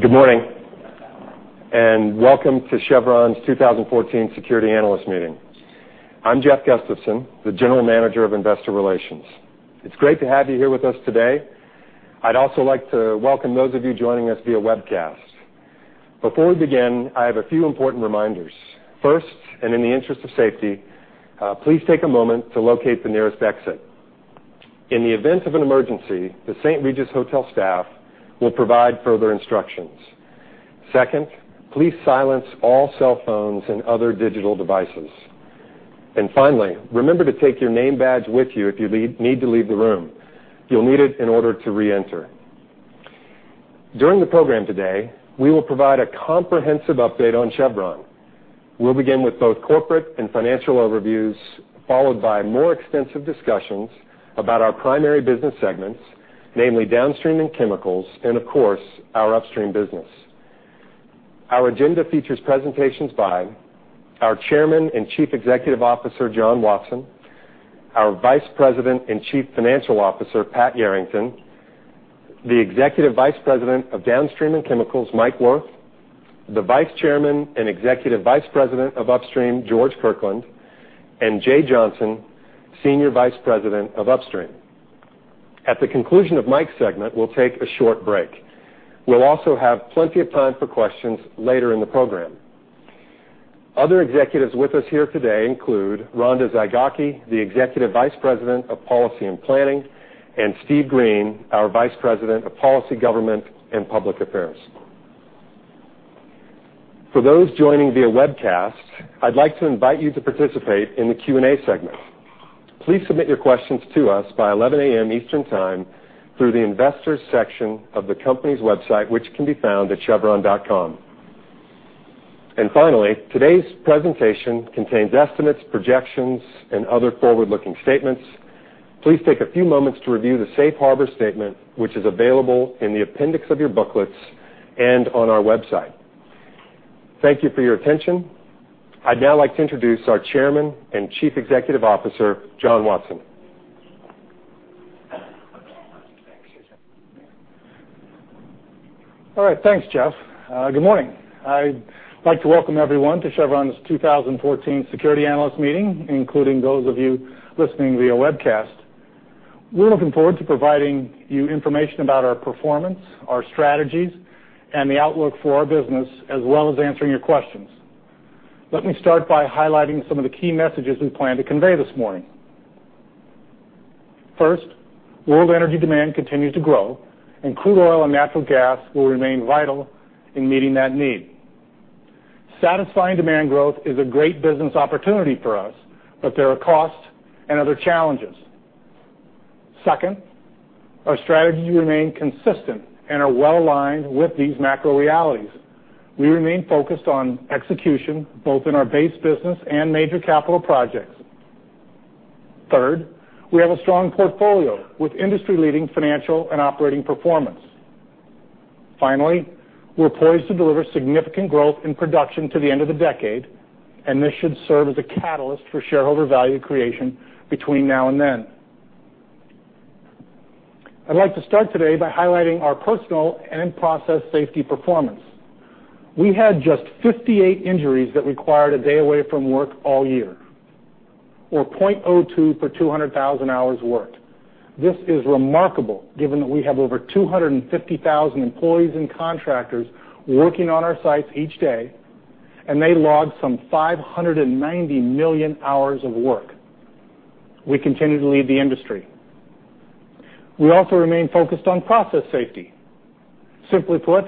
Good morning, welcome to Chevron's 2014 Security Analyst Meeting. I'm Jeff Gustafson, the General Manager of Investor Relations. It's great to have you here with us today. I also like to welcome those of you joining us via webcast. Before we begin, I have a few important reminders. First, in the interest of safety, please take a moment to locate the nearest exit. In the event of an emergency, the St. Regis Hotel staff will provide further instructions. Second, please silence all cell phones and other digital devices. Finally, remember to take your name badge with you if you need to leave the room. You'll need it in order to reenter. During the program today, we will provide a comprehensive update on Chevron. We'll begin with both corporate and financial overviews, followed by more extensive discussions about our primary business segments, namely Downstream and Chemicals, and of course, our Upstream business. Our agenda features presentations by our Chairman and Chief Executive Officer, John Watson, our Vice President and Chief Financial Officer, Pat Yarrington, the Executive Vice President of Downstream and Chemicals, Mike Wirth, the Vice Chairman and Executive Vice President of Upstream, George Kirkland, and Jay Johnson, Senior Vice President of Upstream. At the conclusion of Mike's segment, we'll take a short break. We also have plenty of time for questions later in the program. Other executives with us here today include Rhonda Zygocki, the Executive Vice President of Policy and Planning, and Steve Green, our Vice President of Policy, Government, and Public Affairs. For those joining via webcast, I'd like to invite you to participate in the Q&A segment. Please submit your questions to us by 11:00 A.M. Eastern Time through the investors section of the company's website, which can be found at chevron.com. Finally, today's presentation contains estimates, projections, and other forward-looking statements. Please take a few moments to review the safe harbor statement, which is available in the appendix of your booklets and on our website. Thank you for your attention. I'd now like to introduce our Chairman and Chief Executive Officer, John Watson. All right. Thanks, Jeff. Good morning. I'd like to welcome everyone to Chevron's 2014 Security Analyst Meeting, including those of you listening via webcast. We're looking forward to providing you information about our performance, our strategies, and the outlook for our business, as well as answering your questions. Let me start by highlighting some of the key messages we plan to convey this morning. First, world energy demand continues to grow, crude oil and natural gas will remain vital in meeting that need. Satisfying demand growth is a great business opportunity for us, there are costs and other challenges. Second, our strategies remain consistent and are well-aligned with these macro realities. We remain focused on execution, both in our base business and major capital projects. Third, we have a strong portfolio with industry-leading financial and operating performance. We're poised to deliver significant growth in production to the end of the decade. This should serve as a catalyst for shareholder value creation between now and then. I'd like to start today by highlighting our personal and process safety performance. We had just 58 injuries that required a day away from work all year, or 0.02 per 200,000 hours worked. This is remarkable given that we have over 250,000 employees and contractors working on our sites each day. They logged some 590 million hours of work. We continue to lead the industry. We also remain focused on process safety. Simply put,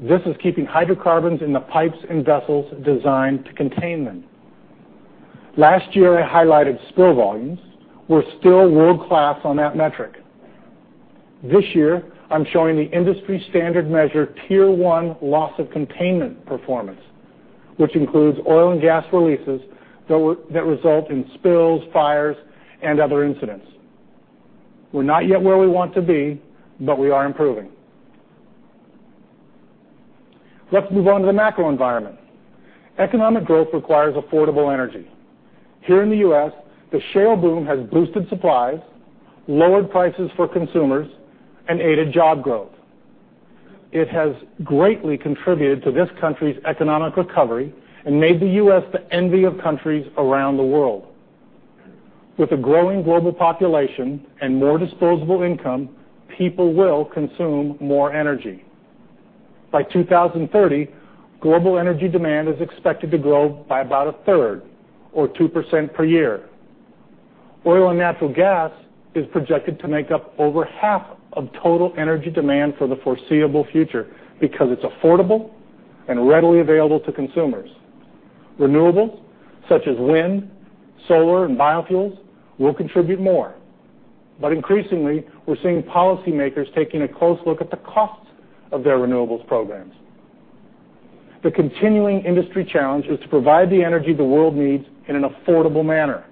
this is keeping hydrocarbons in the pipes and vessels designed to contain them. Last year, I highlighted spill volumes. We're still world-class on that metric. This year, I'm showing the industry standard measure Tier 1 loss of containment performance, which includes oil and gas releases that result in spills, fires, and other incidents. We're not yet where we want to be. We are improving. Let's move on to the macro environment. Economic growth requires affordable energy. Here in the U.S., the shale boom has boosted supplies, lowered prices for consumers. It aided job growth. It has greatly contributed to this country's economic recovery. It made the U.S. the envy of countries around the world. With a growing global population and more disposable income, people will consume more energy. By 2030, global energy demand is expected to grow by about a third or 2% per year. Oil and natural gas is projected to make up over half of total energy demand for the foreseeable future because it's affordable and readily available to consumers. Renewables such as wind, solar, and biofuels will contribute more. Increasingly, we're seeing policymakers taking a close look at the cost of their renewables programs. The continuing industry challenge is to provide the energy the world needs in an affordable manner.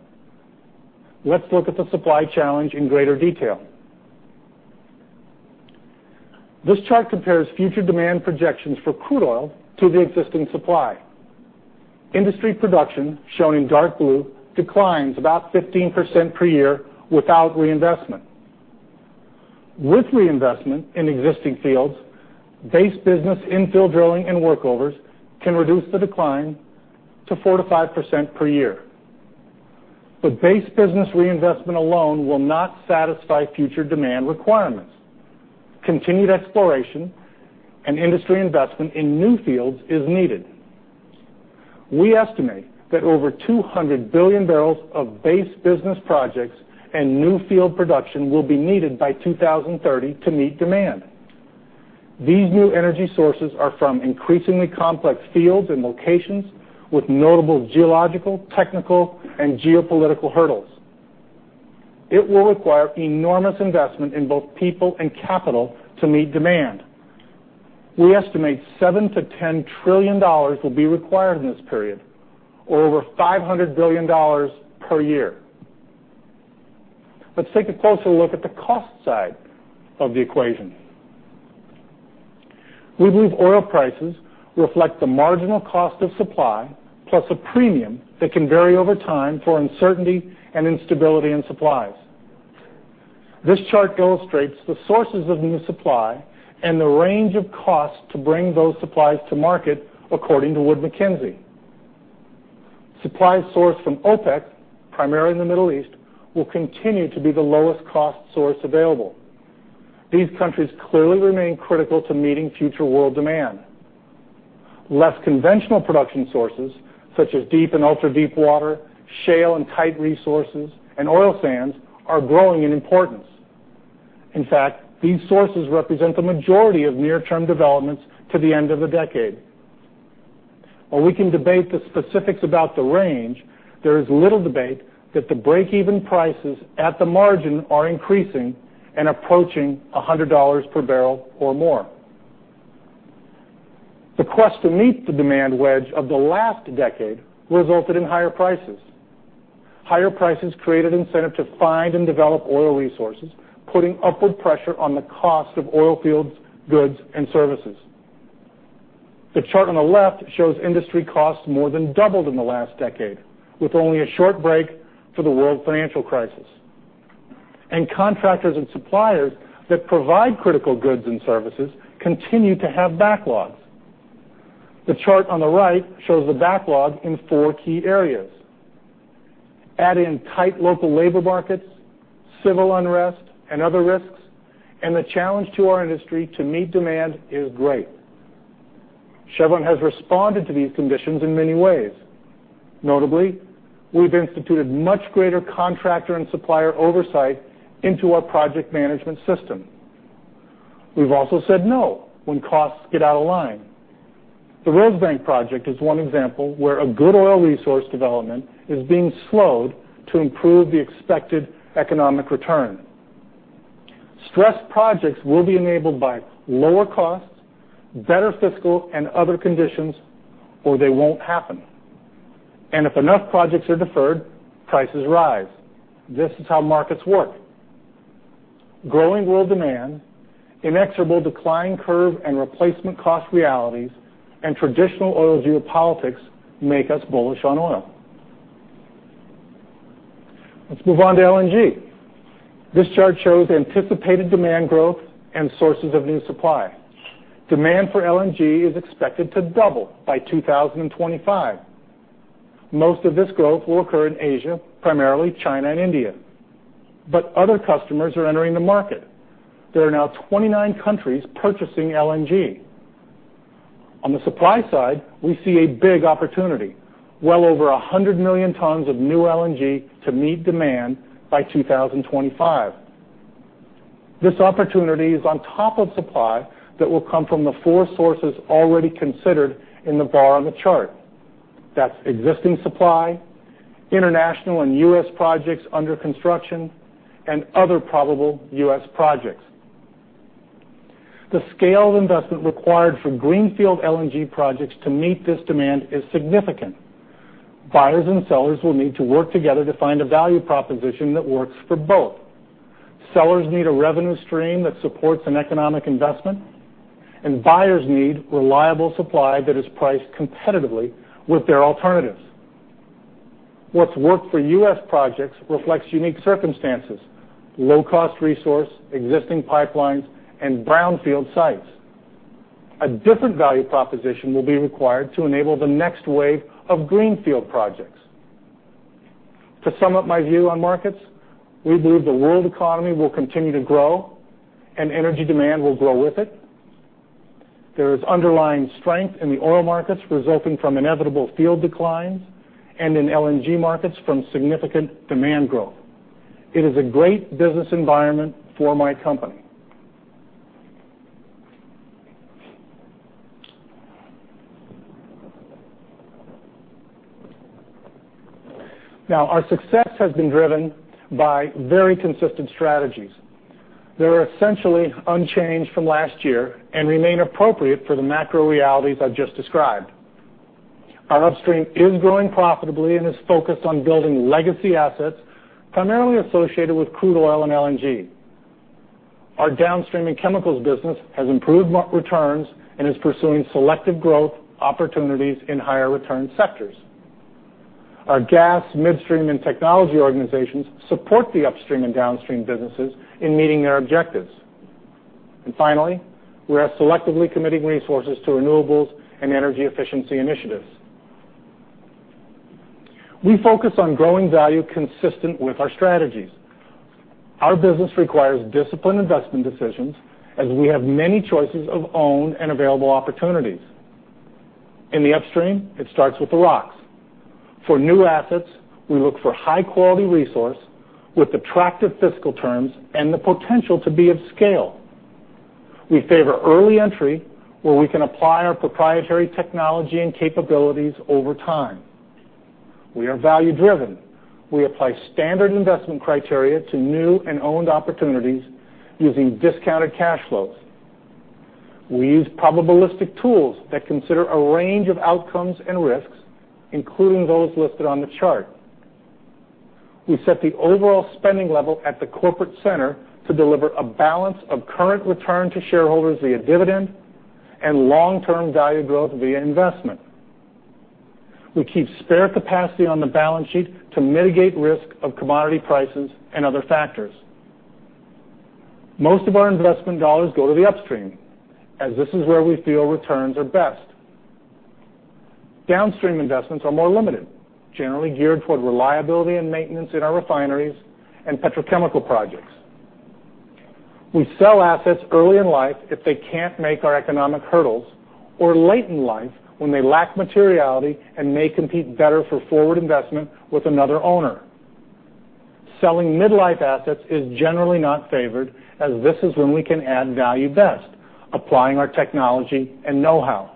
Let's look at the supply challenge in greater detail. This chart compares future demand projections for crude oil to the existing supply. Industry production, shown in dark blue, declines about 15% per year without reinvestment. With reinvestment in existing fields, base business infill drilling and workovers can reduce the decline to 4%-5% per year. Base business reinvestment alone will not satisfy future demand requirements. Continued exploration and industry investment in new fields is needed. We estimate that over 200 billion barrels of base business projects and new field production will be needed by 2030 to meet demand. These new energy sources are from increasingly complex fields and locations with notable geological, technical, and geopolitical hurdles. It will require enormous investment in both people and capital to meet demand. We estimate $7 trillion-$10 trillion will be required in this period, or over $500 billion per year. Let's take a closer look at the cost side of the equation. We believe oil prices reflect the marginal cost of supply plus a premium that can vary over time for uncertainty and instability in supplies. This chart illustrates the sources of new supply and the range of cost to bring those supplies to market according to Wood Mackenzie. Supply sourced from OPEC, primarily in the Middle East, will continue to be the lowest cost source available. These countries clearly remain critical to meeting future world demand. Less conventional production sources, such as deep and ultra-deep water, shale and tight resources, and oil sands are growing in importance. In fact, these sources represent the majority of near-term developments to the end of the decade. While we can debate the specifics about the range, there is little debate that the break-even prices at the margin are increasing and approaching $100 per barrel or more. The quest to meet the demand wedge of the last decade resulted in higher prices. Higher prices created incentive to find and develop oil resources, putting upward pressure on the cost of oil fields, goods, and services. The chart on the left shows industry costs more than doubled in the last decade, with only a short break for the world financial crisis. Contractors and suppliers that provide critical goods and services continue to have backlogs. The chart on the right shows the backlog in four key areas. Add in tight local labor markets, civil unrest, and other risks, the challenge to our industry to meet demand is great. Chevron has responded to these conditions in many ways. Notably, we've instituted much greater contractor and supplier oversight into our project management system. We've also said no when costs get out of line. The Rosebank project is one example where a good oil resource development is being slowed to improve the expected economic return. Stressed projects will be enabled by lower costs, better fiscal and other conditions, or they won't happen. If enough projects are deferred, prices rise. This is how markets work. Growing world demand, inexorable decline curve and replacement cost realities, and traditional oil geopolitics make us bullish on oil. Let's move on to LNG. This chart shows anticipated demand growth and sources of new supply. Demand for LNG is expected to double by 2025. Most of this growth will occur in Asia, primarily China and India, but other customers are entering the market. There are now 29 countries purchasing LNG. On the supply side, we see a big opportunity, well over 100 million tons of new LNG to meet demand by 2025. This opportunity is on top of supply that will come from the four sources already considered in the bar on the chart. That's existing supply, international and U.S. projects under construction, and other probable U.S. projects. The scale of investment required for greenfield LNG projects to meet this demand is significant. Buyers and sellers will need to work together to find a value proposition that works for both. Sellers need a revenue stream that supports an economic investment, buyers need reliable supply that is priced competitively with their alternatives. What's worked for U.S. projects reflects unique circumstances, low cost resource, existing pipelines, and brownfield sites. A different value proposition will be required to enable the next wave of greenfield projects. To sum up my view on markets, we believe the world economy will continue to grow, energy demand will grow with it. There is underlying strength in the oil markets resulting from inevitable field declines, and in LNG markets from significant demand growth. It is a great business environment for my company. Our success has been driven by very consistent strategies. They are essentially unchanged from last year and remain appropriate for the macro realities I've just described. Our upstream is growing profitably and is focused on building legacy assets, primarily associated with crude oil and LNG. Our downstream and chemicals business has improved returns and is pursuing selective growth opportunities in higher return sectors. Our gas, midstream, and technology organizations support the upstream and downstream businesses in meeting their objectives. Finally, we are selectively committing resources to renewables and energy efficiency initiatives. We focus on growing value consistent with our strategies. Our business requires disciplined investment decisions as we have many choices of owned and available opportunities. In the upstream, it starts with the rocks. For new assets, we look for high-quality resource with attractive fiscal terms and the potential to be of scale. We favor early entry, where we can apply our proprietary technology and capabilities over time. We are value-driven. We apply standard investment criteria to new and owned opportunities using discounted cash flows. We use probabilistic tools that consider a range of outcomes and risks, including those listed on the chart. We set the overall spending level at the corporate center to deliver a balance of current return to shareholders via dividend and long-term value growth via investment. We keep spare capacity on the balance sheet to mitigate risk of commodity prices and other factors. Most of our investment dollars go to the upstream, as this is where we feel returns are best. Downstream investments are more limited, generally geared toward reliability and maintenance in our refineries and petrochemical projects. We sell assets early in life if they can't make our economic hurdles or late in life when they lack materiality and may compete better for forward investment with another owner. Selling mid-life assets is generally not favored, as this is when we can add value best, applying our technology and know-how.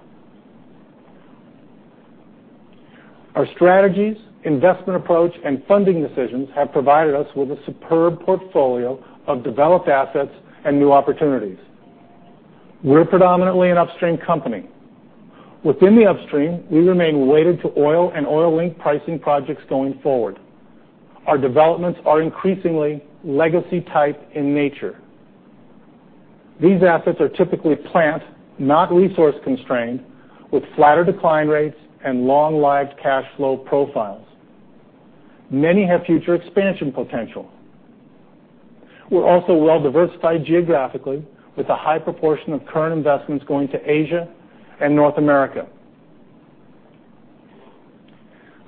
Our strategies, investment approach, and funding decisions have provided us with a superb portfolio of developed assets and new opportunities. We're predominantly an upstream company. Within the upstream, we remain weighted to oil and oil-linked pricing projects going forward. Our developments are increasingly legacy type in nature. These assets are typically plant, not resource-constrained, with flatter decline rates and long-lived cash flow profiles. Many have future expansion potential. We're also well-diversified geographically, with a high proportion of current investments going to Asia and North America.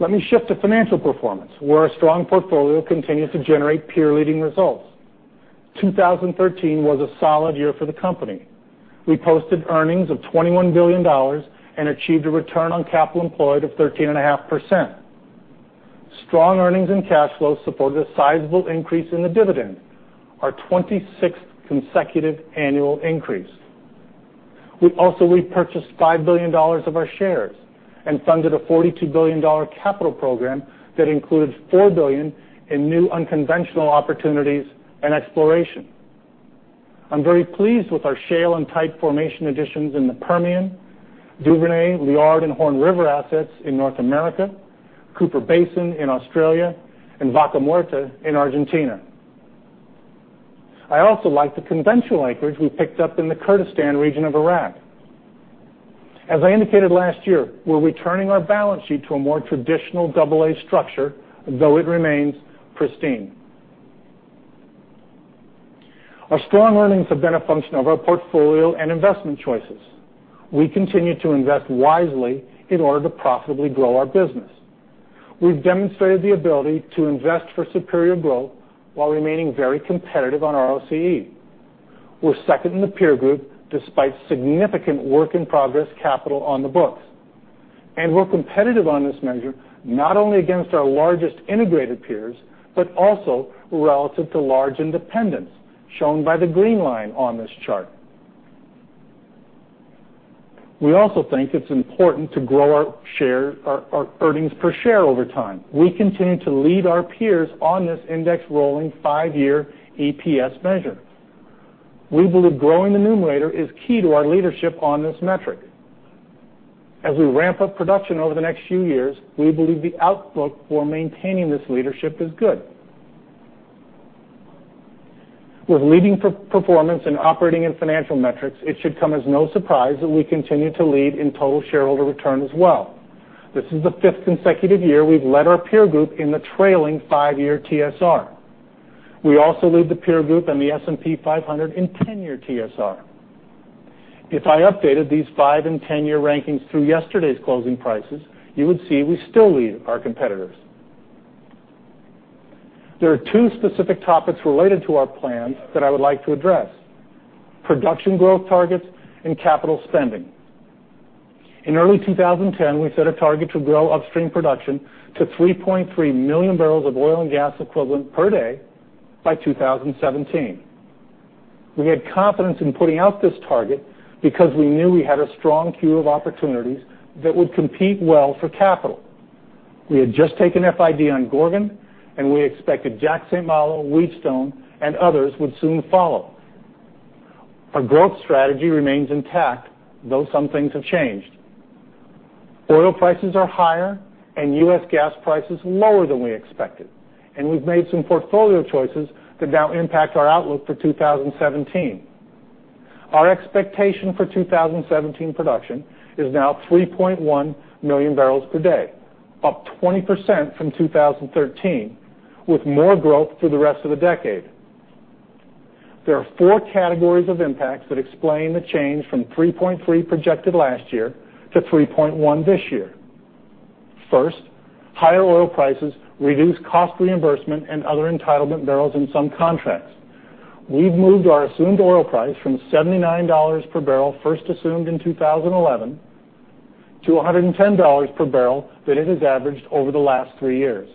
Let me shift to financial performance, where our strong portfolio continued to generate peer-leading results. 2013 was a solid year for the company. We posted earnings of $21 billion and achieved a return on capital employed of 13.5%. Strong earnings and cash flows supported a sizable increase in the dividend, our 26th consecutive annual increase. We also repurchased $5 billion of our shares and funded a $42 billion capital program that includes $4 billion in new unconventional opportunities and exploration. I'm very pleased with our shale and tight formation additions in the Permian, Duvernay, Liard, and Horn River assets in North America, Cooper Basin in Australia, and Vaca Muerta in Argentina. I also like the conventional acreage we picked up in the Kurdistan region of Iraq. As I indicated last year, we're returning our balance sheet to a more traditional AA structure, though it remains pristine. Our strong earnings have been a function of our portfolio and investment choices. We continue to invest wisely in order to profitably grow our business. We've demonstrated the ability to invest for superior growth while remaining very competitive on ROCE. We're second in the peer group despite significant work-in-progress capital on the books. We're competitive on this measure not only against our largest integrated peers, but also relative to large independents, shown by the green line on this chart. We also think it's important to grow our earnings per share over time. We continue to lead our peers on this index rolling five-year EPS measure. We believe growing the numerator is key to our leadership on this metric. As we ramp up production over the next few years, we believe the outlook for maintaining this leadership is good. With leading performance in operating and financial metrics, it should come as no surprise that we continue to lead in total shareholder return as well. This is the fifth consecutive year we've led our peer group in the trailing five-year TSR. We also lead the peer group and the S&P 500 in 10-year TSR. If I updated these five and 10-year rankings through yesterday's closing prices, you would see we still lead our competitors. There are two specific topics related to our plans that I would like to address, production growth targets and capital spending. In early 2010, we set a target to grow upstream production to 3.3 million barrels of oil and gas equivalent per day by 2017. We had confidence in putting out this target because we knew we had a strong queue of opportunities that would compete well for capital. We had just taken FID on Gorgon, and we expected Jack/St. Malo, Wheatstone, and others would soon follow. Our growth strategy remains intact, though some things have changed. Oil prices are higher and U.S. gas prices lower than we expected, and we've made some portfolio choices that now impact our outlook for 2017. Our expectation for 2017 production is now 3.1 million barrels per day, up 20% from 2013, with more growth through the rest of the decade. There are 4 categories of impacts that explain the change from 3.3 projected last year to 3.1 this year. First, higher oil prices reduce cost reimbursement and other entitlement barrels in some contracts. We've moved our assumed oil price from $79 per barrel first assumed in 2011 to $110 per barrel that it has averaged over the last three years.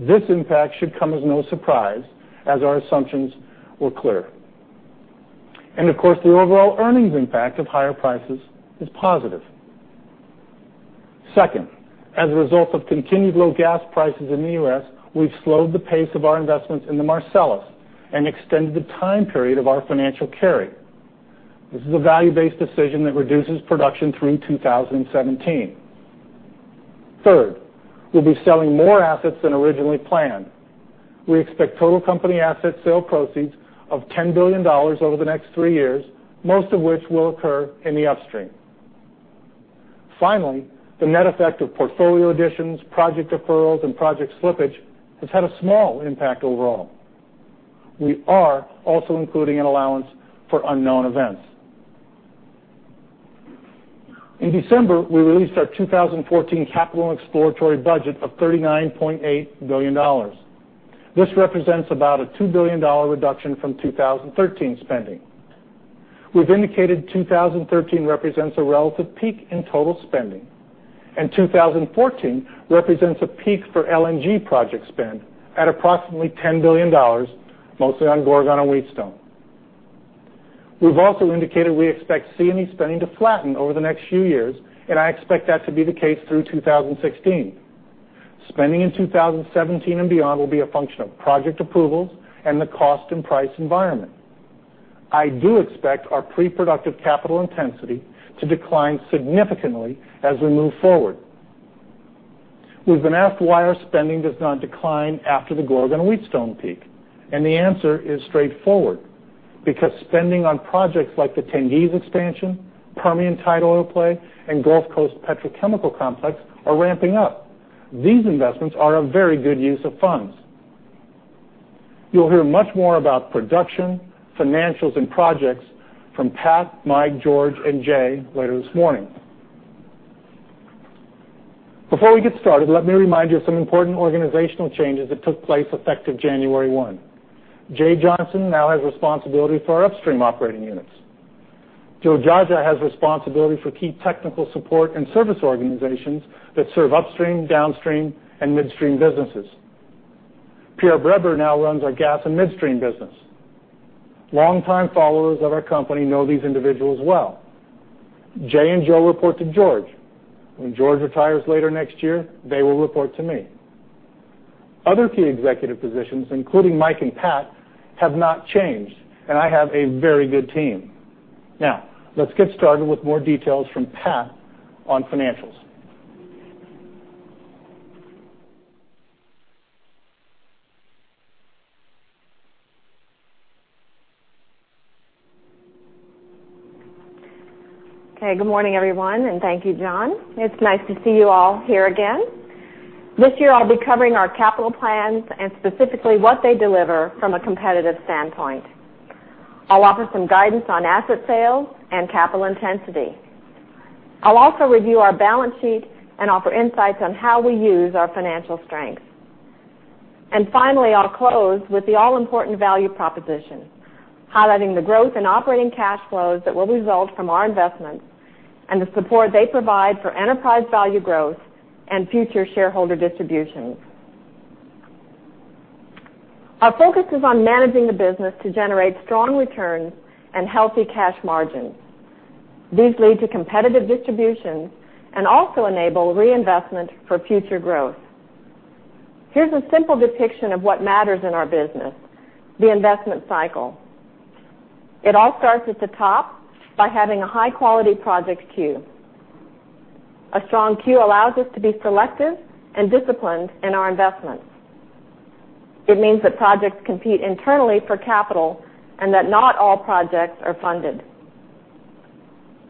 Of course, the overall earnings impact of higher prices is positive. Second, as a result of continued low gas prices in the U.S., we've slowed the pace of our investments in the Marcellus and extended the time period of our financial carry. This is a value-based decision that reduces production through 2017. Third, we'll be selling more assets than originally planned. We expect total company asset sale proceeds of $10 billion over the next three years, most of which will occur in the upstream. Finally, the net effect of portfolio additions, project deferrals, and project slippage has had a small impact overall. We are also including an allowance for unknown events. In December, we released our 2014 capital and exploratory budget of $39.8 billion. This represents about a $2 billion reduction from 2013 spending. We've indicated 2013 represents a relative peak in total spending, and 2014 represents a peak for LNG project spend at approximately $10 billion, mostly on Gorgon and Wheatstone. We've also indicated we expect C&E spending to flatten over the next few years, and I expect that to be the case through 2016. Spending in 2017 and beyond will be a function of project approvals and the cost and price environment. I do expect our pre-productive capital intensity to decline significantly as we move forward. We've been asked why our spending does not decline after the Gorgon and Wheatstone peak, and the answer is straightforward. Because spending on projects like the Tengiz expansion, Permian tight oil play, and Gulf Coast petrochemical complex are ramping up. These investments are a very good use of funds. You'll hear much more about production, financials, and projects from Pat, Mike, George, and Jay later this morning. Before we get started, let me remind you of some important organizational changes that took place effective January 1. Jay Johnson now has responsibility for our upstream operating units. Joe Geagea has responsibility for key technical support and service organizations that serve upstream, downstream, and midstream businesses. Pierre Breber now runs our gas and midstream business. Longtime followers of our company know these individuals well. Jay and Joe report to George. When George retires later next year, they will report to me. Other key executive positions, including Mike and Pat, have not changed. I have a very good team. Let's get started with more details from Pat on financials. Good morning, everyone, and thank you, John. It's nice to see you all here again. This year, I'll be covering our capital plans and specifically what they deliver from a competitive standpoint. I'll offer some guidance on asset sales and capital intensity. I'll also review our balance sheet and offer insights on how we use our financial strength. Finally, I'll close with the all-important value proposition, highlighting the growth in operating cash flows that will result from our investments and the support they provide for enterprise value growth and future shareholder distributions. Our focus is on managing the business to generate strong returns and healthy cash margins. These lead to competitive distributions and also enable reinvestment for future growth. Here's a simple depiction of what matters in our business, the investment cycle. It all starts at the top by having a high-quality project queue. A strong queue allows us to be selective and disciplined in our investments. It means that projects compete internally for capital and that not all projects are funded.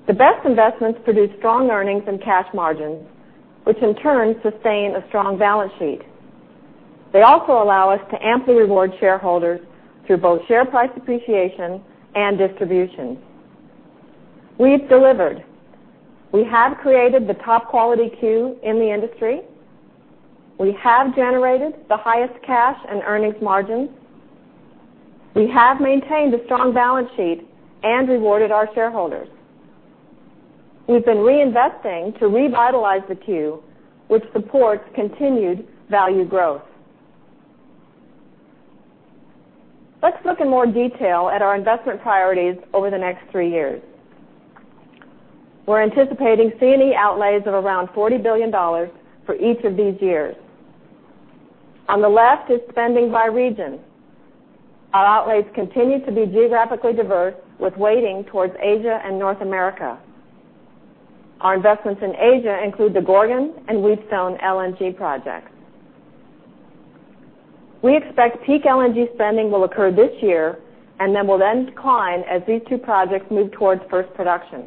The best investments produce strong earnings and cash margins, which in turn sustain a strong balance sheet. They also allow us to amply reward shareholders through both share price appreciation and distributions. We've delivered. We have created the top quality queue in the industry. We have generated the highest cash and earnings margins. We have maintained a strong balance sheet and rewarded our shareholders. We've been reinvesting to revitalize the queue, which supports continued value growth. Let's look in more detail at our investment priorities over the next three years. We're anticipating C&E outlays of around $40 billion for each of these years. On the left is spending by region. Our outlays continue to be geographically diverse, with weighting towards Asia and North America. Our investments in Asia include the Gorgon and Wheatstone LNG projects. We expect peak LNG spending will occur this year and then decline as these two projects move towards first production.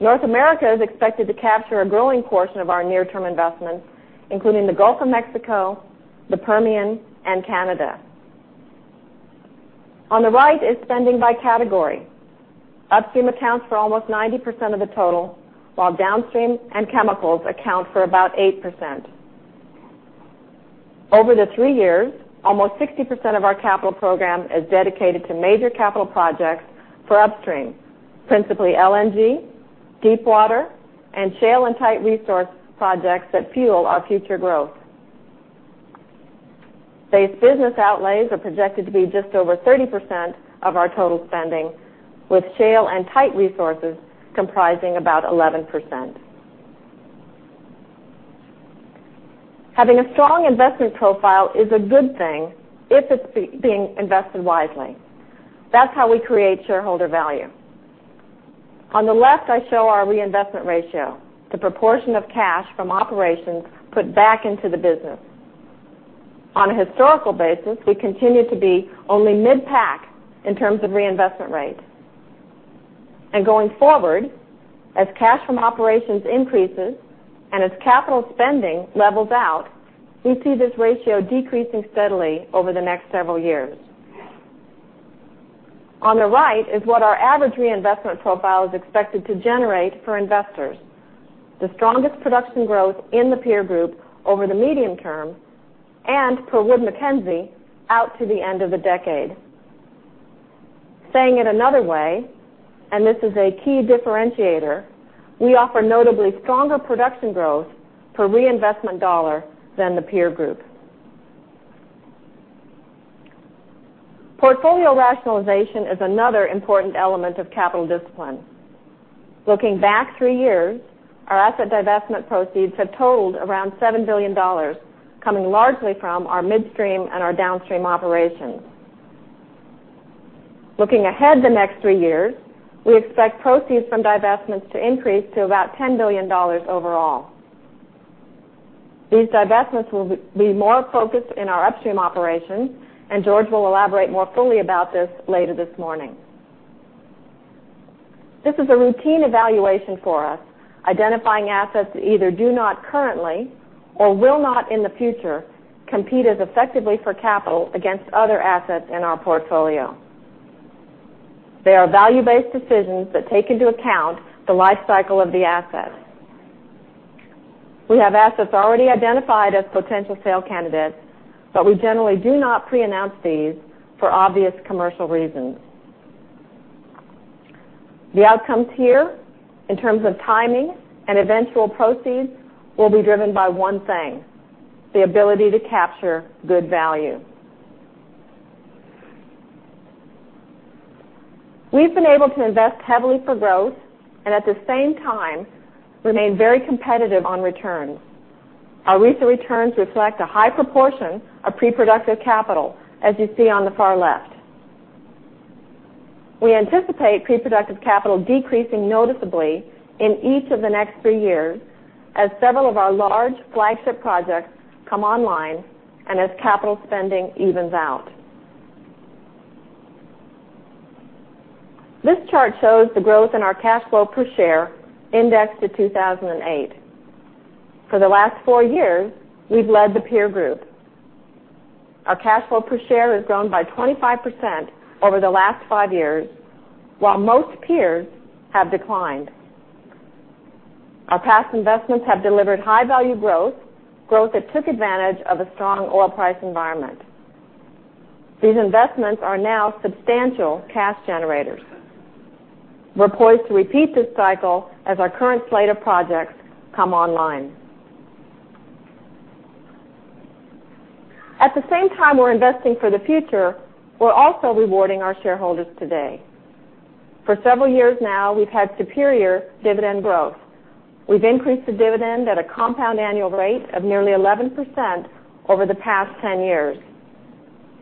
North America is expected to capture a growing portion of our near-term investments, including the Gulf of Mexico, the Permian, and Canada. On the right is spending by category. Upstream accounts for almost 90% of the total, while downstream and chemicals account for about 8%. Over the 3 years, almost 60% of our capital program is dedicated to major capital projects for upstream, principally LNG, deepwater, and shale and tight resource projects that fuel our future growth. Base business outlays are projected to be just over 30% of our total spending, with shale and tight resources comprising about 11%. Having a strong investment profile is a good thing if it's being invested wisely. That's how we create shareholder value. On the left, I show our reinvestment ratio, the proportion of cash from operations put back into the business. On a historical basis, we continue to be only mid-pack in terms of reinvestment rate. Going forward, as cash from operations increases and as capital spending levels out, we see this ratio decreasing steadily over the next several years. On the right is what our average reinvestment profile is expected to generate for investors, the strongest production growth in the peer group over the medium term per Wood Mackenzie out to the end of the decade. Saying it another way, this is a key differentiator, we offer notably stronger production growth per reinvestment dollar than the peer group. Portfolio rationalization is another important element of capital discipline. Looking back 3 years, our asset divestment proceeds have totaled around $7 billion, coming largely from our midstream and our downstream operations. Looking ahead the next 3 years, we expect proceeds from divestments to increase to about $10 billion overall. These divestments will be more focused in our upstream operations, George will elaborate more fully about this later this morning. This is a routine evaluation for us, identifying assets that either do not currently or will not in the future compete as effectively for capital against other assets in our portfolio. They are value-based decisions that take into account the life cycle of the asset. We have assets already identified as potential sale candidates, we generally do not preannounce these for obvious commercial reasons. The outcomes here, in terms of timing and eventual proceeds, will be driven by one thing, the ability to capture good value. We've been able to invest heavily for growth and at the same time remain very competitive on returns. Our recent returns reflect a high proportion of pre-productive capital, as you see on the far left. We anticipate pre-productive capital decreasing noticeably in each of the next 3 years as several of our large flagship projects come online and as capital spending evens out. This chart shows the growth in our cash flow per share indexed to 2008. For the last 4 years, we've led the peer group. Our cash flow per share has grown by 25% over the last 5 years, while most peers have declined. Our past investments have delivered high-value growth that took advantage of a strong oil price environment. These investments are now substantial cash generators. We're poised to repeat this cycle as our current slate of projects come online. At the same time we're investing for the future, we're also rewarding our shareholders today. For several years now, we've had superior dividend growth. We've increased the dividend at a compound annual rate of nearly 11% over the past 10 years.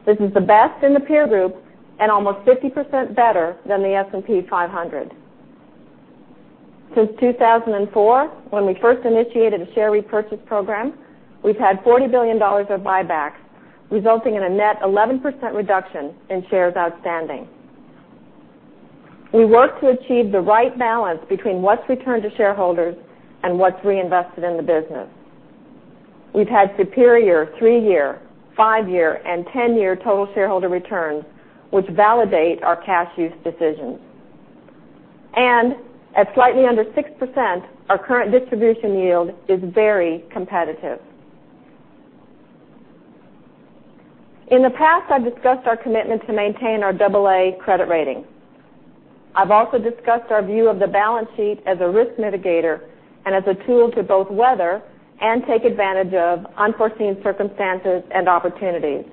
This is the best in the peer group and almost 50% better than the S&P 500. Since 2004, when we first initiated a share repurchase program, we've had $40 billion of buybacks, resulting in a net 11% reduction in shares outstanding. We work to achieve the right balance between what's returned to shareholders and what's reinvested in the business. We've had superior three-year, five-year, and 10-year total shareholder returns, which validate our cash use decisions. At slightly under 6%, our current distribution yield is very competitive. In the past, I've discussed our commitment to maintain our double-A credit rating. I've also discussed our view of the balance sheet as a risk mitigator and as a tool to both weather and take advantage of unforeseen circumstances and opportunities.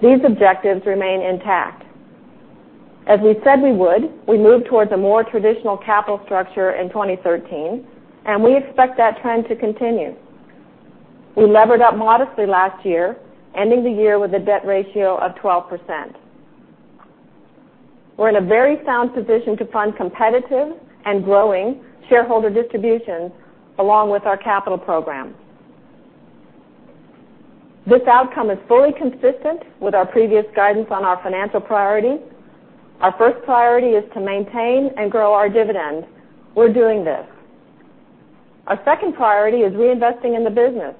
These objectives remain intact. As we said we would, we moved towards a more traditional capital structure in 2013. We expect that trend to continue. We levered up modestly last year, ending the year with a debt ratio of 12%. We're in a very sound position to fund competitive and growing shareholder distributions, along with our capital program. This outcome is fully consistent with our previous guidance on our financial priorities. Our first priority is to maintain and grow our dividend. We're doing this. Our second priority is reinvesting in the business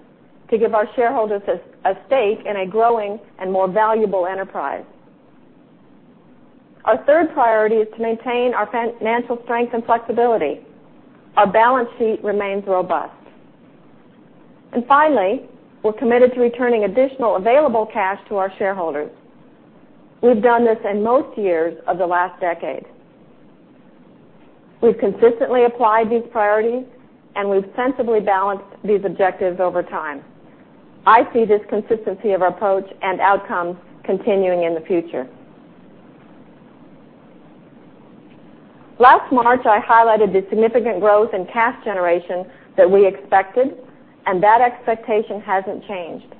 to give our shareholders a stake in a growing and more valuable enterprise. Our third priority is to maintain our financial strength and flexibility. Our balance sheet remains robust. Finally, we're committed to returning additional available cash to our shareholders. We've done this in most years of the last decade. We've consistently applied these priorities. We've sensibly balanced these objectives over time. I see this consistency of approach and outcome continuing in the future. Last March, I highlighted the significant growth in cash generation that we expected. That expectation hasn't changed.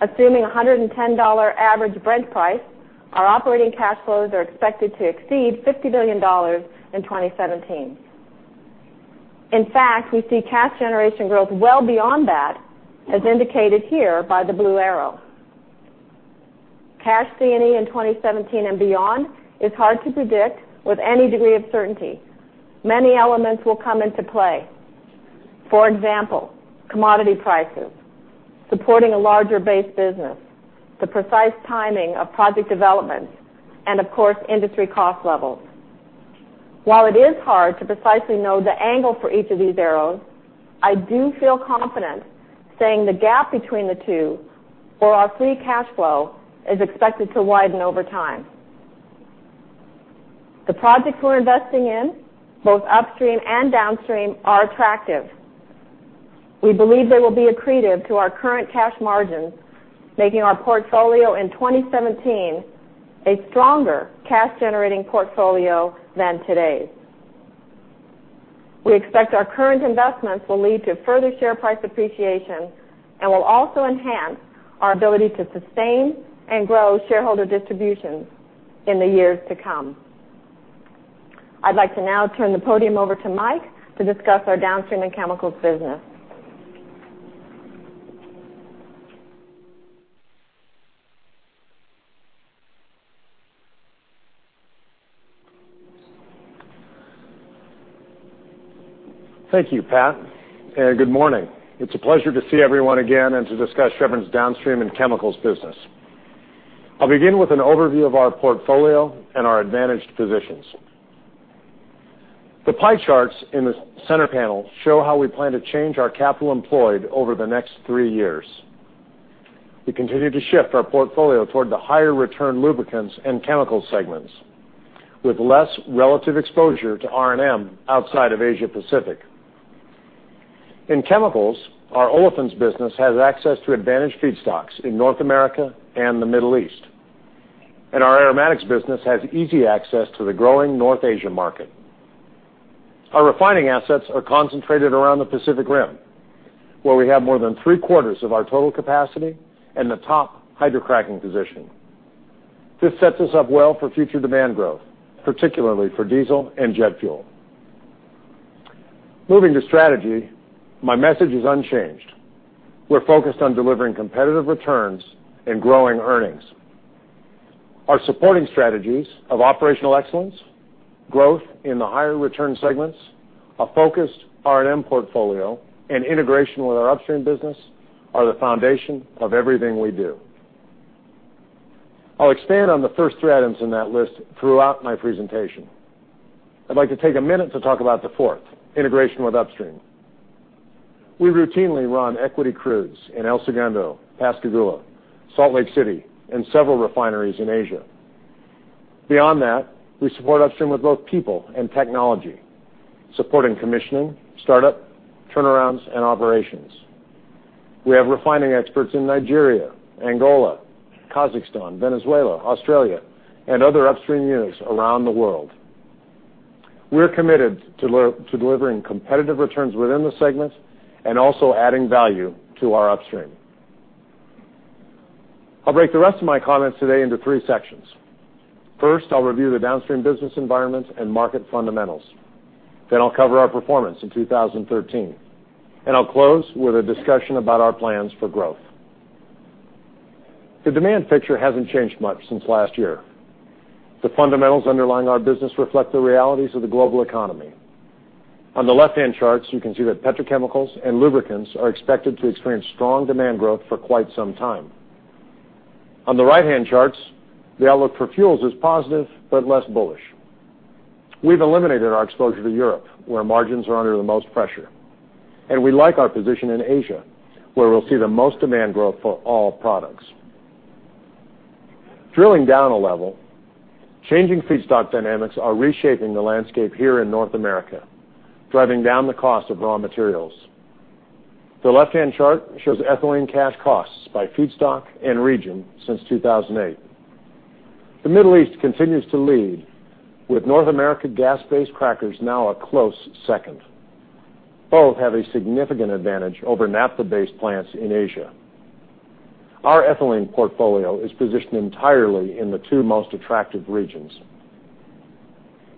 Assuming $110 average Brent price, our operating cash flows are expected to exceed $50 billion in 2017. In fact, we see cash generation growth well beyond that, as indicated here by the blue arrow. Cash C&E in 2017 and beyond is hard to predict with any degree of certainty. Many elements will come into play. For example, commodity prices, supporting a larger base business, the precise timing of project developments, and of course, industry cost levels. While it is hard to precisely know the angle for each of these arrows, I do feel confident saying the gap between the two, or our free cash flow, is expected to widen over time. The projects we're investing in, both upstream and downstream, are attractive. We believe they will be accretive to our current cash margins, making our portfolio in 2017 a stronger cash-generating portfolio than today's. We expect our current investments will lead to further share price appreciation and will also enhance our ability to sustain and grow shareholder distributions in the years to come. I'd like to now turn the podium over to Mike to discuss our downstream and chemicals business. Thank you, Pat, and good morning. It's a pleasure to see everyone again and to discuss Chevron's downstream and chemicals business. I'll begin with an overview of our portfolio and our advantaged positions. The pie charts in the center panel show how we plan to change our capital employed over the next three years. We continue to shift our portfolio toward the higher return lubricants and chemical segments with less relative exposure to R&M outside of Asia Pacific. In chemicals, our olefins business has access to advantaged feedstocks in North America and the Middle East. Our aromatics business has easy access to the growing North Asia market. Our refining assets are concentrated around the Pacific Rim, where we have more than three-quarters of our total capacity and the top hydrocracking position. This sets us up well for future demand growth, particularly for diesel and jet fuel. Moving to strategy, my message is unchanged. We're focused on delivering competitive returns and growing earnings. Our supporting strategies of operational excellence, growth in the higher return segments, a focused R&M portfolio, and integration with our upstream business are the foundation of everything we do. I'll expand on the first three items in that list throughout my presentation. I'd like to take a minute to talk about the fourth, integration with upstream. We routinely run equity crews in El Segundo, Pascagoula, Salt Lake City, and several refineries in Asia. Beyond that, we support upstream with both people and technology, supporting commissioning, startup, turnarounds, and operations. We have refining experts in Nigeria, Angola, Kazakhstan, Venezuela, Australia, and other upstream units around the world. We're committed to delivering competitive returns within the segment and also adding value to our upstream. I'll break the rest of my comments today into three sections. First, I'll review the downstream business environment and market fundamentals. I'll cover our performance in 2013, and I'll close with a discussion about our plans for growth. The demand picture hasn't changed much since last year. The fundamentals underlying our business reflect the realities of the global economy. On the left-hand charts, you can see that petrochemicals and lubricants are expected to experience strong demand growth for quite some time. On the right-hand charts, the outlook for fuels is positive but less bullish. We've eliminated our exposure to Europe, where margins are under the most pressure, and we like our position in Asia, where we'll see the most demand growth for all products. Drilling down a level, changing feedstock dynamics are reshaping the landscape here in North America, driving down the cost of raw materials. The left-hand chart shows ethylene cash costs by feedstock and region since 2008. The Middle East continues to lead, with North America gas-based crackers now a close second. Both have a significant advantage over naphtha-based plants in Asia. Our ethylene portfolio is positioned entirely in the two most attractive regions.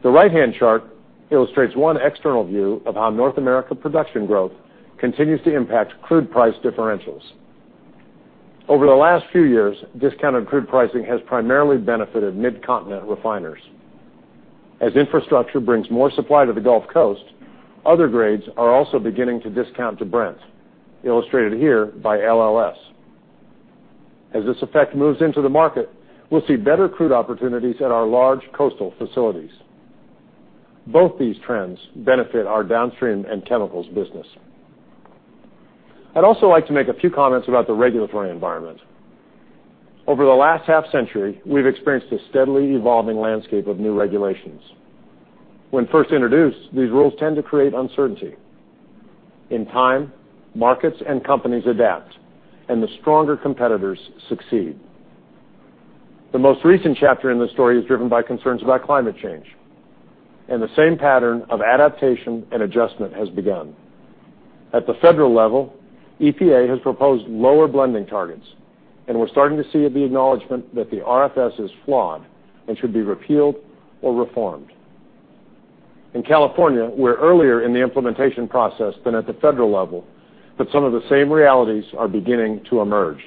The right-hand chart illustrates one external view of how North America production growth continues to impact crude price differentials. Over the last few years, discounted crude pricing has primarily benefited mid-continent refiners. As infrastructure brings more supply to the Gulf Coast, other grades are also beginning to discount to Brent, illustrated here by LLS. As this effect moves into the market, we'll see better crude opportunities at our large coastal facilities. Both these trends benefit our downstream and chemicals business. I'd also like to make a few comments about the regulatory environment. Over the last half-century, we've experienced a steadily evolving landscape of new regulations. When first introduced, these rules tend to create uncertainty. In time, markets and companies adapt, and the stronger competitors succeed. The most recent chapter in this story is driven by concerns about climate change. The same pattern of adaptation and adjustment has begun. At the federal level, EPA has proposed lower blending targets. We're starting to see the acknowledgment that the RFS is flawed and should be repealed or reformed. In California, we're earlier in the implementation process than at the federal level. Some of the same realities are beginning to emerge.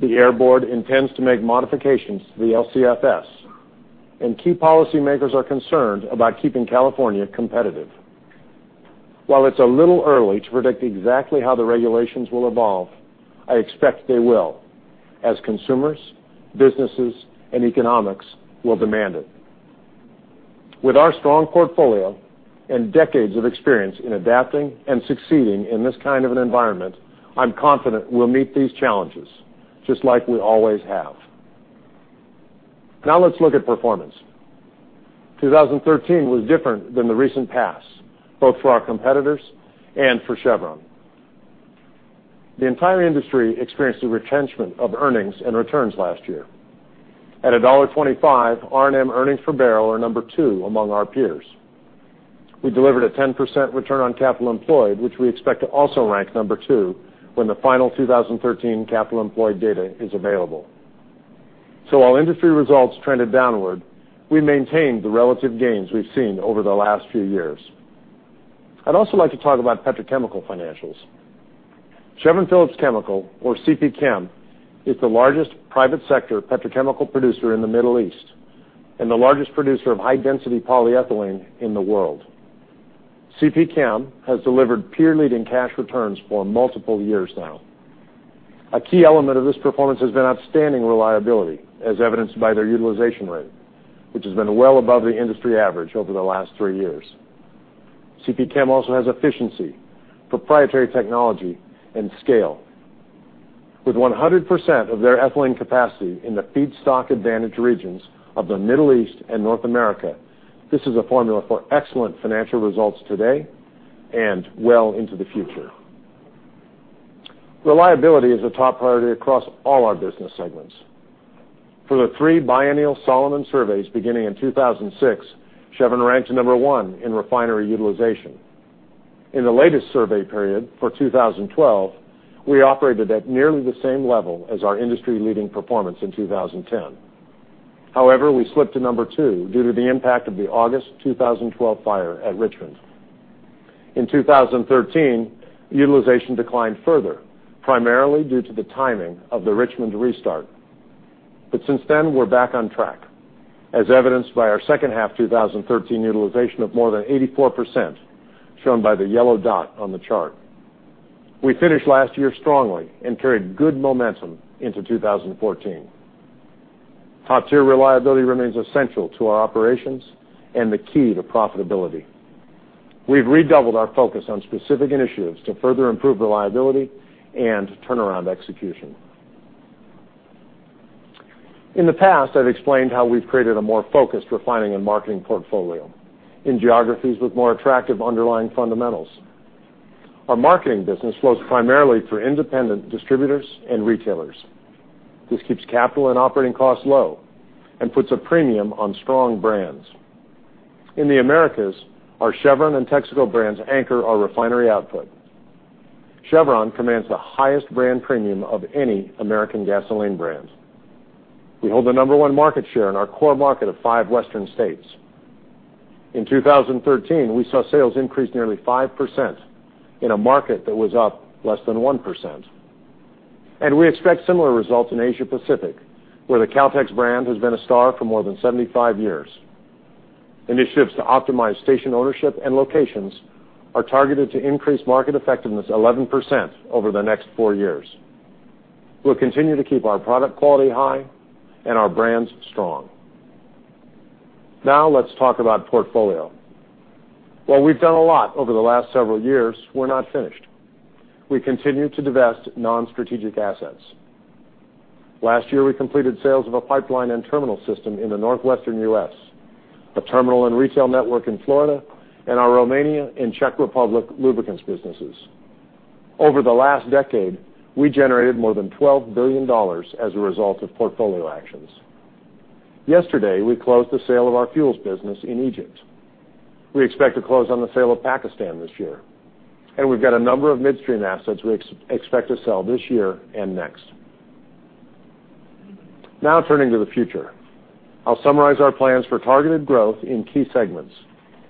The Air Board intends to make modifications to the LCFS. Key policymakers are concerned about keeping California competitive. While it's a little early to predict exactly how the regulations will evolve, I expect they will, as consumers, businesses, and economics will demand it. With our strong portfolio and decades of experience in adapting and succeeding in this kind of an environment, I'm confident we'll meet these challenges, just like we always have. Let's look at performance. 2013 was different than the recent past, both for our competitors and for Chevron. The entire industry experienced a retrenchment of earnings and returns last year. At $1.25, R&M earnings per barrel are number 2 among our peers. We delivered a 10% return on capital employed, which we expect to also rank number 2 when the final 2013 capital employed data is available. While industry results trended downward, we maintained the relative gains we've seen over the last few years. I'd also like to talk about petrochemical financials. Chevron Phillips Chemical, or CPChem, is the largest private-sector petrochemical producer in the Middle East. The largest producer of high-density polyethylene in the world. CPChem has delivered peer-leading cash returns for multiple years now. A key element of this performance has been outstanding reliability, as evidenced by their utilization rate, which has been well above the industry average over the last three years. CPChem also has efficiency, proprietary technology, and scale. With 100% of their ethylene capacity in the feedstock-advantaged regions of the Middle East and North America, this is a formula for excellent financial results today and well into the future. Reliability is a top priority across all our business segments. For the 3 biennial Solomon surveys beginning in 2006, Chevron ranked number 1 in refinery utilization. In the latest survey period for 2012, we operated at nearly the same level as our industry-leading performance in 2010. However, we slipped to number 2 due to the impact of the August 2012 fire at Richmond. In 2013, utilization declined further, primarily due to the timing of the Richmond restart. Since then, we're back on track, as evidenced by our second-half 2013 utilization of more than 84%, shown by the yellow dot on the chart. We finished last year strongly and carried good momentum into 2014. Top-tier reliability remains essential to our operations and the key to profitability. We've redoubled our focus on specific initiatives to further improve reliability and turnaround execution. In the past, I've explained how we've created a more focused refining and marketing portfolio in geographies with more attractive underlying fundamentals. Our marketing business flows primarily through independent distributors and retailers. This keeps capital and operating costs low and puts a premium on strong brands. In the Americas, our Chevron and Texaco brands anchor our refinery output. Chevron commands the highest brand premium of any American gasoline brand. We hold the number one market share in our core market of five Western states. In 2013, we saw sales increase nearly 5% in a market that was up less than 1%. We expect similar results in Asia Pacific, where the Caltex brand has been a star for more than 75 years. Initiatives to optimize station ownership and locations are targeted to increase market effectiveness 11% over the next four years. We'll continue to keep our product quality high and our brands strong. Now let's talk about portfolio. While we've done a lot over the last several years, we're not finished. We continue to divest non-strategic assets. Last year, we completed sales of a pipeline and terminal system in the Northwestern U.S., a terminal and retail network in Florida, and our Romania and Czech Republic lubricants businesses. Over the last decade, we generated more than $12 billion as a result of portfolio actions. Yesterday, we closed the sale of our fuels business in Egypt. We expect to close on the sale of Pakistan this year, and we've got a number of midstream assets we expect to sell this year and next. Now turning to the future. I'll summarize our plans for targeted growth in key segments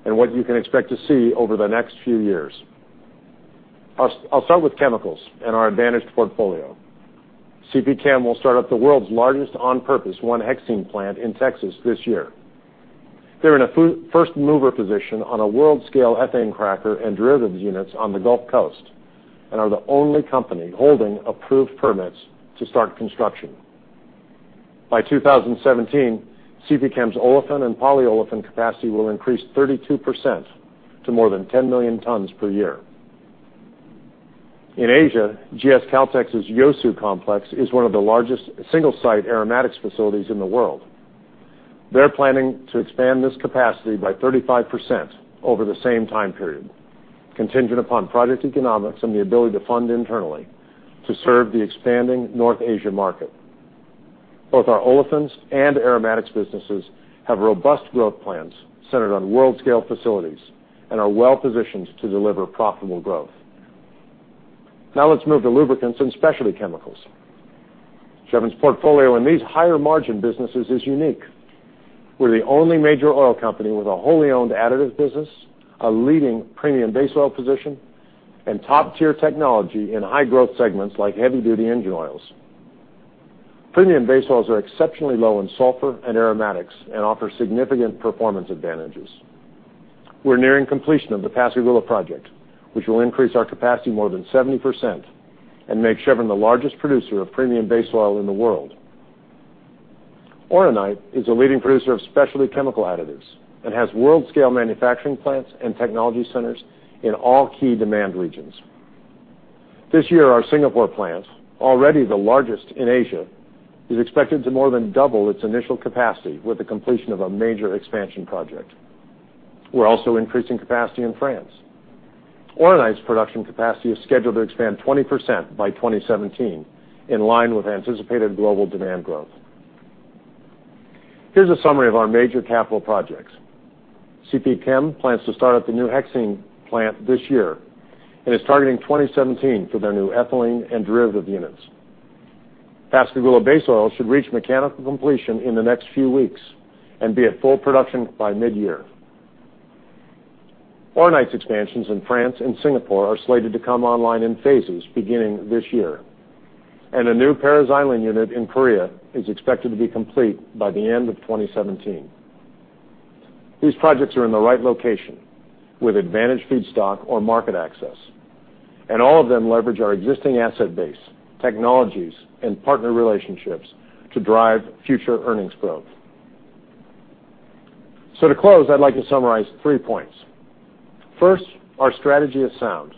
and what you can expect to see over the next few years. I'll start with chemicals and our advantaged portfolio. CPChem will start up the world's largest on-purpose 1-hexene plant in Texas this year. They're in a first-mover position on a world-scale ethane cracker and derivatives units on the Gulf Coast and are the only company holding approved permits to start construction. By 2017, CPChem's olefin and polyolefin capacity will increase 32% to more than 10 million tons per year. In Asia, GS Caltex's Yeosu complex is one of the largest single-site aromatics facilities in the world. They're planning to expand this capacity by 35% over the same time period, contingent upon project economics and the ability to fund internally to serve the expanding North Asia market. Both our olefins and aromatics businesses have robust growth plans centered on world-scale facilities and are well-positioned to deliver profitable growth. Now let's move to lubricants and specialty chemicals. Chevron's portfolio in these higher-margin businesses is unique. We're the only major oil company with a wholly owned additive business, a leading premium base oil position, and top-tier technology in high-growth segments like heavy-duty engine oils. Premium base oils are exceptionally low in sulfur and aromatics and offer significant performance advantages. We're nearing completion of the Pascagoula project, which will increase our capacity more than 70% and make Chevron the largest producer of premium base oil in the world. Oronite is a leading producer of specialty chemical additives and has world-scale manufacturing plants and technology centers in all key demand regions. This year, our Singapore plant, already the largest in Asia, is expected to more than double its initial capacity with the completion of a major expansion project. We're also increasing capacity in France. Oronite's production capacity is scheduled to expand 20% by 2017, in line with anticipated global demand growth. Here's a summary of our major capital projects. CPChem plans to start up the new hexene plant this year and is targeting 2017 for their new ethylene and derivative units. Pascagoula base oil should reach mechanical completion in the next few weeks and be at full production by mid-year. Oronite's expansions in France and Singapore are slated to come online in phases beginning this year, and a new paraxylene unit in Korea is expected to be complete by the end of 2017. These projects are in the right location with advantaged feedstock or market access, and all of them leverage our existing asset base, technologies, and partner relationships to drive future earnings growth. To close, I'd like to summarize three points. First, our strategy is sound.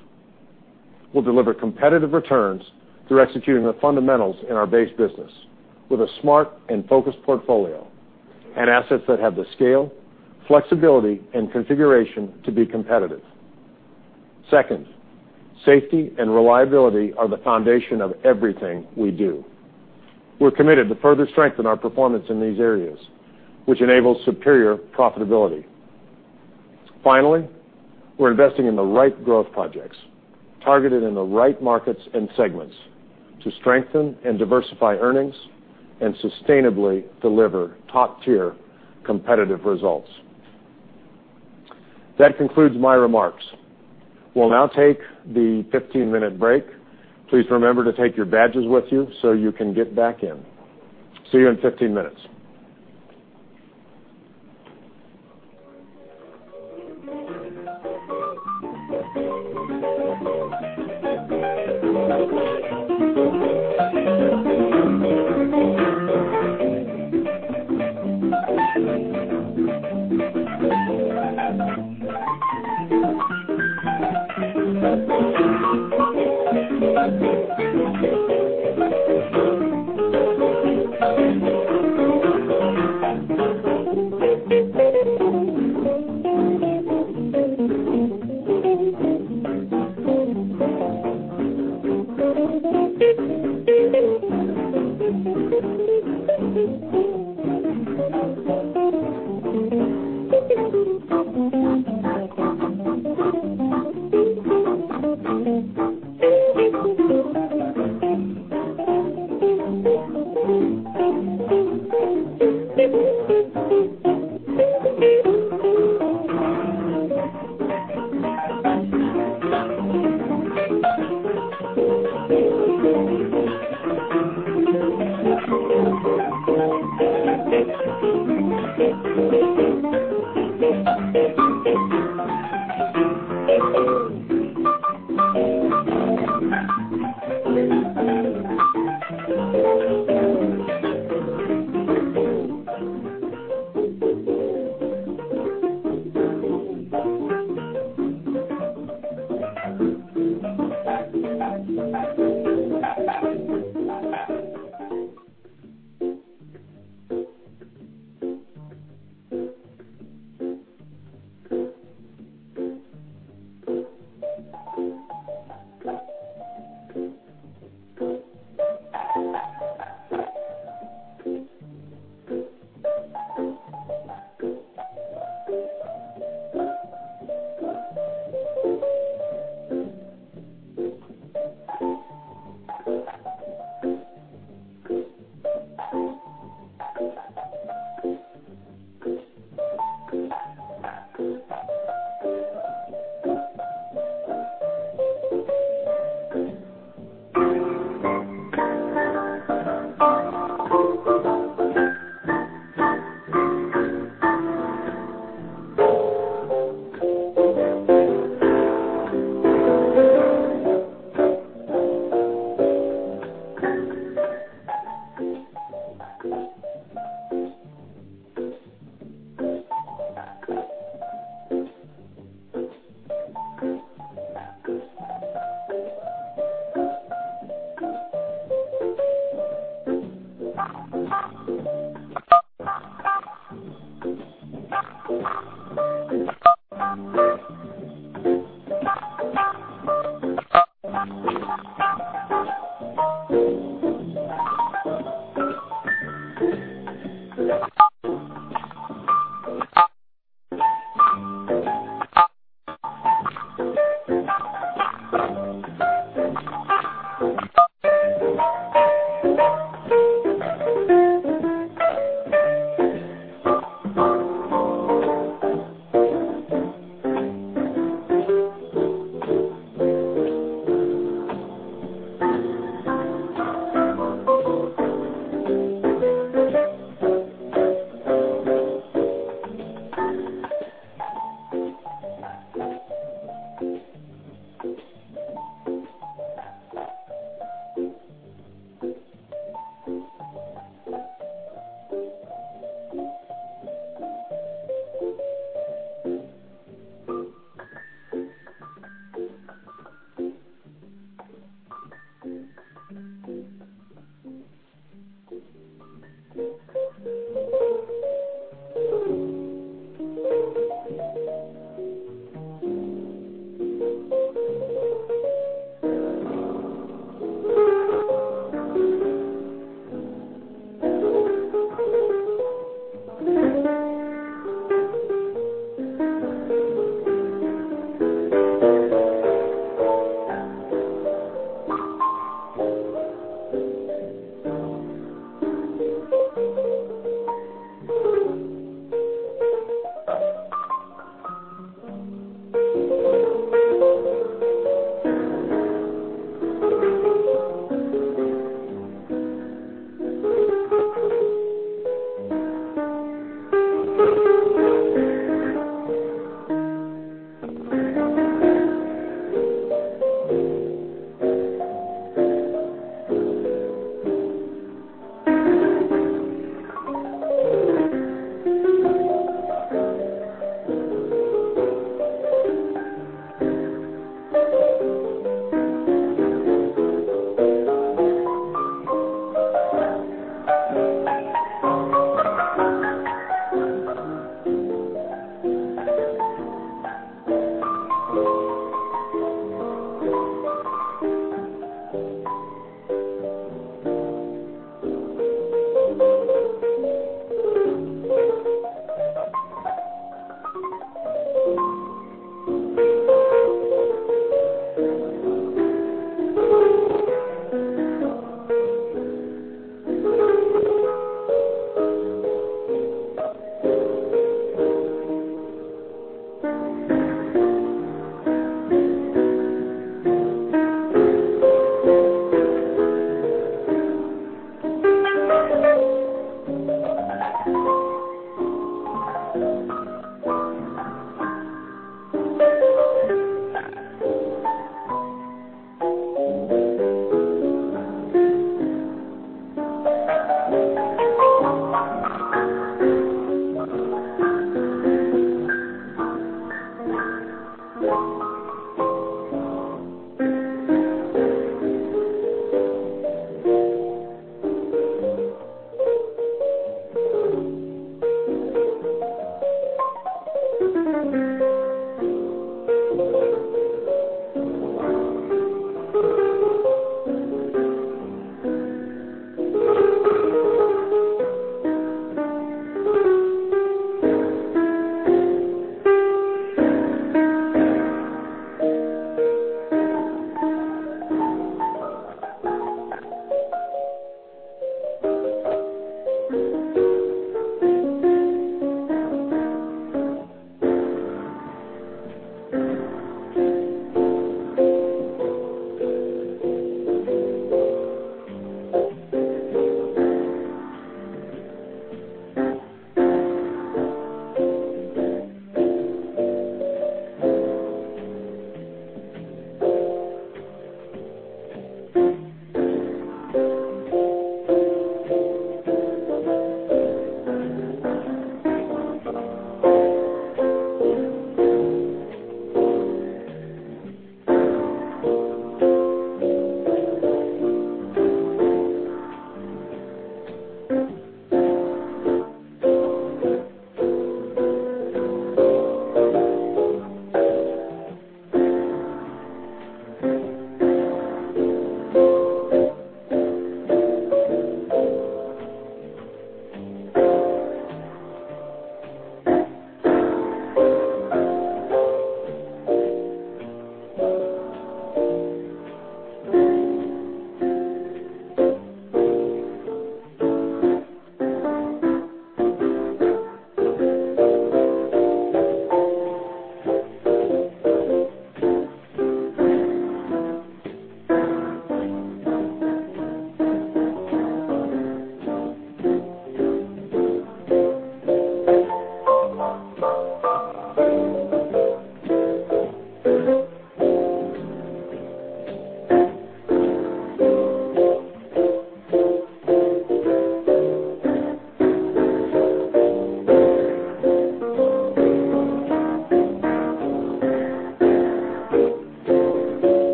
We'll deliver competitive returns through executing the fundamentals in our base business with a smart and focused portfolio and assets that have the scale, flexibility, and configuration to be competitive. Second, safety and reliability are the foundation of everything we do. We're committed to further strengthen our performance in these areas, which enables superior profitability. Finally, we're investing in the right growth projects targeted in the right markets and segments to strengthen and diversify earnings and sustainably deliver top-tier competitive results. That concludes my remarks. We'll now take the 15-minute break. Please remember to take your badges with you so you can get back in. See you in 15 minutes.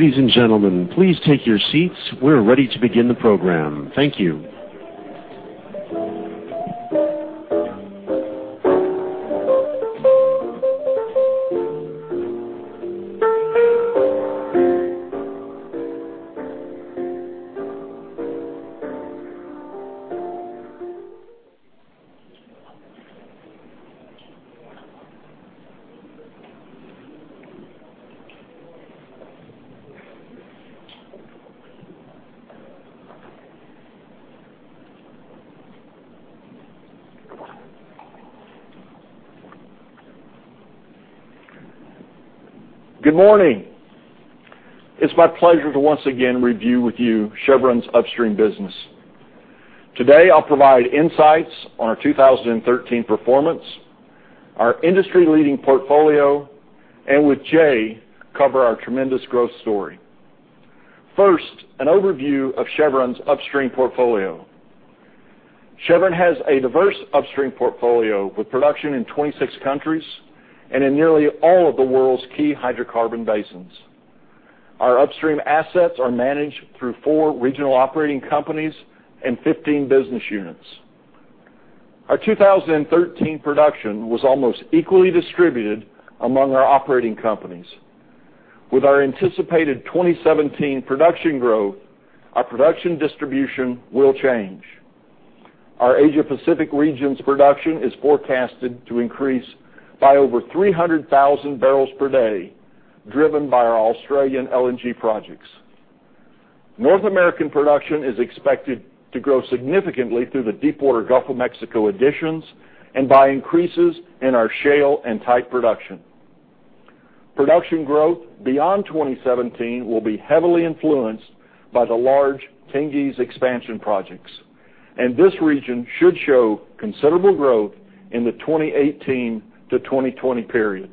Ladies and gentlemen, please take your seats. We're ready to begin the program. Thank you. Good morning. It's my pleasure to once again review with you Chevron's upstream business. Today, I'll provide insights on our 2013 performance, our industry-leading portfolio, and with Jay, cover our tremendous growth story. First, an overview of Chevron's upstream portfolio. Chevron has a diverse upstream portfolio with production in 26 countries and in nearly all of the world's key hydrocarbon basins. Our upstream assets are managed through four regional operating companies and 15 business units. Our 2013 production was almost equally distributed among our operating companies. With our anticipated 2017 production growth, our production distribution will change. Our Asia Pacific region's production is forecasted to increase by over 300,000 barrels per day, driven by our Australian LNG projects. North American production is expected to grow significantly through the Deepwater Gulf of Mexico additions and by increases in our shale and tight production. Production growth beyond 2017 will be heavily influenced by the large Tengiz expansion projects, and this region should show considerable growth in the 2018 to 2020 period.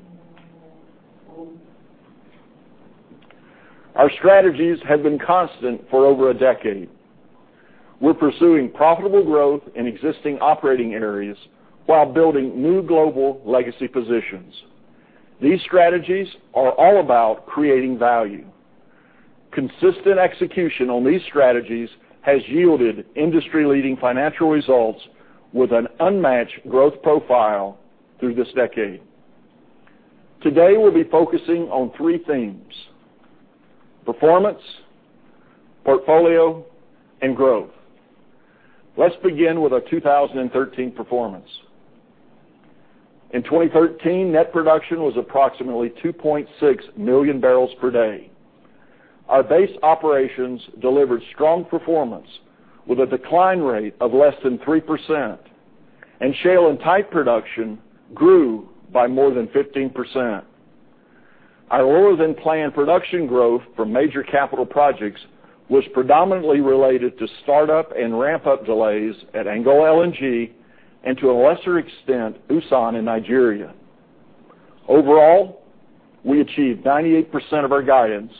Our strategies have been constant for over a decade. We're pursuing profitable growth in existing operating areas while building new global legacy positions. These strategies are all about creating value. Consistent execution on these strategies has yielded industry-leading financial results with an unmatched growth profile through this decade. Today, we'll be focusing on three themes: performance, portfolio, and growth. Let's begin with our 2013 performance. In 2013, net production was approximately 2.6 million barrels per day. Our base operations delivered strong performance with a decline rate of less than 3%, and shale and tight production grew by more than 15%. Our lower-than-planned production growth for major capital projects was predominantly related to startup and ramp-up delays at Angola LNG and, to a lesser extent, Usan in Nigeria. Overall, we achieved 98% of our guidance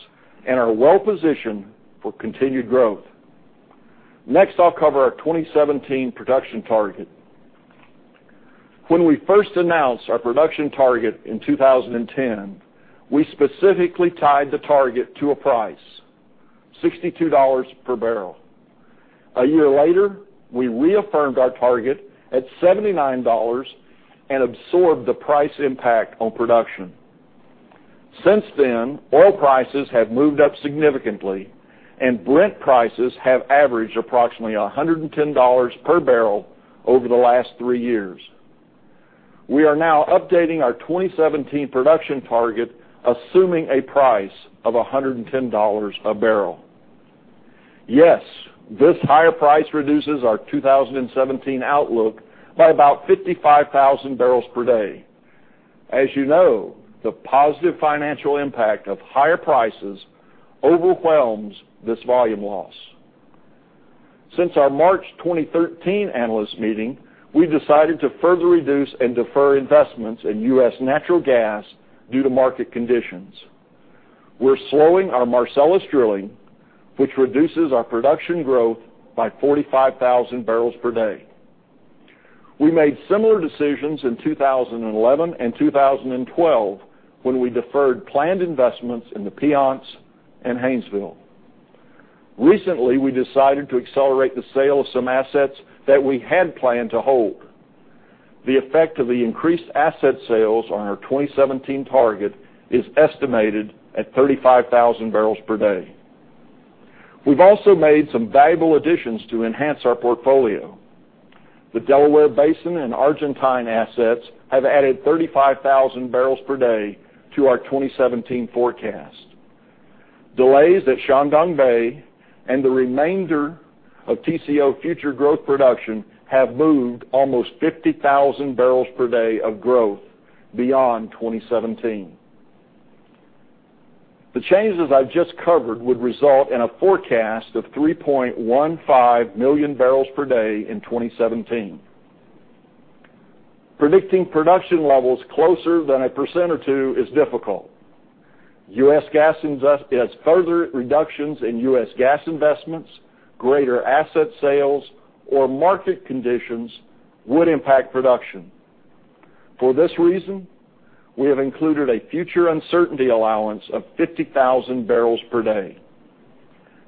and are well-positioned for continued growth. Next, I'll cover our 2017 production target. When we first announced our production target in 2010, we specifically tied the target to a price: $62 per barrel. A year later, we reaffirmed our target at $79 and absorbed the price impact on production. Since then, oil prices have moved up significantly, and Brent prices have averaged approximately $110 per barrel over the last three years. We are now updating our 2017 production target, assuming a price of $110 a barrel. Yes, this higher price reduces our 2017 outlook by about 55,000 barrels per day. As you know, the positive financial impact of higher prices overwhelms this volume loss. Since our March 2013 analyst meeting, we decided to further reduce and defer investments in U.S. natural gas due to market conditions. We're slowing our Marcellus drilling, which reduces our production growth by 45,000 barrels per day. We made similar decisions in 2011 and 2012 when we deferred planned investments in the Piceance and Haynesville. Recently, we decided to accelerate the sale of some assets that we had planned to hold. The effect of the increased asset sales on our 2017 target is estimated at 35,000 barrels per day. We've also made some valuable additions to enhance our portfolio. The Delaware Basin and Argentine assets have added 35,000 barrels per day to our 2017 forecast. Delays at Shandong Bay and the remainder of Tengizchevroil future growth production have moved almost 50,000 barrels per day of growth beyond 2017. The changes I've just covered would result in a forecast of 3.15 million barrels per day in 2017. Predicting production levels closer than a percent or two is difficult. U.S. gas investments, greater asset sales, or market conditions would impact production. For this reason, we have included a future uncertainty allowance of 50,000 barrels per day.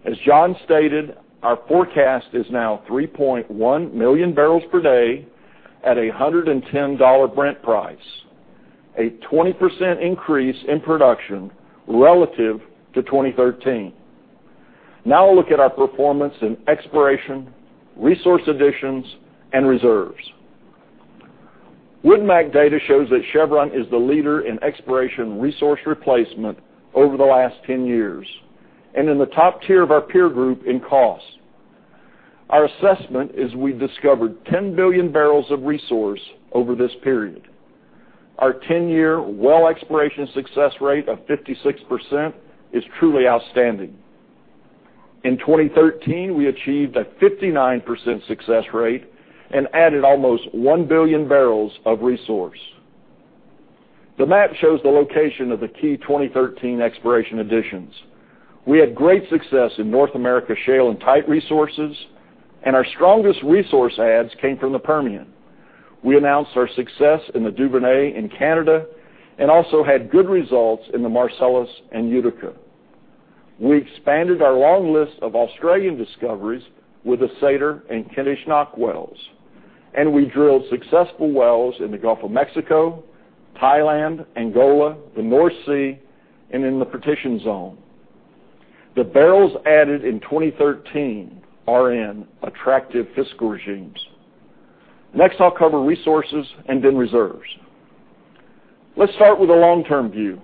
As John stated, our forecast is now 3.1 million barrels per day at $110 Brent price, a 20% increase in production relative to 2013. Now we'll look at our performance in exploration, resource additions, and reserves. WoodMac data shows that Chevron is the leader in exploration resource replacement over the last 10 years, and in the top tier of our peer group in cost. Our assessment is we've discovered 10 billion barrels of resource over this period. Our 10-year well exploration success rate of 56% is truly outstanding. In 2013, we achieved a 59% success rate and added almost 1 billion barrels of resource. The map shows the location of the key 2013 exploration additions. We had great success in North America shale and tight resources. Our strongest resource adds came from the Permian. We announced our success in the Duvernay in Canada. Also had good results in the Marcellus and Utica. We expanded our long list of Australian discoveries with the Satyr and Kentish Knock wells. We drilled successful wells in the Gulf of Mexico, Thailand, Angola, the North Sea, and in the Partitioned Zone. The barrels added in 2013 are in attractive fiscal regimes. I'll cover resources and then reserves. Let's start with a long-term view.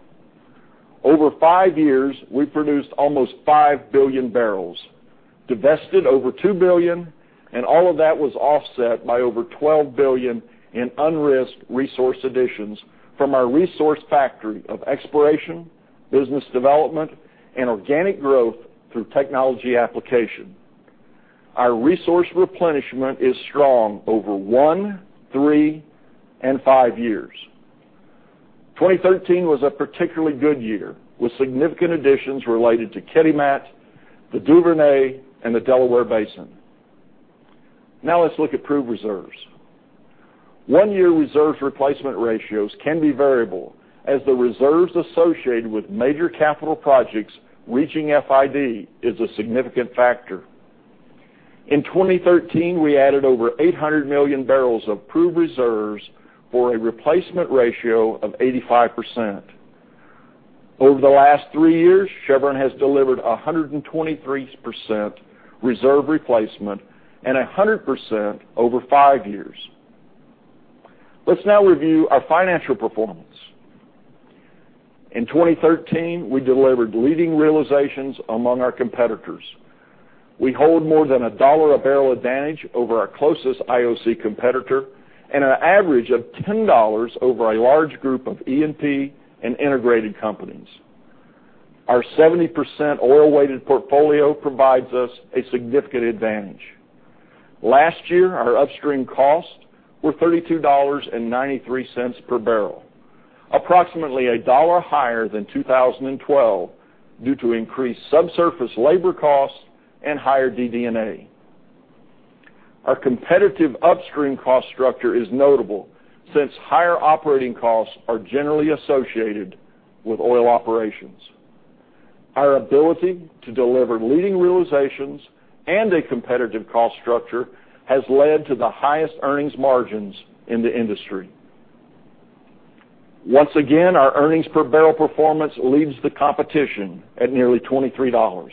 Over 5 years, we produced almost 5 billion barrels, divested over 2 billion. All of that was offset by over 12 billion in unrisked resource additions from our resource factory of exploration, business development, and organic growth through technology application. Our resource replenishment is strong over one, three, and five years. 2013 was a particularly good year, with significant additions related to Kitimat, the Duvernay, and the Delaware Basin. Let's look at proved reserves. One-year reserves replacement ratios can be variable, as the reserves associated with major capital projects reaching FID is a significant factor. In 2013, we added over 800 million barrels of proved reserves for a replacement ratio of 85%. Over the last three years, Chevron has delivered 123% reserve replacement and 100% over 5 years. Let's review our financial performance. In 2013, we delivered leading realizations among our competitors. We hold more than a $1 a barrel advantage over our closest IOC competitor and an average of $10 over a large group of E&P and integrated companies. Our 70% oil-weighted portfolio provides us a significant advantage. Last year, our upstream costs were $32.93 per barrel, approximately $1 higher than 2012 due to increased subsurface labor costs and higher DD&A. Our competitive upstream cost structure is notable since higher operating costs are generally associated with oil operations. Our ability to deliver leading realizations and a competitive cost structure has led to the highest earnings margins in the industry. Once again, our earnings per barrel performance leads the competition at nearly $23.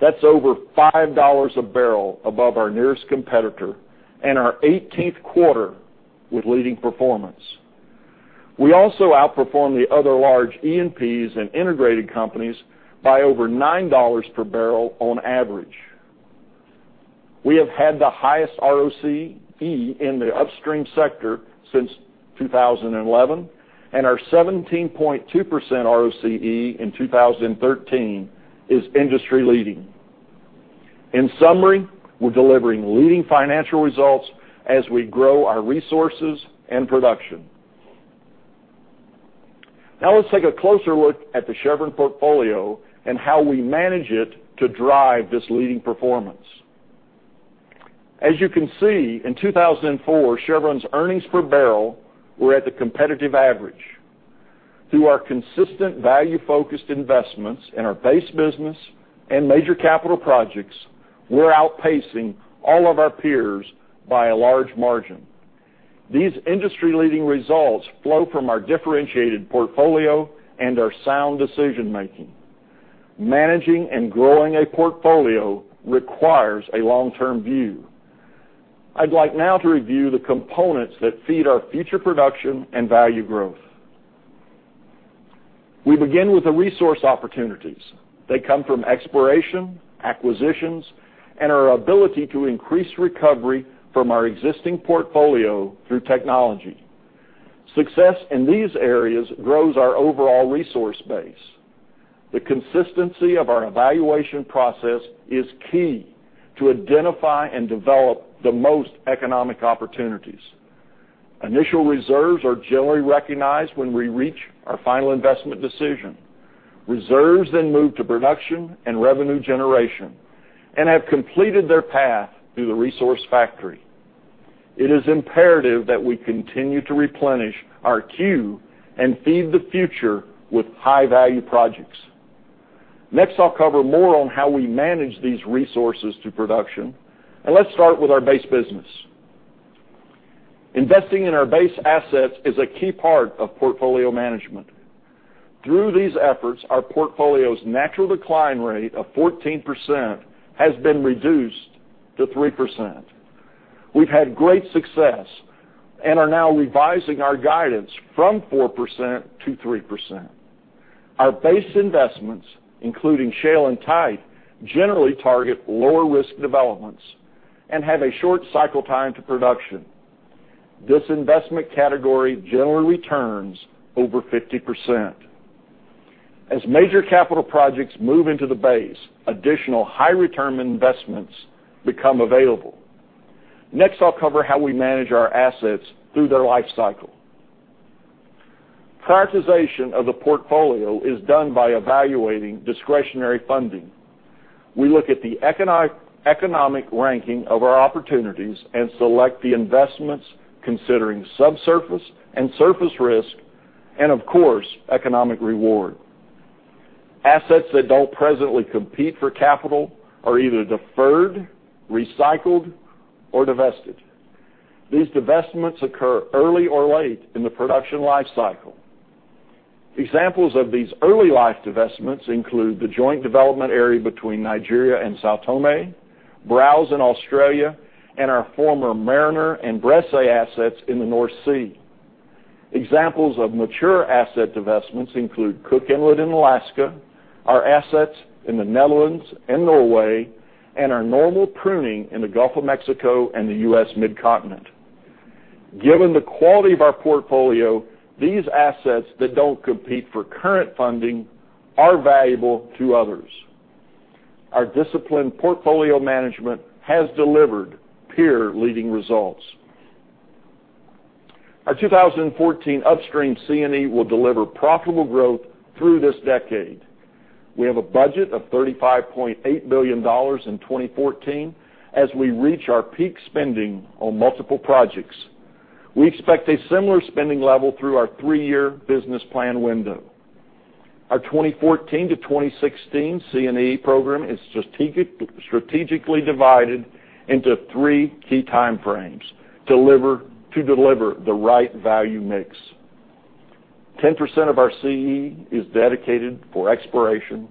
That is over $5 a barrel above our nearest competitor and our 18th quarter with leading performance. Also outperform the other large E&Ps and integrated companies by over $9 per barrel on average. We have had the highest ROCE in the upstream sector since 2011. Our 17.2% ROCE in 2013 is industry-leading. In summary, we are delivering leading financial results as we grow our resources and production. Let's take a closer look at the Chevron portfolio and how we manage it to drive this leading performance. As you can see, in 2004, Chevron's earnings per barrel were at the competitive average. Through our consistent value-focused investments in our base business and major capital projects, we are outpacing all of our peers by a large margin. These industry-leading results flow from our differentiated portfolio and our sound decision-making. Managing and growing a portfolio requires a long-term view. I'd like now to review the components that feed our future production and value growth. We begin with the resource opportunities. They come from exploration, acquisitions, and our ability to increase recovery from our existing portfolio through technology. Success in these areas grows our overall resource base. The consistency of our evaluation process is key to identify and develop the most economic opportunities. Initial reserves are generally recognized when we reach our final investment decision. Reserves then move to production and revenue generation and have completed their path through the resource factory. It is imperative that we continue to replenish our queue and feed the future with high-value projects. Next, I'll cover more on how we manage these resources to production. Let's start with our base business. Investing in our base assets is a key part of portfolio management. Through these efforts, our portfolio's natural decline rate of 14% has been reduced to 3%. We've had great success and are now revising our guidance from 4% to 3%. Our base investments, including shale and tight, generally target lower-risk developments and have a short cycle time to production. This investment category generally returns over 50%. As major capital projects move into the base, additional high-return investments become available. Next, I'll cover how we manage our assets through their life cycle. Prioritization of the portfolio is done by evaluating discretionary funding. We look at the economic ranking of our opportunities and select the investments considering subsurface and surface risk and, of course, economic reward. Assets that don't presently compete for capital are either deferred, recycled, or divested. These divestments occur early or late in the production life cycle. Examples of these early-life divestments include the joint development area between Nigeria and São Tomé, Browse in Australia, and our former Mariner and Bressay assets in the North Sea. Examples of mature asset divestments include Cook Inlet in Alaska, our assets in the Netherlands and Norway, and our normal pruning in the Gulf of Mexico and the U.S. Mid-Continent. Given the quality of our portfolio, these assets that don't compete for current funding are valuable to others. Our disciplined portfolio management has delivered peer-leading results. Our 2014 Upstream C&E will deliver profitable growth through this decade. We have a budget of $35.8 billion in 2014 as we reach our peak spending on multiple projects. We expect a similar spending level through our three-year business plan window. Our 2014 to 2016 C&E program is strategically divided into three key time frames to deliver the right value mix. 10% of our C&E is dedicated for exploration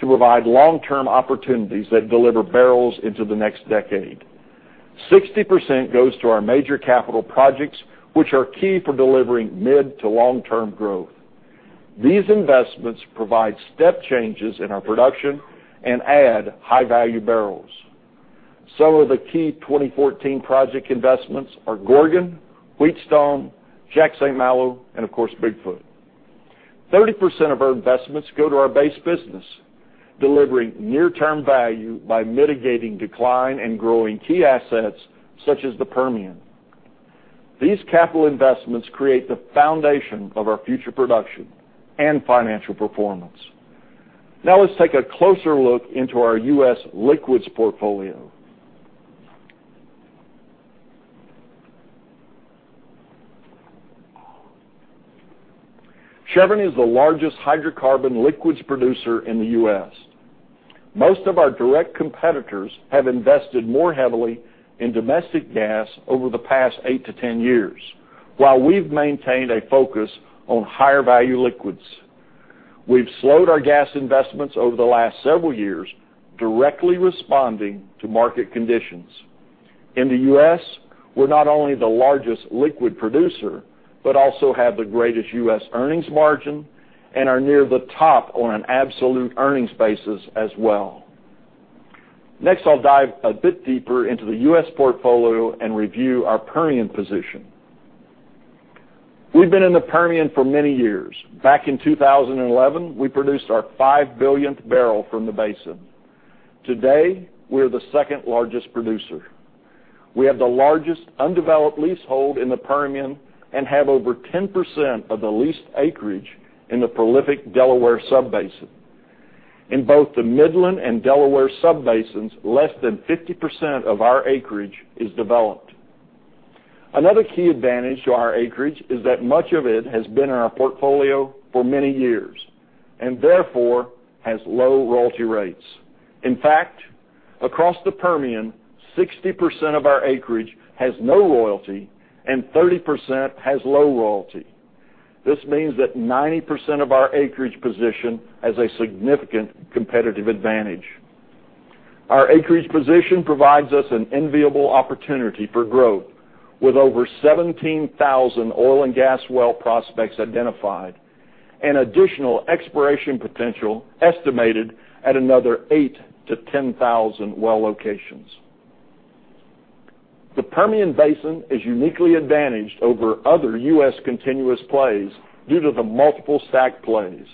to provide long-term opportunities that deliver barrels into the next decade. 60% goes to our major capital projects, which are key for delivering mid to long-term growth. These investments provide step changes in our production and add high-value barrels. Some of the key 2014 project investments are Gorgon, Wheatstone, Jack/St. Malo, and of course, Bigfoot. 30% of our investments go to our base business, delivering near-term value by mitigating decline and growing key assets such as the Permian. These capital investments create the foundation of our future production and financial performance. Let's take a closer look into our U.S. liquids portfolio. Chevron is the largest hydrocarbon liquids producer in the U.S. Most of our direct competitors have invested more heavily in domestic gas over the past eight to 10 years, while we've maintained a focus on higher-value liquids. We've slowed our gas investments over the last several years, directly responding to market conditions. In the U.S., we're not only the largest liquid producer, but also have the greatest U.S. earnings margin and are near the top on an absolute earnings basis as well. Next, I'll dive a bit deeper into the U.S. portfolio and review our Permian position. We've been in the Permian for many years. Back in 2011, we produced our 5-billionth barrel from the basin. Today, we are the second-largest producer. We have the largest undeveloped leasehold in the Permian and have over 10% of the leased acreage in the prolific Delaware Subbasin. In both the Midland and Delaware Subbasins, less than 50% of our acreage is developed. Another key advantage to our acreage is that much of it has been in our portfolio for many years. Therefore, has low royalty rates. In fact, across the Permian, 60% of our acreage has no royalty and 30% has low royalty. This means that 90% of our acreage position has a significant competitive advantage. Our acreage position provides us an enviable opportunity for growth, with over 17,000 oil and gas well prospects identified and additional exploration potential estimated at another 8,000-10,000 well locations. The Permian Basin is uniquely advantaged over other U.S. continuous plays due to the multiple stack plays.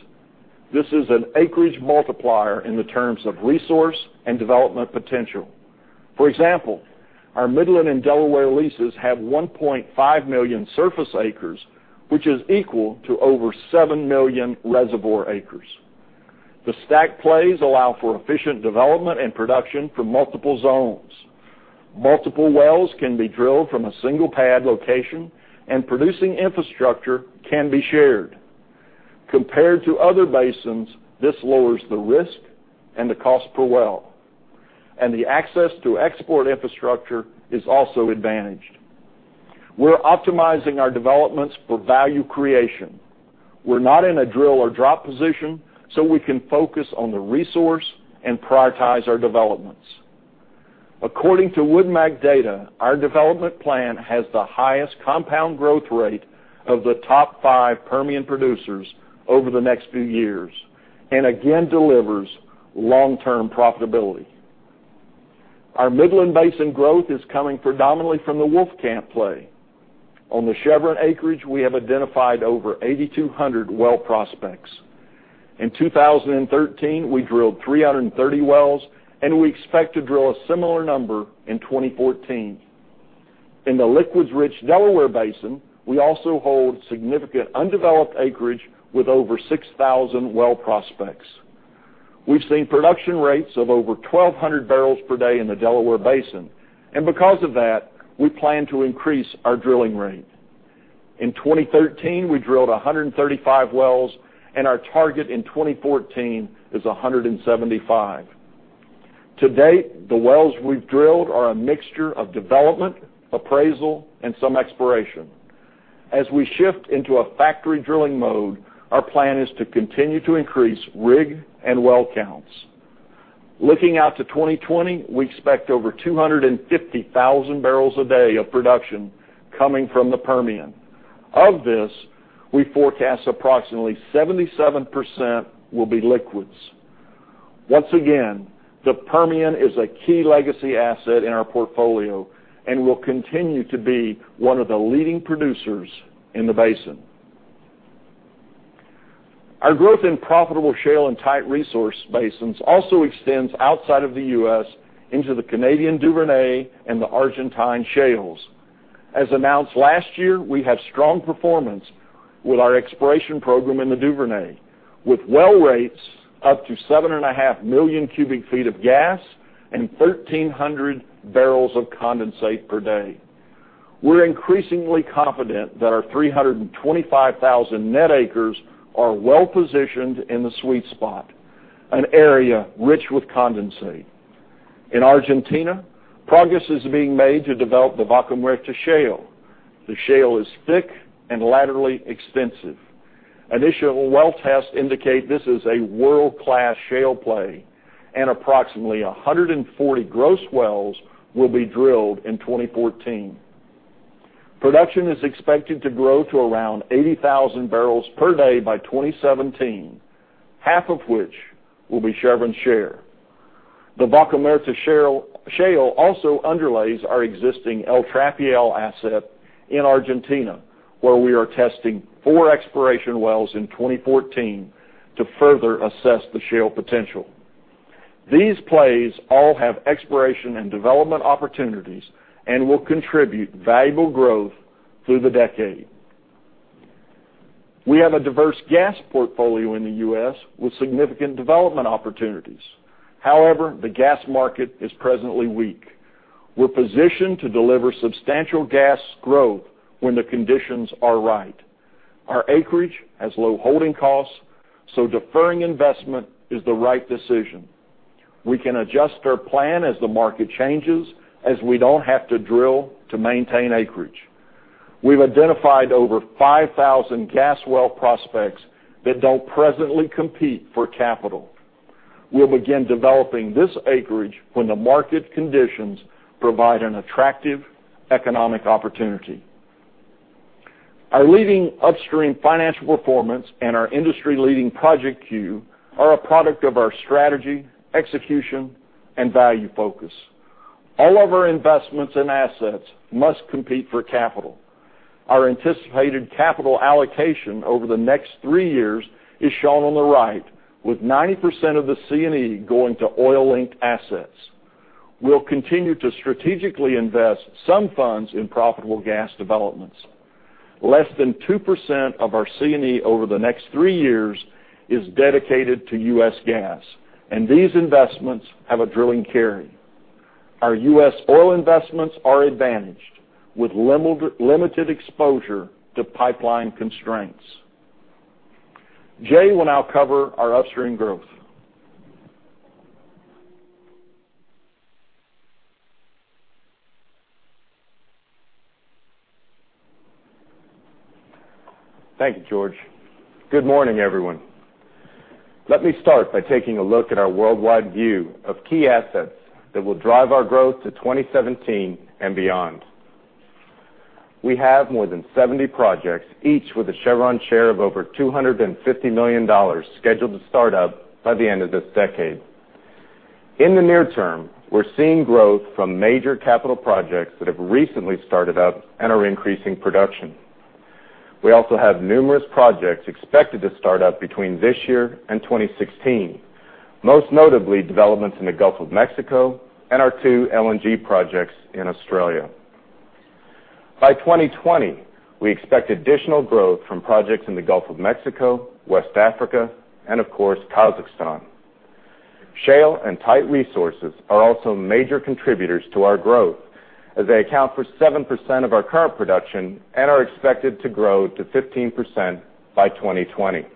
This is an acreage multiplier in the terms of resource and development potential. For example, our Midland and Delaware leases have 1.5 million surface acres, which is equal to over 7 million reservoir acres. The stack plays allow for efficient development and production for multiple zones. Multiple wells can be drilled from a single pad location, and producing infrastructure can be shared. Compared to other basins, this lowers the risk and the cost per well, and the access to export infrastructure is also advantaged. We're optimizing our developments for value creation. We're not in a drill or drop position, so we can focus on the resource and prioritize our developments. According to WoodMac data, our development plan has the highest compound growth rate of the top five Permian producers over the next few years and again delivers long-term profitability. Our Midland Basin growth is coming predominantly from the Wolfcamp play. On the Chevron acreage, we have identified over 8,200 well prospects. In 2013, we drilled 330 wells, and we expect to drill a similar number in 2014. In the liquids-rich Delaware Basin, we also hold significant undeveloped acreage with over 6,000 well prospects. We've seen production rates of over 1,200 barrels per day in the Delaware Basin, and because of that, we plan to increase our drilling rate. In 2013, we drilled 135 wells, and our target in 2014 is 175. To date, the wells we've drilled are a mixture of development, appraisal, and some exploration. As we shift into a factory drilling mode, our plan is to continue to increase rig and well counts. Looking out to 2020, we expect over 250,000 barrels a day of production coming from the Permian. Of this, we forecast approximately 77% will be liquids. Once again, the Permian is a key legacy asset in our portfolio and will continue to be one of the leading producers in the basin. Our growth in profitable shale and tight resource basins also extends outside of the U.S. into the Canadian Duvernay and the Argentine shales. As announced last year, we have strong performance with our exploration program in the Duvernay, with well rates up to 7.5 million cubic feet of gas and 1,300 barrels of condensate per day. We're increasingly confident that our 325,000 net acres are well positioned in the sweet spot, an area rich with condensate. In Argentina, progress is being made to develop the Vaca Muerta shale. The shale is thick and laterally extensive. Initial well tests indicate this is a world-class shale play and approximately 140 gross wells will be drilled in 2014. Production is expected to grow to around 80,000 barrels per day by 2017, half of which will be Chevron share. The Vaca Muerta shale also underlays our existing El Trapial asset in Argentina, where we are testing four exploration wells in 2014 to further assess the shale potential. These plays all have exploration and development opportunities and will contribute valuable growth through the decade. We have a diverse gas portfolio in the U.S. with significant development opportunities. However, the gas market is presently weak. We're positioned to deliver substantial gas growth when the conditions are right. Our acreage has low holding costs, so deferring investment is the right decision. We can adjust our plan as the market changes, as we don't have to drill to maintain acreage. We've identified over 5,000 gas well prospects that don't presently compete for capital. We'll begin developing this acreage when the market conditions provide an attractive economic opportunity. Our leading upstream financial performance and our industry-leading project queue are a product of our strategy, execution, and value focus. All of our investments and assets must compete for capital. Our anticipated capital allocation over the next three years is shown on the right, with 90% of the C&E going to oil-linked assets. We'll continue to strategically invest some funds in profitable gas developments. Less than 2% of our C&E over the next three years is dedicated to U.S. gas, and these investments have a drilling carry. Our U.S. oil investments are advantaged with limited exposure to pipeline constraints. Jay will now cover our upstream growth. Thank you, George. Good morning, everyone. Let me start by taking a look at our worldwide view of key assets that will drive our growth to 2017 and beyond. We have more than 70 projects, each with a Chevron share of over $250 million scheduled to start up by the end of this decade. In the near term, we're seeing growth from major capital projects that have recently started up and are increasing production. We also have numerous projects expected to start up between this year and 2016, most notably developments in the Gulf of Mexico and our two LNG projects in Australia. By 2020, we expect additional growth from projects in the Gulf of Mexico, West Africa, and of course, Kazakhstan. Shale and tight resources are also major contributors to our growth, as they account for 7% of our current production and are expected to grow to 15% by 2020.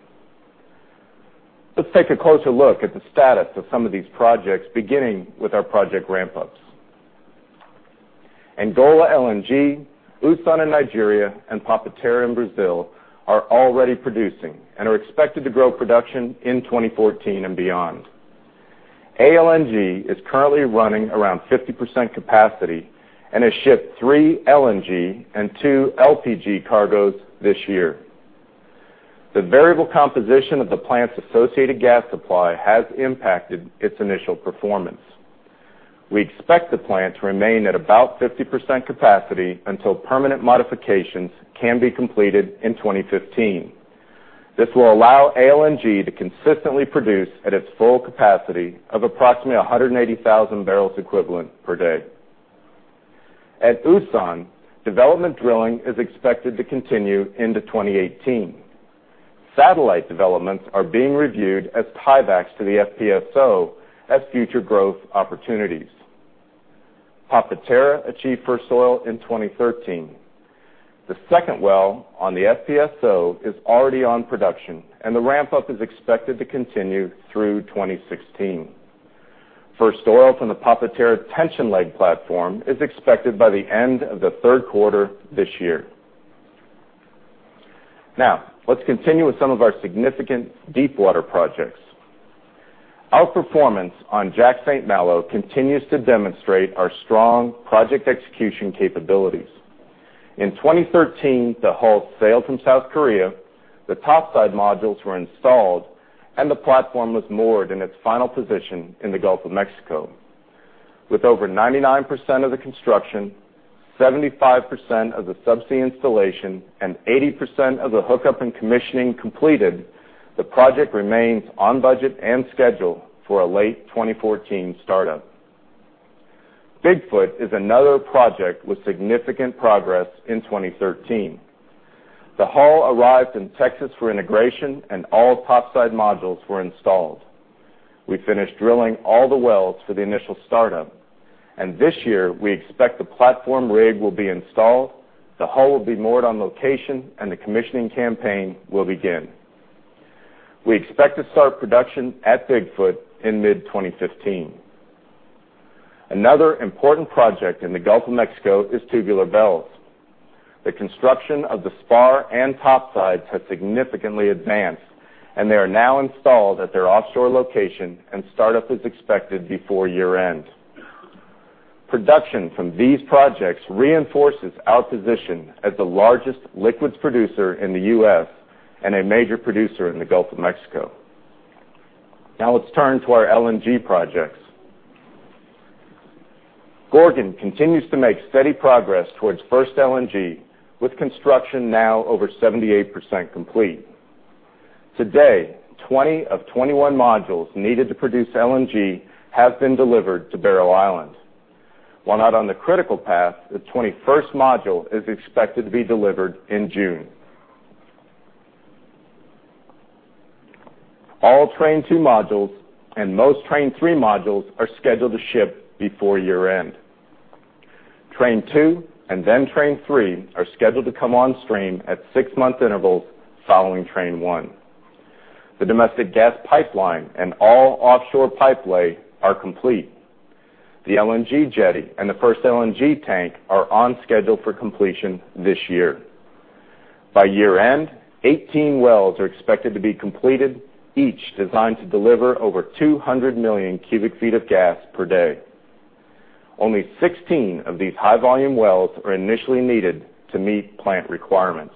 Let's take a closer look at the status of some of these projects, beginning with our project ramp-ups. Angola LNG, Usan in Nigeria, and Papa-Terra in Brazil are already producing and are expected to grow production in 2014 and beyond. ALNG is currently running around 50% capacity and has shipped three LNG and two LPG cargoes this year. The variable composition of the plant's associated gas supply has impacted its initial performance. We expect the plant to remain at about 50% capacity until permanent modifications can be completed in 2015. This will allow ALNG to consistently produce at its full capacity of approximately 180,000 barrels equivalent per day. At Usan, development drilling is expected to continue into 2018. Satellite developments are being reviewed as tiebacks to the FPSO as future growth opportunities. Papa-Terra achieved first oil in 2013. The second well on the FPSO is already on production, and the ramp-up is expected to continue through 2016. First oil from the Papa-Terra tension leg platform is expected by the end of the third quarter this year. Now, let's continue with some of our significant deepwater projects. Our performance on Jack/St. Malo continues to demonstrate our strong project execution capabilities. In 2013, the hull sailed from South Korea, the topside modules were installed, and the platform was moored in its final position in the Gulf of Mexico. With over 99% of the construction, 75% of the subsea installation, and 80% of the hookup and commissioning completed, the project remains on budget and schedule for a late 2014 startup. Bigfoot is another project with significant progress in 2013. The hull arrived in Texas for integration, and all topside modules were installed. We finished drilling all the wells for the initial startup, and this year we expect the platform rig will be installed, the hull will be moored on location, and the commissioning campaign will begin. We expect to start production at Bigfoot in mid-2015. Another important project in the Gulf of Mexico is Tubular Bells. The construction of the spar and topsides has significantly advanced, and they are now installed at their offshore location, and startup is expected before year-end. Production from these projects reinforces our position as the largest liquids producer in the U.S. and a major producer in the Gulf of Mexico. Now let's turn to our LNG projects. Gorgon continues to make steady progress towards first LNG, with construction now over 78% complete. To date, 20 of 21 modules needed to produce LNG have been delivered to Barrow Island. While not on the critical path, the 21st module is expected to be delivered in June. All Train 2 modules and most Train 3 modules are scheduled to ship before year-end. Train 2 and then Train 3 are scheduled to come on stream at six-month intervals following Train 1. The domestic gas pipeline and all offshore pipe lay are complete. The LNG jetty and the first LNG tank are on schedule for completion this year. By year-end, 18 wells are expected to be completed, each designed to deliver over 200 million cubic feet of gas per day. Only 16 of these high-volume wells are initially needed to meet plant requirements.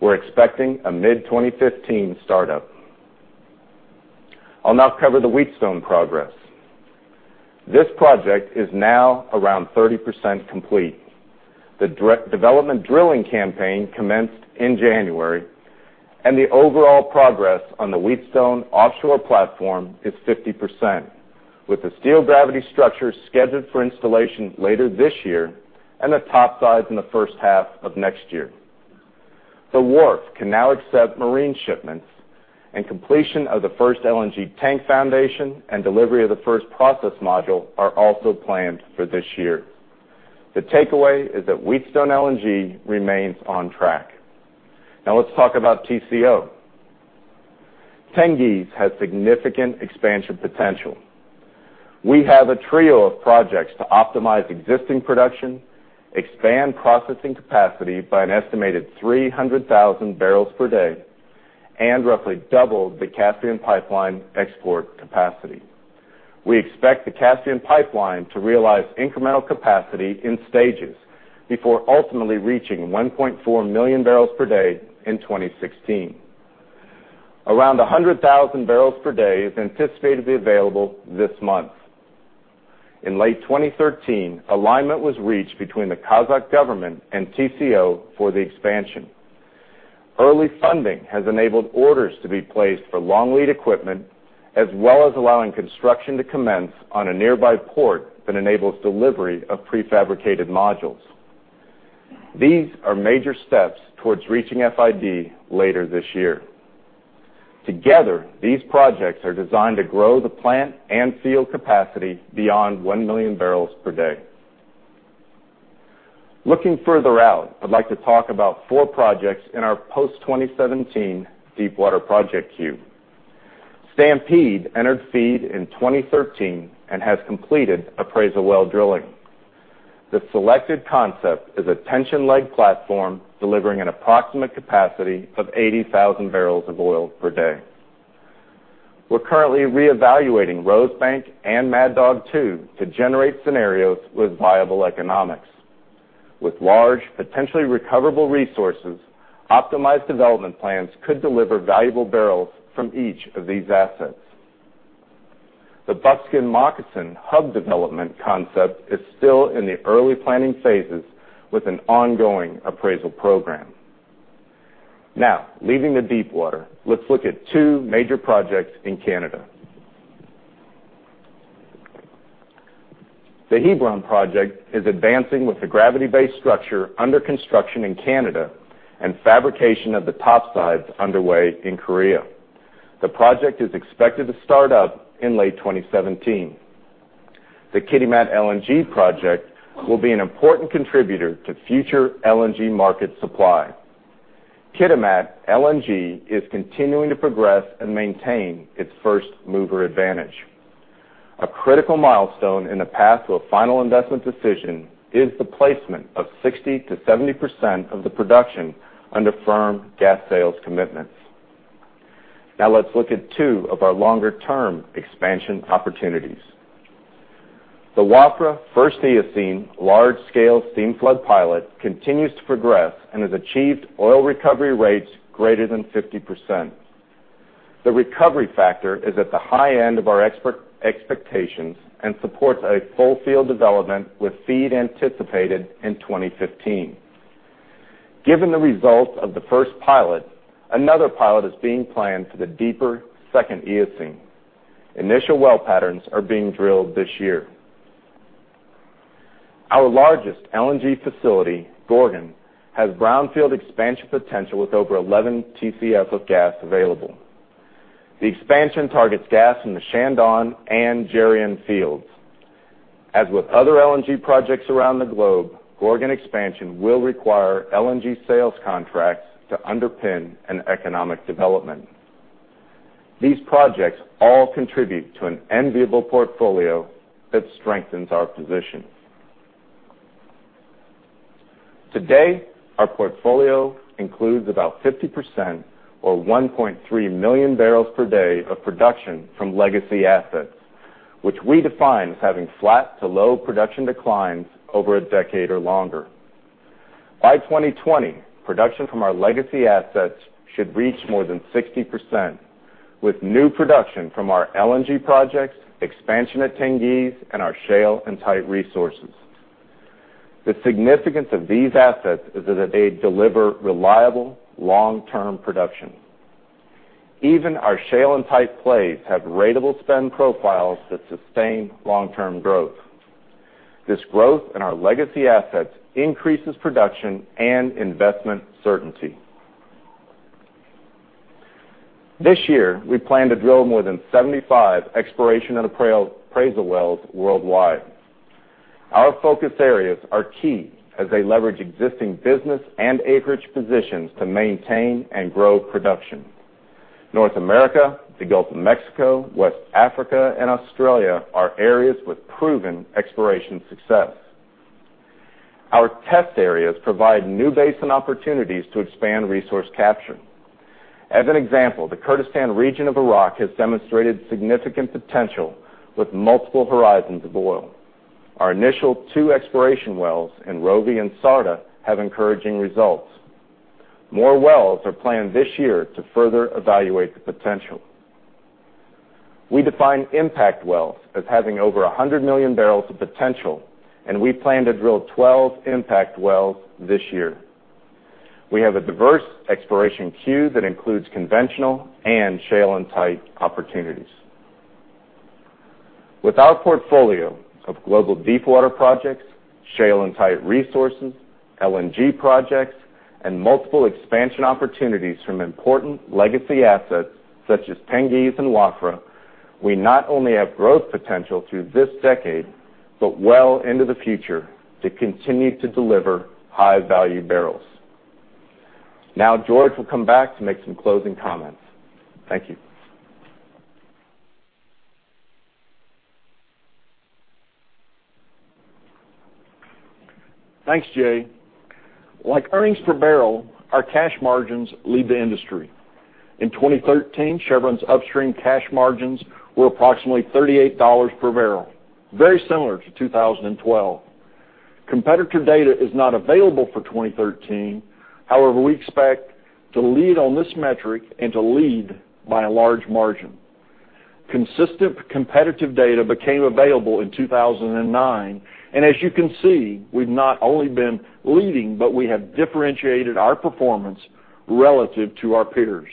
We're expecting a mid-2015 startup. I'll now cover the Wheatstone progress. This project is now around 30% complete. The development drilling campaign commenced in January, and the overall progress on the Wheatstone offshore platform is 50%, with the steel gravity structure scheduled for installation later this year and the topside in the first half of next year. The wharf can now accept marine shipments, and completion of the first LNG tank foundation and delivery of the first process module are also planned for this year. The takeaway is that Wheatstone LNG remains on track. Now let's talk about TCO. Tengiz has significant expansion potential. We have a trio of projects to optimize existing production, expand processing capacity by an estimated 300,000 barrels per day, and roughly double the Caspian pipeline export capacity. We expect the Caspian pipeline to realize incremental capacity in stages before ultimately reaching 1.4 million barrels per day in 2016. Around 100,000 barrels per day is anticipated to be available this month. In late 2013, alignment was reached between the Kazakh government and TCO for the expansion. Early funding has enabled orders to be placed for long lead equipment, as well as allowing construction to commence on a nearby port that enables delivery of prefabricated modules. These are major steps towards reaching FID later this year. Together, these projects are designed to grow the plant and field capacity beyond 1 million barrels per day. Looking further out, I'd like to talk about four projects in our post-2017 Deepwater project queue. Stampede entered FEED in 2013 and has completed appraisal well drilling. The selected concept is a tension leg platform delivering an approximate capacity of 80,000 barrels of oil per day. We're currently reevaluating Rosebank and Mad Dog 2 to generate scenarios with viable economics. With large potentially recoverable resources, optimized development plans could deliver valuable barrels from each of these assets. The Buckskin Moccasin hub development concept is still in the early planning phases with an ongoing appraisal program. Now, leaving the Deepwater, let's look at two major projects in Canada. The Hebron project is advancing with the gravity base structure under construction in Canada and fabrication of the topside underway in Korea. The project is expected to start up in late 2017. The Kitimat LNG project will be an important contributor to future LNG market supply. Kitimat LNG is continuing to progress and maintain its first-mover advantage. A critical milestone in the path to a final investment decision is the placement of 60%-70% of the production under firm gas sales commitments. Now let's look at two of our longer-term expansion opportunities. The Wafra First Eocene large-scale steamflood pilot continues to progress and has achieved oil recovery rates greater than 50%. The recovery factor is at the high end of our expectations and supports a full field development with FEED anticipated in 2015. Given the results of the first pilot, another pilot is being planned for the deeper Second Eocene. Initial well patterns are being drilled this year. Our largest LNG facility, Gorgon, has brownfield expansion potential with over 11 TCF of gas available. The expansion targets gas in the Shandong and Geryon fields. As with other LNG projects around the globe, Gorgon expansion will require LNG sales contracts to underpin an economic development. These projects all contribute to an enviable portfolio that strengthens our position. Today, our portfolio includes about 50% or 1.3 million barrels per day of production from legacy assets, which we define as having flat to low production declines over a decade or longer. By 2020, production from our legacy assets should reach more than 60%, with new production from our LNG projects, expansion at Tengiz, and our shale and tight resources. The significance of these assets is that they deliver reliable long-term production. Even our shale and tight plays have ratable spend profiles that sustain long-term growth. This growth in our legacy assets increases production and investment certainty. This year, we plan to drill more than 75 exploration and appraisal wells worldwide. Our focus areas are key as they leverage existing business and acreage positions to maintain and grow production. North America, the Gulf of Mexico, West Africa, and Australia are areas with proven exploration success. Our test areas provide new basin opportunities to expand resource capture. As an example, the Kurdistan region of Iraq has demonstrated significant potential with multiple horizons of oil. Our initial two exploration wells in Rogi and Sarta have encouraging results. More wells are planned this year to further evaluate the potential. We define impact wells as having over 100 million barrels of potential, and we plan to drill 12 impact wells this year. We have a diverse exploration queue that includes conventional and shale and tight opportunities. With our portfolio of global deepwater projects, shale and tight resources, LNG projects, and multiple expansion opportunities from important legacy assets such as Tengiz and Wafra, we not only have growth potential through this decade, but well into the future to continue to deliver high-value barrels. George will come back to make some closing comments. Thank you. Thanks, Jay. Like earnings per barrel, our cash margins lead the industry. In 2013, Chevron's upstream cash margins were approximately $38 per barrel, very similar to 2012. Competitor data is not available for 2013. We expect to lead on this metric and to lead by a large margin. Consistent competitive data became available in 2009. As you can see, we've not only been leading, but we have differentiated our performance relative to our peers.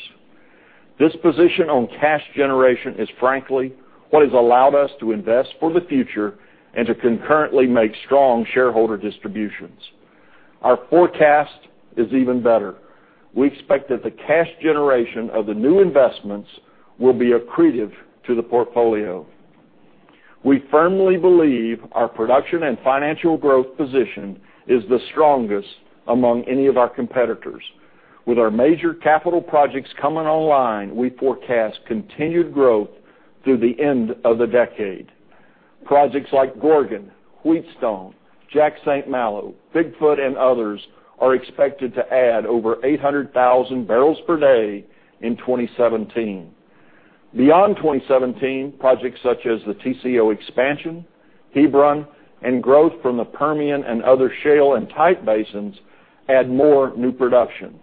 This position on cash generation is frankly what has allowed us to invest for the future and to concurrently make strong shareholder distributions. Our forecast is even better. We expect that the cash generation of the new investments will be accretive to the portfolio. We firmly believe our production and financial growth position is the strongest among any of our competitors. With our major capital projects coming online, we forecast continued growth through the end of the decade. Projects like Gorgon, Wheatstone, Jack/St. Malo, Bigfoot, and others are expected to add over 800,000 barrels per day in 2017. Beyond 2017, projects such as the TCO expansion, Hebron, and growth from the Permian and other shale and tight basins add more new production.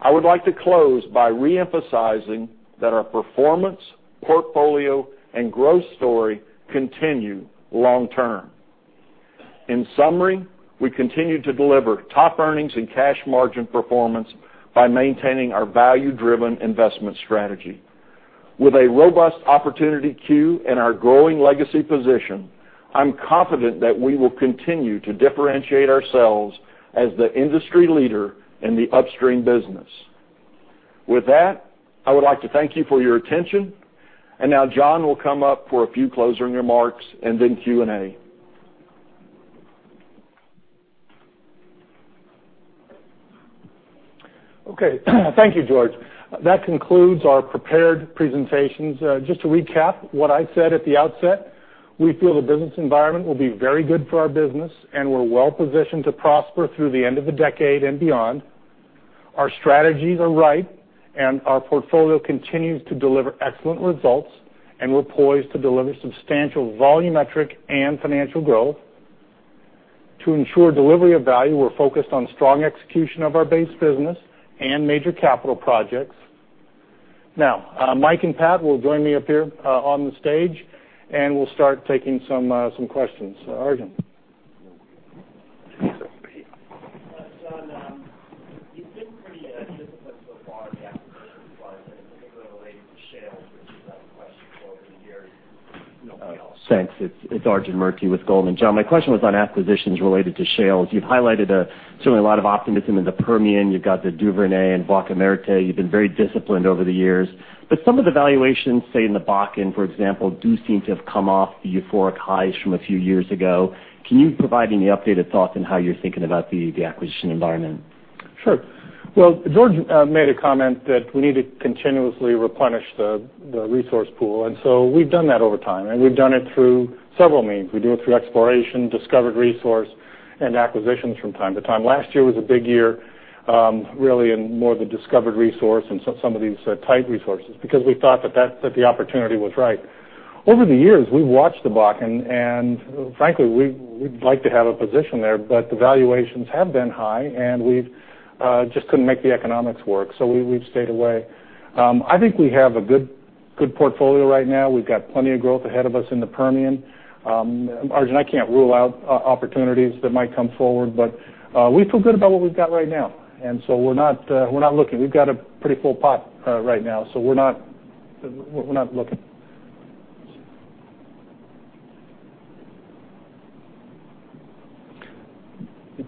I would like to close by re-emphasizing that our performance, portfolio, and growth story continue long term. In summary, we continue to deliver top earnings and cash margin performance by maintaining our value-driven investment strategy. With a robust opportunity queue and our growing legacy position, I'm confident that we will continue to differentiate ourselves as the industry leader in the upstream business. I would like to thank you for your attention. Now John will come up for a few closing remarks and then Q&A. Okay. Thank you, George. That concludes our prepared presentations. Just to recap what I said at the outset, we feel the business environment will be very good for our business, and we're well-positioned to prosper through the end of the decade and beyond. Our strategies are right, and our portfolio continues to deliver excellent results, and we're poised to deliver substantial volumetric and financial growth. To ensure delivery of value, we're focused on strong execution of our base business and major capital projects. Now, Mike and Pat will join me up here on the stage, and we'll start taking some questions. Arjun? John, you've been pretty disciplined so far acquisition-wise, and particularly related to shales, which is not a question over the years. Thanks. It's Arjun Murti with Goldman. John, my question was on acquisitions related to shales. You've highlighted certainly a lot of optimism in the Permian. You've got the Duvernay and Vaca Muerta. You've been very disciplined over the years. Some of the valuations, say, in the Bakken, for example, do seem to have come off the euphoric highs from a few years ago. Can you provide any updated thoughts on how you're thinking about the acquisition environment? Sure. Well, George made a comment that we need to continuously replenish the resource pool, we've done that over time, and we've done it through several means. We do it through exploration, discovered resource, and acquisitions from time to time. Last year was a big year, really in more the discovered resource and some of these tight resources, because we thought that the opportunity was right. Over the years, we've watched the Bakken, and frankly, we'd like to have a position there, but the valuations have been high, and we just couldn't make the economics work. We've stayed away. I think we have a good portfolio right now. We've got plenty of growth ahead of us in the Permian. Arjun, I can't rule out opportunities that might come forward, but we feel good about what we've got right now, we're not looking. We've got a pretty full pot right now, we're not looking.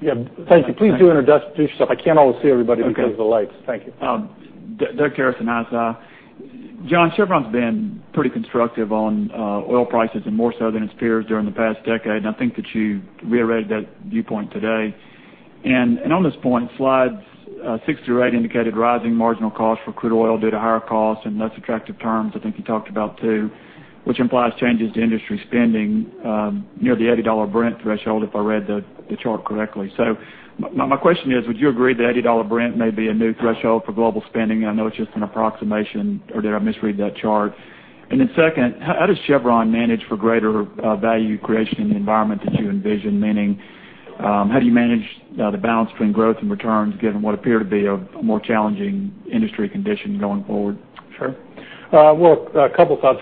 Yeah, thank you. Please do introduce yourself. I can't always see everybody because of the lights. Thank you. Doug Terreson, ISI. John, Chevron's been pretty constructive on oil prices and more so than its peers during the past decade. I think that you reiterated that viewpoint today. On this point, slides six through eight indicated rising marginal cost for crude oil due to higher costs and less attractive terms I think you talked about too, which implies changes to industry spending near the $80 Brent threshold, if I read the chart correctly. My question is, would you agree that $80 Brent may be a new threshold for global spending? I know it's just an approximation, or did I misread that chart? Then second, how does Chevron manage for greater value creation in the environment that you envision? Meaning, how do you manage the balance between growth and returns given what appear to be a more challenging industry condition going forward? Sure. Well, a couple thoughts.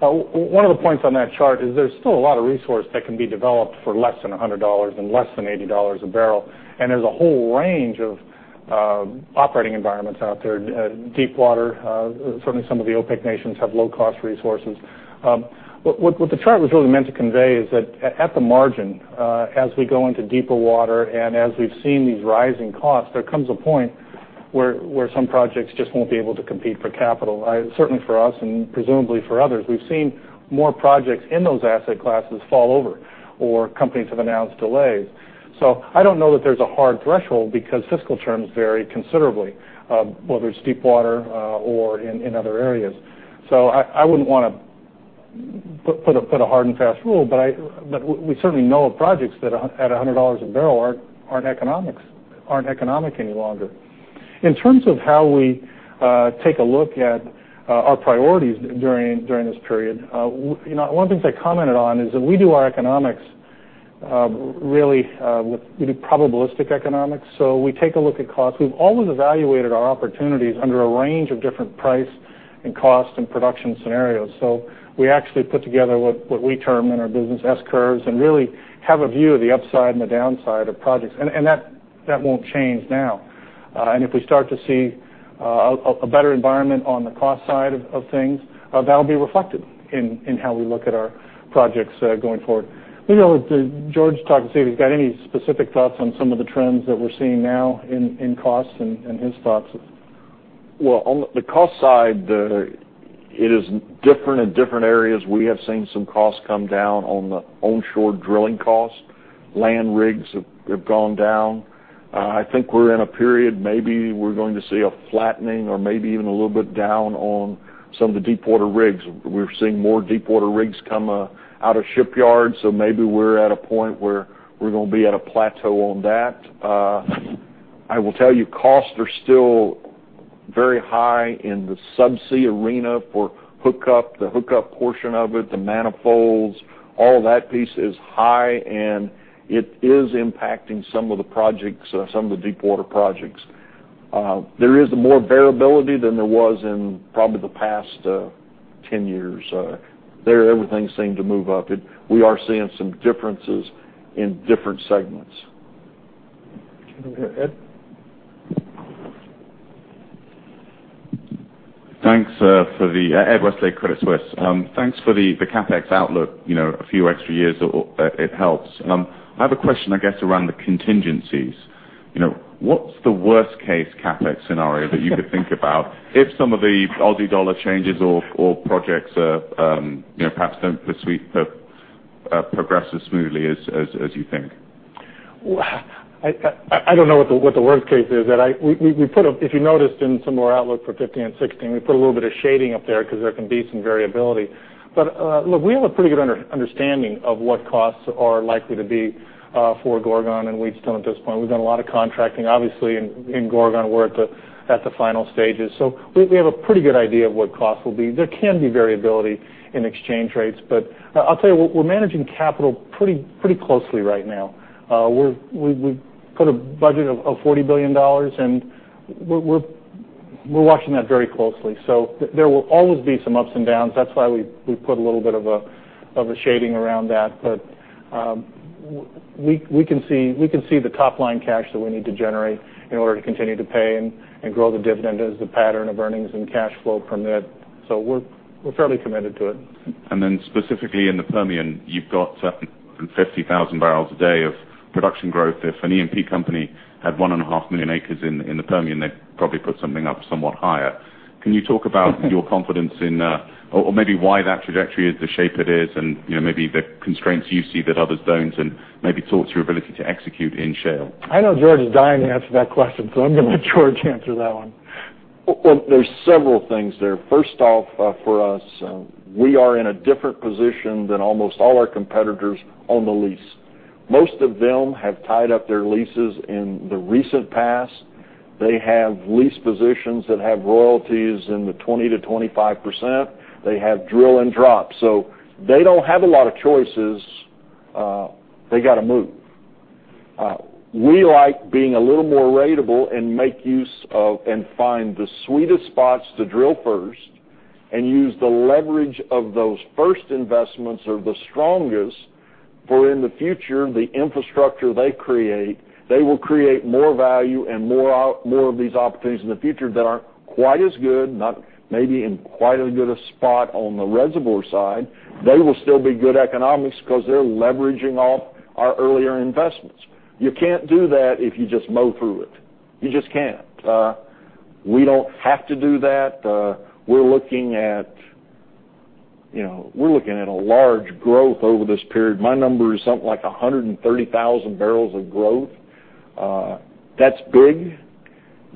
First, one of the points on that chart is there's still a lot of resource that can be developed for less than $100 and less than $80 a barrel. There's a whole range of operating environments out there, deep water, certainly some of the OPEC nations have low cost resources. What the chart was really meant to convey is that at the margin, as we go into deeper water and as we've seen these rising costs, there comes a point where some projects just won't be able to compete for capital. Certainly for us and presumably for others. We've seen more projects in those asset classes fall over, or companies have announced delays. I don't know that there's a hard threshold because fiscal terms vary considerably, whether it's deep water or in other areas. I wouldn't want to put a hard and fast rule, but we certainly know of projects that at $100 a barrel aren't economic any longer. In terms of how we take a look at our priorities during this period, one of the things I commented on is that we do our economics, really, we do probabilistic economics, we take a look at costs. We've always evaluated our opportunities under a range of different price and cost and production scenarios. We actually put together what we term in our business S-curves, and really have a view of the upside and the downside of projects. That won't change now. If we start to see a better environment on the cost side of things, that'll be reflected in how we look at our projects going forward. I know George talked. See if he's got any specific thoughts on some of the trends that we're seeing now in costs and his thoughts. Well, on the cost side, it is different in different areas. We have seen some costs come down on the onshore drilling costs. Land rigs have gone down. I think we're in a period, maybe we're going to see a flattening or maybe even a little bit down on some of the deepwater rigs. We're seeing more deepwater rigs come out of shipyards, so maybe we're at a point where we're going to be at a plateau on that. I will tell you, costs are still very high in the subsea arena for the hookup portion of it, the manifolds, all that piece is high and it is impacting some of the deepwater projects. There is more variability than there was in probably the past 10 years. Everything seemed to move up. We are seeing some differences in different segments. Ed? Ed Westlake, Credit Suisse. Thanks for the CapEx outlook, a few extra years, it helps. I have a question, I guess, around the contingencies. What's the worst-case CapEx scenario that you could think about if some of the Aussie dollar changes or projects perhaps don't progress as smoothly as you think? I don't know what the worst-case is. If you noticed in some of our outlook for 2015 and 2016, we put a little bit of shading up there because there can be some variability. Look, we have a pretty good understanding of what costs are likely to be for Gorgon and Wheatstone at this point. We've done a lot of contracting, obviously, in Gorgon, we're at the final stages. We have a pretty good idea of what costs will be. There can be variability in exchange rates, I'll tell you, we're managing capital pretty closely right now. We've put a budget of $40 billion, and we're watching that very closely. There will always be some ups and downs, that's why we put a little bit of a shading around that. We can see the top-line cash that we need to generate in order to continue to pay and grow the dividend as the pattern of earnings and cash flow permit. We're fairly committed to it. Specifically in the Permian, you've got 50,000 barrels a day of production growth. If an E&P company had one and a half million acres in the Permian, they'd probably put something up somewhat higher. Can you talk about your confidence in or maybe why that trajectory is the shape it is and maybe the constraints you see that others don't, and maybe talk to your ability to execute in shale? I know George is dying to answer that question, so I'm going to let George answer that one. There's several things there. First off, for us, we are in a different position than almost all our competitors on the lease. Most of them have tied up their leases in the recent past. They have lease positions that have royalties in the 20%-25%. They have drill and drop. They don't have a lot of choices. They got to move. We like being a little more ratable and make use of and find the sweetest spots to drill first and use the leverage of those first investments are the strongest for in the future, the infrastructure they create, they will create more value and more of these opportunities in the future that aren't quite as good, not maybe in quite as good a spot on the reservoir side. They will still be good economics because they're leveraging off our earlier investments. You can't do that if you just mow through it. You just can't. We don't have to do that. We're looking at a large growth over this period. My number is something like 130,000 barrels of growth. That's big.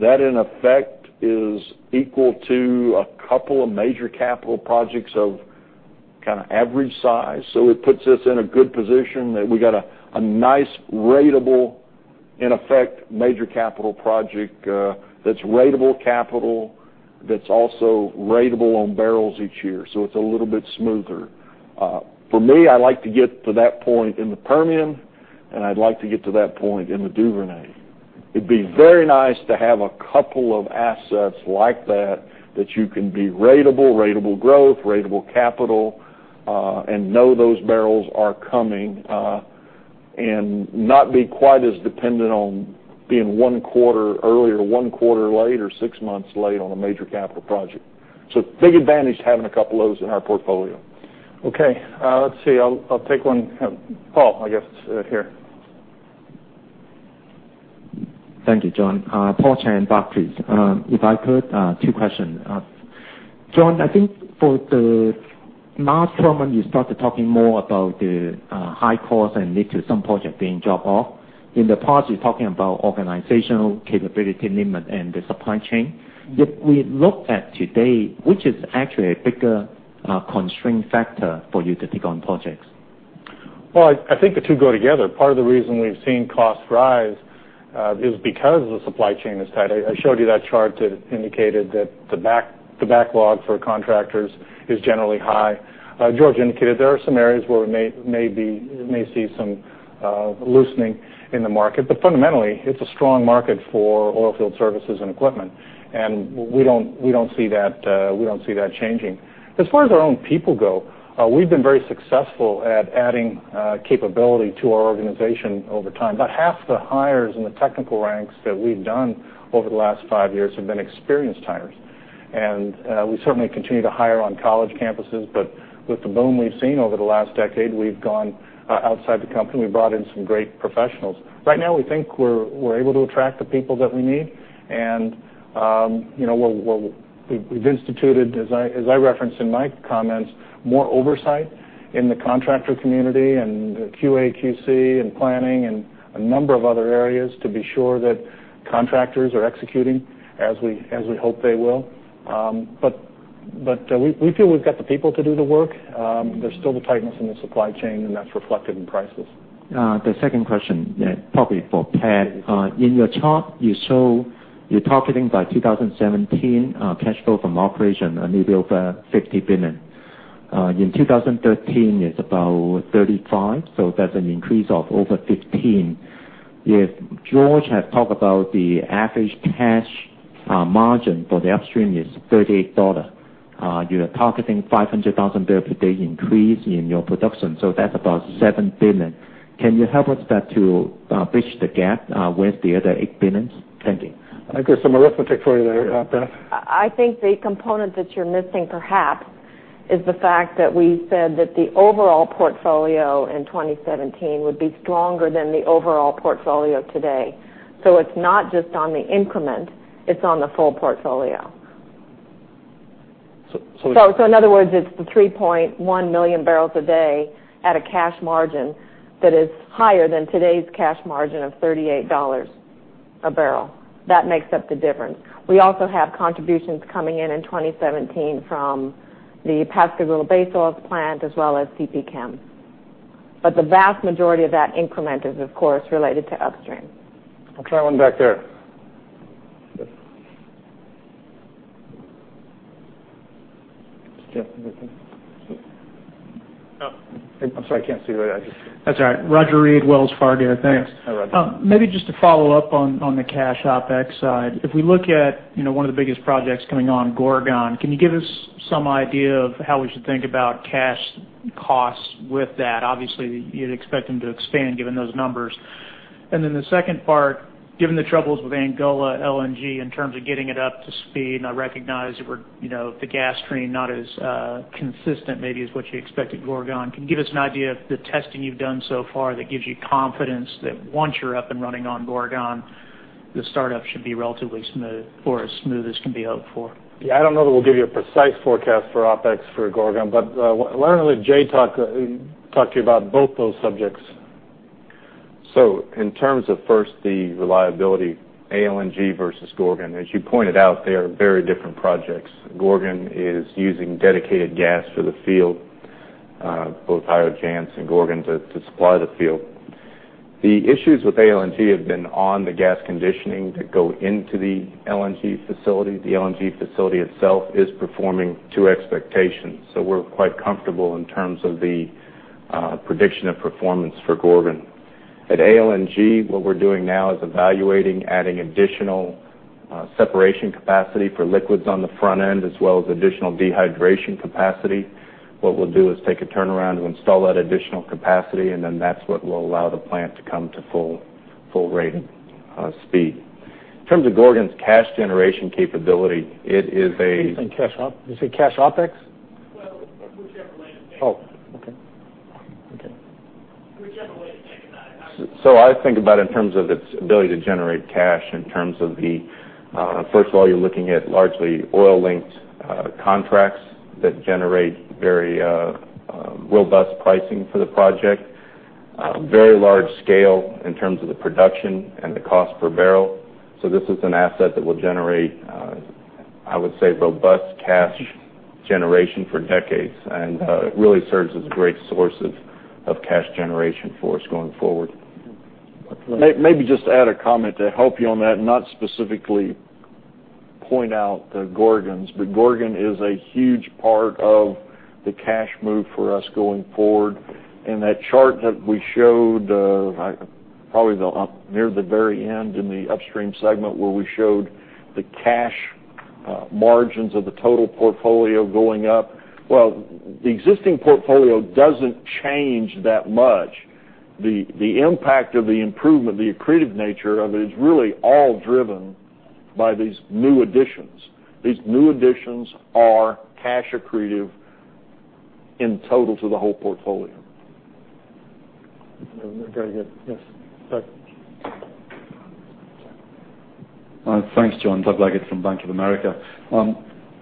That in effect is equal to a couple of major capital projects of kind of average size. It puts us in a good position that we got a nice ratable, in effect, major capital project that's ratable capital, that's also ratable on barrels each year. It's a little bit smoother. For me, I like to get to that point in the Permian, and I'd like to get to that point in the Duvernay. It'd be very nice to have a couple of assets like that that you can be ratable growth, ratable capital Know those barrels are coming and not be quite as dependent on being one quarter early or one quarter late or 6 months late on a major capital project. Big advantage to having a couple of those in our portfolio. Okay, let's see. I'll take one. Paul, I guess, here. Thank you, John. Paul Cheng, Barclays. If I could, two questions. John, I think for the last quarter, when you started talking more about the high costs and lead to some projects being dropped off. In the past, you're talking about organizational capability limit and the supply chain. If we look at today, which is actually a bigger constraint factor for you to take on projects? Well, I think the two go together. Part of the reason we've seen costs rise is because the supply chain is tight. I showed you that chart that indicated that the backlog for contractors is generally high. George indicated there are some areas where we may see some loosening in the market, but fundamentally, it's a strong market for oil field services and equipment, and we don't see that changing. As far as our own people go, we've been very successful at adding capability to our organization over time. About half the hires in the technical ranks that we've done over the last five years have been experienced hires. We certainly continue to hire on college campuses, but with the boom we've seen over the last decade, we've gone outside the company. We brought in some great professionals. Right now, we think we're able to attract the people that we need. We've instituted, as I referenced in my comments, more oversight in the contractor community and QA, QC, and planning and a number of other areas to be sure that contractors are executing as we hope they will. We feel we've got the people to do the work. There's still the tightness in the supply chain, and that's reflected in prices. The second question, probably for Pat. In your chart, you show you're targeting by 2017 cash flow from operation maybe over $50 billion. In 2013, it's about $35 billion, That's an increase of over $15 billion. George had talked about the average cash margin for the upstream is $38. You are targeting 500,000 barrel per day increase in your production, That's about $7 billion. Can you help us back to bridge the gap? Where is the other $8 billion? Thank you. I'll give some arithmetic for you there, Pat. I think the component that you're missing perhaps is the fact that we said that the overall portfolio in 2017 would be stronger than the overall portfolio today. It's not just on the increment, it's on the full portfolio. So- In other words, it's the 3.1 million barrels a day at a cash margin that is higher than today's cash margin of $38 a barrel. That makes up the difference. We also have contributions coming in in 2017 from the Pascagoula Base Oils plant as well as CP Chem. The vast majority of that increment is, of course, related to upstream. I'll try one back there. Yes. I'm sorry, I can't see right out. That's all right. Roger Read, Wells Fargo. Thanks. Yes. Hi, Roger. Maybe just to follow up on the cash OpEx side. If we look at one of the biggest projects coming on, Gorgon, can you give us some idea of how we should think about cash costs with that? Obviously, you'd expect them to expand given those numbers. Then the second part, given the troubles with Angola LNG in terms of getting it up to speed, and I recognize the gas stream not as consistent maybe as what you expect at Gorgon. Can you give us an idea of the testing you've done so far that gives you confidence that once you're up and running on Gorgon, the startup should be relatively smooth or as smooth as can be hoped for? Yeah, I don't know that we'll give you a precise forecast for OpEx for Gorgon. Why don't let Jay talk to you about both those subjects. In terms of first the reliability, ALNG versus Gorgon, as you pointed out, they are very different projects. Gorgon is using dedicated gas for the field, both Jansz-Io and Gorgon to supply the field. The issues with ALNG have been on the gas conditioning that go into the LNG facility. The LNG facility itself is performing to expectations. We're quite comfortable in terms of the prediction of performance for Gorgon. At ALNG, what we're doing now is evaluating adding additional separation capacity for liquids on the front end as well as additional dehydration capacity. What we'll do is take a turnaround to install that additional capacity, that's what will allow the plant to come to full rate speed. In terms of Gorgon's cash generation capability, it is a- You said cash OpEx? Well, whichever way to think about it. Oh, okay. Whichever way to think about it. I think about in terms of its ability to generate cash in terms of first of all, you're looking at largely oil-linked contracts that generate very robust pricing for the project. Very large scale in terms of the production and the cost per barrel. This is an asset that will generate I would say robust cash generation for decades, and it really serves as a great source of cash generation for us going forward. Maybe just to add a comment to help you on that, not specifically point out the Gorgon, but Gorgon is a huge part of the cash move for us going forward. That chart that we showed probably near the very end in the upstream segment where we showed the cash Margins of the total portfolio going up. The existing portfolio doesn't change that much. The impact of the improvement, the accretive nature of it, is really all driven by these new additions. These new additions are cash accretive in total to the whole portfolio. Very good. Yes, Doug. Thanks, John. Doug Leggate from Bank of America.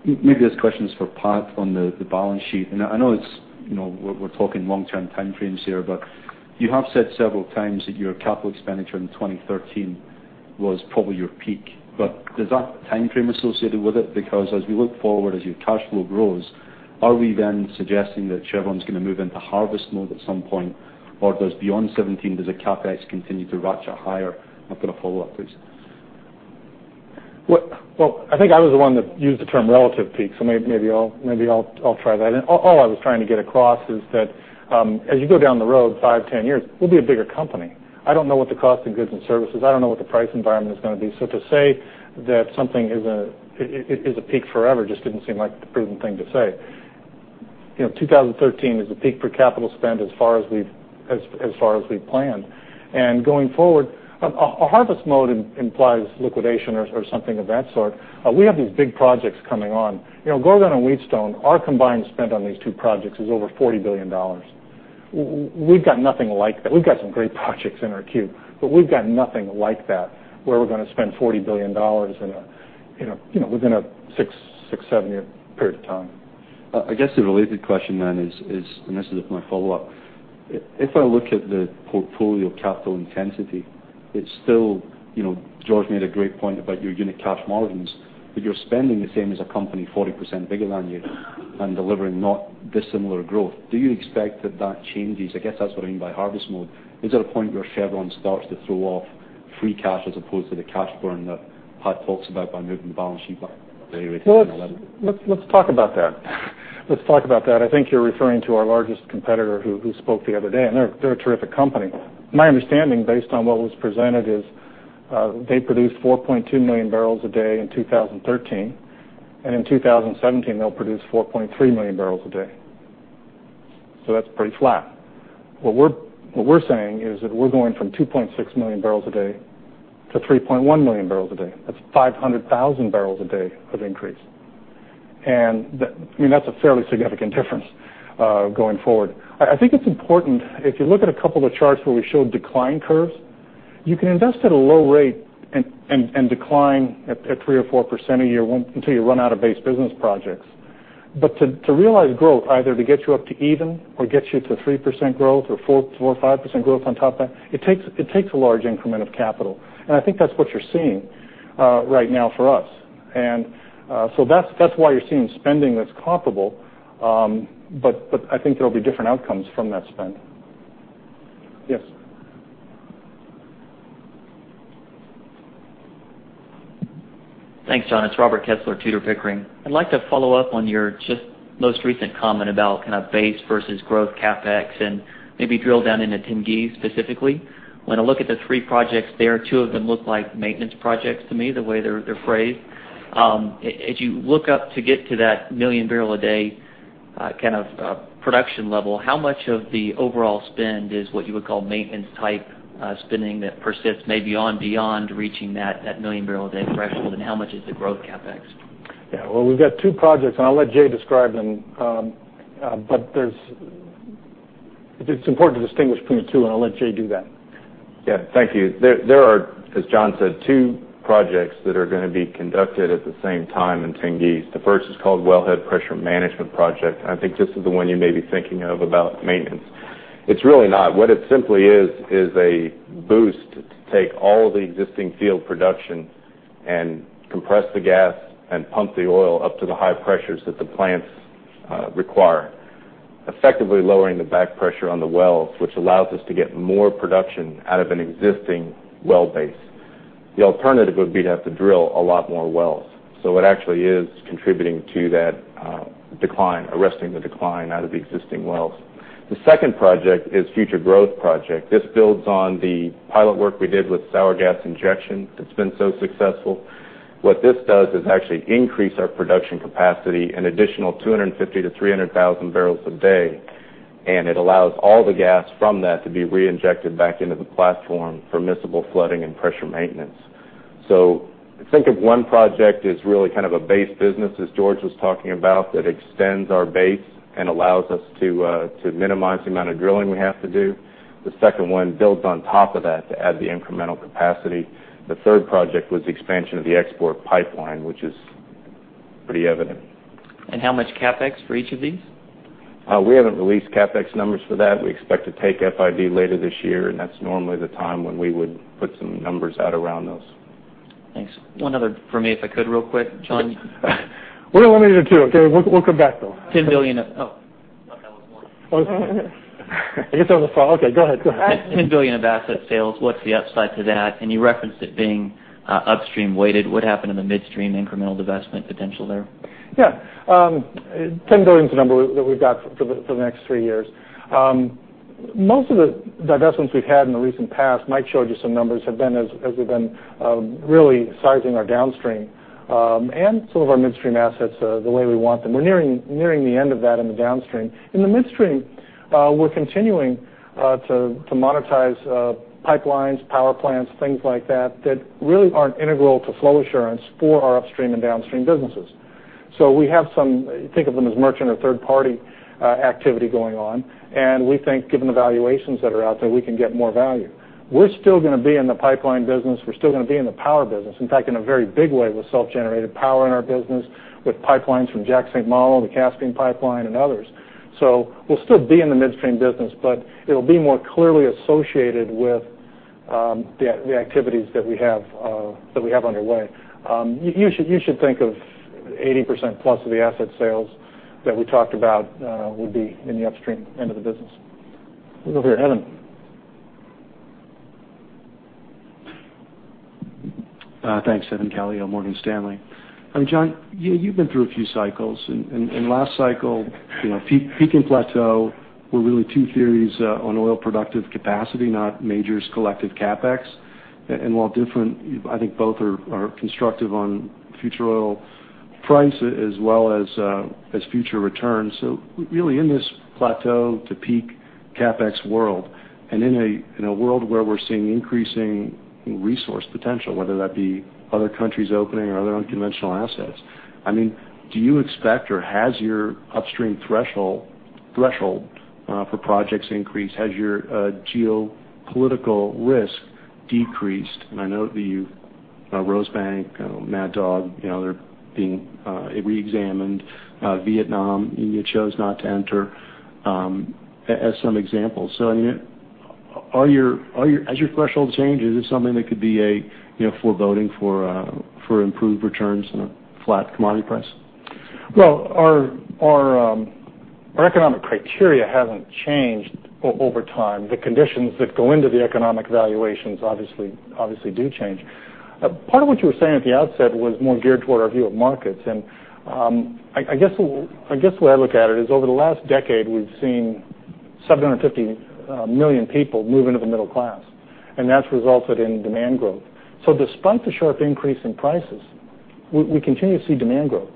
Maybe this question is for Pat on the balance sheet. I know we're talking long-term time frames here, you have said several times that your capital expenditure in 2013 was probably your peak. Does that time frame associated with it, because as we look forward, as your cash flow grows, are we then suggesting that Chevron's going to move into harvest mode at some point? Does beyond 2017, does the CapEx continue to ratchet higher? I've got a follow-up, please. I think I was the one that used the term relative peak, maybe I'll try that. All I was trying to get across is that as you go down the road five, 10 years, we'll be a bigger company. I don't know what the cost of goods and services, I don't know what the price environment is going to be. To say that something is a peak forever just didn't seem like the prudent thing to say. 2013 is a peak for capital spend as far as we've planned. Going forward, a harvest mode implies liquidation or something of that sort. We have these big projects coming on. Gorgon and Wheatstone, our combined spend on these two projects is over $40 billion. We've got nothing like that. We've got some great projects in our queue, but we've got nothing like that, where we're going to spend $40 billion within a six, seven-year period of time. I guess the related question is, this is my follow-up. If I look at the portfolio capital intensity, it's still, George made a great point about your unit cash margins, but you're spending the same as a company 40% bigger than you and delivering not dissimilar growth. Do you expect that that changes? I guess that's what I mean by harvest mode. Is there a point where Chevron starts to throw off free cash as opposed to the cash burn that Pat talks about by moving the balance sheet by Let's talk about that. I think you're referring to our largest competitor who spoke the other day. They're a terrific company. My understanding, based on what was presented, is they produced 4.2 million barrels a day in 2013, and in 2017 they'll produce 4.3 million barrels a day. That's pretty flat. What we're saying is that we're going from 2.6 million barrels a day to 3.1 million barrels a day. That's 500,000 barrels a day of increase. That's a fairly significant difference going forward. I think it's important, if you look at a couple of the charts where we showed decline curves, you can invest at a low rate and decline at 3% or 4% a year until you run out of base business projects. To realize growth, either to get you up to even or get you to 3% growth or 4% or 5% growth on top of that, it takes a large increment of capital. I think that's what you're seeing right now for us. That's why you're seeing spending that's comparable. I think there'll be different outcomes from that spend. Yes. Thanks, John. It's Robert Kessler, Tudor, Pickering. I'd like to follow up on your just most recent comment about base versus growth CapEx and maybe drill down into Tengiz specifically. When I look at the three projects there, two of them look like maintenance projects to me, the way they're phrased. As you look up to get to that million barrel a day production level, how much of the overall spend is what you would call maintenance type spending that persists maybe on beyond reaching that million barrel a day threshold, and how much is the growth CapEx? Yeah. Well, we've got two projects, and I'll let Jay describe them. It's important to distinguish between the two, and I'll let Jay do that. Yeah. Thank you. There are, as John said, two projects that are going to be conducted at the same time in Tengiz. The first is called Wellhead Pressure Management Project. I think this is the one you may be thinking of about maintenance. It's really not. What it simply is a boost to take all the existing field production and compress the gas and pump the oil up to the high pressures that the plants require, effectively lowering the back pressure on the wells, which allows us to get more production out of an existing well base. The alternative would be to have to drill a lot more wells. It actually is contributing to that decline, arresting the decline out of the existing wells. The second project is Future Growth Project. This builds on the pilot work we did with sour gas injection that's been so successful. What this does is actually increase our production capacity an additional 250,000 barrels a day-300,000 barrels a day, and it allows all the gas from that to be reinjected back into the platform for miscible flooding and pressure maintenance. Think of one project as really a base business, as George was talking about, that extends our base and allows us to minimize the amount of drilling we have to do. The second one builds on top of that to add the incremental capacity. The third project was the expansion of the export pipeline, which is pretty evident. How much CapEx for each of these? We haven't released CapEx numbers for that. We expect to take FID later this year, that's normally the time when we would put some numbers out around those. Thanks. One other from me, if I could, real quick, John. We're going to limit it to two, okay? We'll come back, though. $10 billion. I thought that was more. I guess that was the follow-up. Okay, go ahead. $10 billion of asset sales. What's the upside to that? You referenced it being upstream weighted. What happened in the midstream incremental divestment potential there? $10 billion is the number that we've got for the next three years. Most of the divestments we've had in the recent past, Mike showed you some numbers, have been as we've been really sizing our downstream and some of our midstream assets the way we want them. We're nearing the end of that in the downstream. In the midstream, we're continuing to monetize pipelines, power plants, things like that really aren't integral to flow assurance for our upstream and downstream businesses. We have some, think of them as merchant or third-party activity going on. We think given the valuations that are out there, we can get more value. We're still going to be in the pipeline business. We're still going to be in the power business, in fact, in a very big way with self-generated power in our business, with pipelines from Jack/St. Malo, the Caspian Pipeline, and others. We'll still be in the midstream business, but it'll be more clearly associated with the activities that we have underway. You should think of 80%+ of the asset sales that we talked about will be in the upstream end of the business. We'll go over here. Evan. Thanks, Evan Calio, Morgan Stanley. John, you've been through a few cycles, Last cycle, peak and plateau were really two theories on oil productive capacity, not majors collected CapEx. While different, I think both are constructive on future oil price as well as future returns. Really in this plateau to peak CapEx world, and in a world where we're seeing increasing resource potential, whether that be other countries opening or other unconventional assets, do you expect or has your upstream threshold for projects increased? Has your geopolitical risk decreased? I know the Rosebank, Mad Dog, they're being re-examined. Vietnam, you chose not to enter as some examples. As your threshold changes, is it something that could be a foreboding for improved returns in a flat commodity price? Well, our economic criteria haven't changed over time. The conditions that go into the economic valuations obviously do change. Part of what you were saying at the outset was more geared toward our view of markets, and I guess the way I look at it is over the last decade, we've seen 750 million people move into the middle class, and that's resulted in demand growth. Despite the sharp increase in prices, we continue to see demand growth,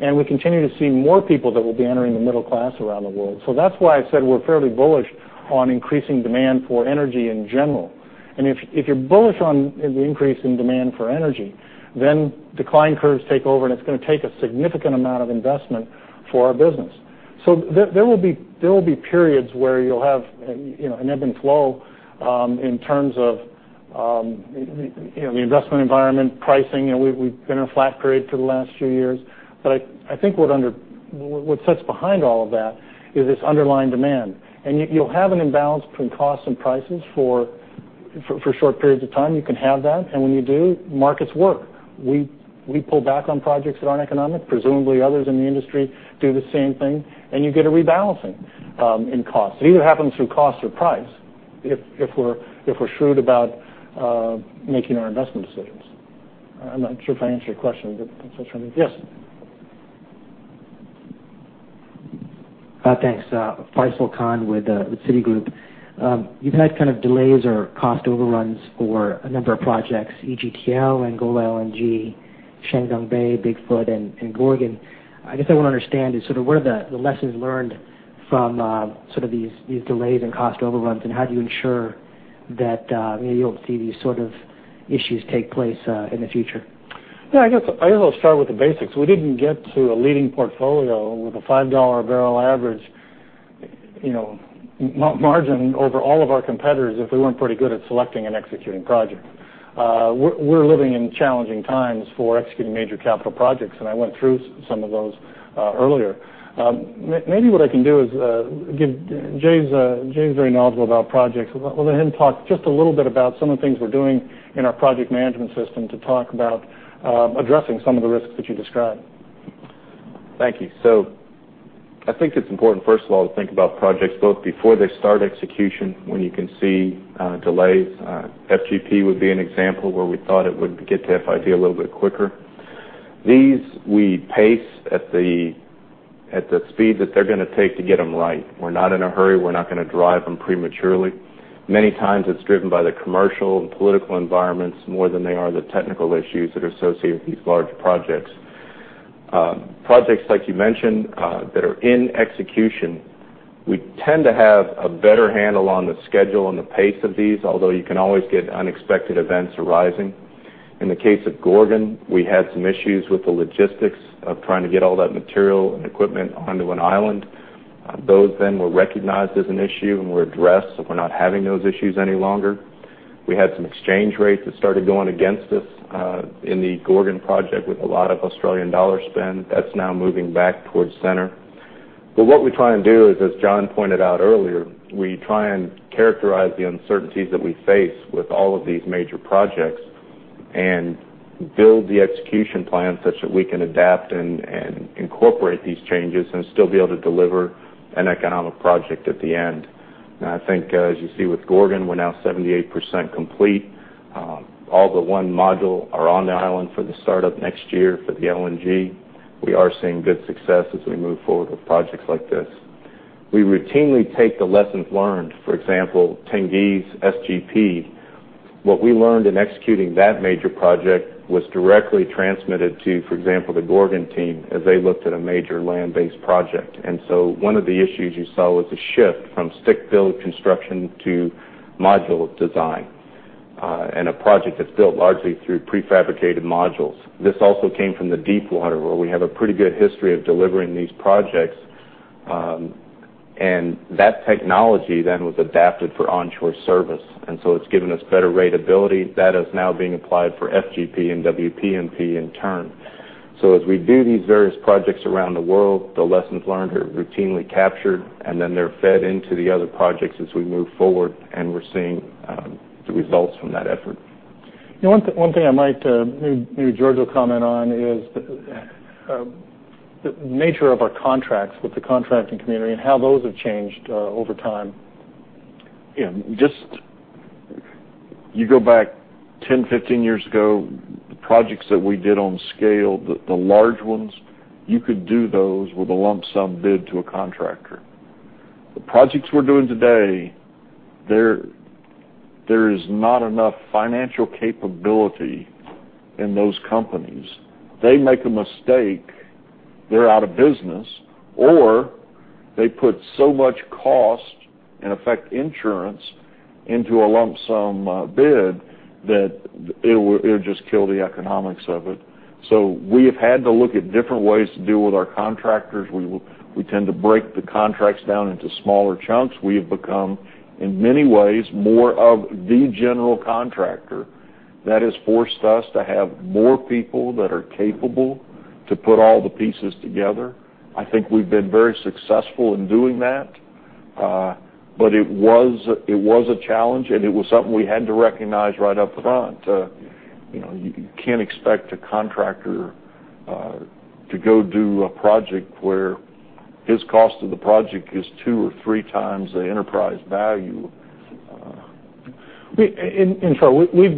and we continue to see more people that will be entering the middle class around the world. That's why I said we're fairly bullish on increasing demand for energy in general. If you're bullish on the increase in demand for energy, then decline curves take over, and it's going to take a significant amount of investment for our business. There will be periods where you'll have an ebb and flow in terms of the investment environment, pricing. We've been in a flat period for the last few years. I think what sits behind all of that is this underlying demand. You'll have an imbalance between costs and prices for short periods of time. You can have that, and when you do, markets work. We pull back on projects that aren't economic. Presumably, others in the industry do the same thing, and you get a rebalancing in cost. It either happens through cost or price if we're shrewd about making our investment decisions. I'm not sure if I answered your question, but that's what I mean. Yes. Thanks. Faisal Khan with Citigroup. You've had kind of delays or cost overruns for a number of projects, EGTL, Angola LNG, Chuandongbei, Bigfoot, and Gorgon. I guess I want to understand is sort of what are the lessons learned from these delays and cost overruns, and how do you ensure that you don't see these sort of issues take place in the future? Yeah, I guess I'll start with the basics. We didn't get to a leading portfolio with a $5 barrel average margin over all of our competitors if we weren't pretty good at selecting and executing projects. We're living in challenging times for executing major capital projects. I went through some of those earlier. Maybe what I can do is Jay's very knowledgeable about projects. We'll let him talk just a little bit about some of the things we're doing in our project management system to talk about addressing some of the risks that you described. Thank you. I think it's important, first of all, to think about projects both before they start execution, when you can see delays. FGP would be an example where we thought it would get to FID a little bit quicker. These we pace at the speed that they're going to take to get them right. We're not in a hurry. We're not going to drive them prematurely. Many times it's driven by the commercial and political environments more than they are the technical issues that are associated with these large projects. Projects like you mentioned that are in execution, we tend to have a better handle on the schedule and the pace of these, although you can always get unexpected events arising. In the case of Gorgon, we had some issues with the logistics of trying to get all that material and equipment onto an island. Those were recognized as an issue and were addressed. We're not having those issues any longer. We had some exchange rates that started going against us in the Gorgon project with a lot of AUD spend. That's now moving back towards center. What we try and do is, as John pointed out earlier, we try and characterize the uncertainties that we face with all of these major projects and build the execution plan such that we can adapt and incorporate these changes and still be able to deliver an economic project at the end. I think as you see with Gorgon, we're now 78% complete. All but one module are on the island for the start-up next year for the LNG. We are seeing good success as we move forward with projects like this. We routinely take the lessons learned, for example, Tengiz SGP. What we learned in executing that major project was directly transmitted to, for example, the Gorgon team as they looked at a major land-based project. One of the issues you saw was a shift from stick-built construction to modular design, and a project that's built largely through prefabricated modules. This also came from the deepwater, where we have a pretty good history of delivering these projects. That technology then was adapted for onshore service. It's given us better ratability. That is now being applied for FGP and WPMP in turn. As we do these various projects around the world, the lessons learned are routinely captured, and then they're fed into the other projects as we move forward, and we're seeing the results from that effort. One thing I might, maybe George will comment on, is the nature of our contracts with the contracting community and how those have changed over time. Yeah. You go back 10, 15 years ago, the projects that we did on scale, the large ones, you could do those with a lump sum bid to a contractor. The projects we're doing today, there is not enough financial capability in those companies. They make a mistake, they're out of business, or they put so much cost, in effect, insurance, into a lump sum bid that it would just kill the economics of it. We have had to look at different ways to deal with our contractors. We tend to break the contracts down into smaller chunks. We have become, in many ways, more of the general contractor. That has forced us to have more people that are capable to put all the pieces together. I think we've been very successful in doing that. It was a challenge, and it was something we had to recognize right up front. You can't expect a contractor to go do a project where his cost of the project is two or three times the enterprise value. We've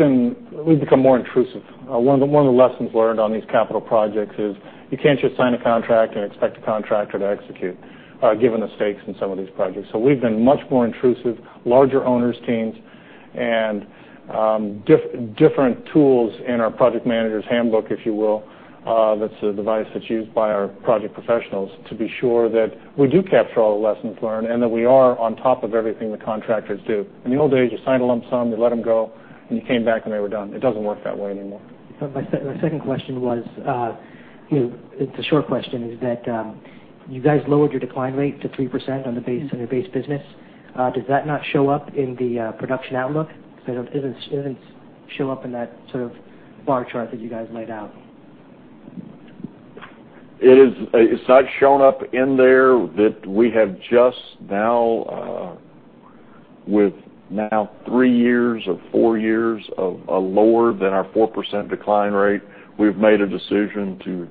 become more intrusive. One of the lessons learned on these capital projects is you can't just sign a contract and expect a contractor to execute, given the stakes in some of these projects. We've been much more intrusive, larger owner's teams, and different tools in our project manager's handbook, if you will. That's the device that's used by our project professionals to be sure that we do capture all the lessons learned and that we are on top of everything the contractors do. In the old days, you sign a lump sum, you let them go, and you came back, and they were done. It doesn't work that way anymore. My second question was, it's a short question, is that you guys lowered your decline rate to 3% on your base business. Does that not show up in the production outlook? It didn't show up in that bar chart that you guys laid out. It's not shown up in there that we have just now, with now three years or four years of lower than our 4% decline rate, we've made a decision to--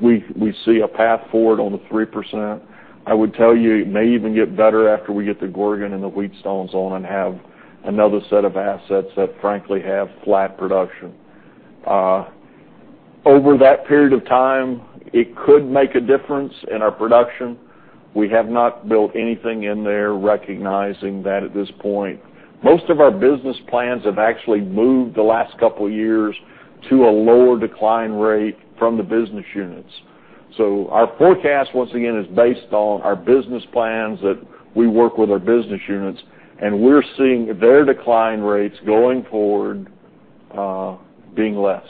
we see a path forward on the 3%. I would tell you it may even get better after we get to Gorgon and the Wheatstones on and have another set of assets that frankly have flat production. Over that period of time, it could make a difference in our production. We have not built anything in there recognizing that at this point. Most of our business plans have actually moved the last couple of years to a lower decline rate from the business units. Our forecast, once again, is based on our business plans that we work with our business units, and we're seeing their decline rates going forward being less.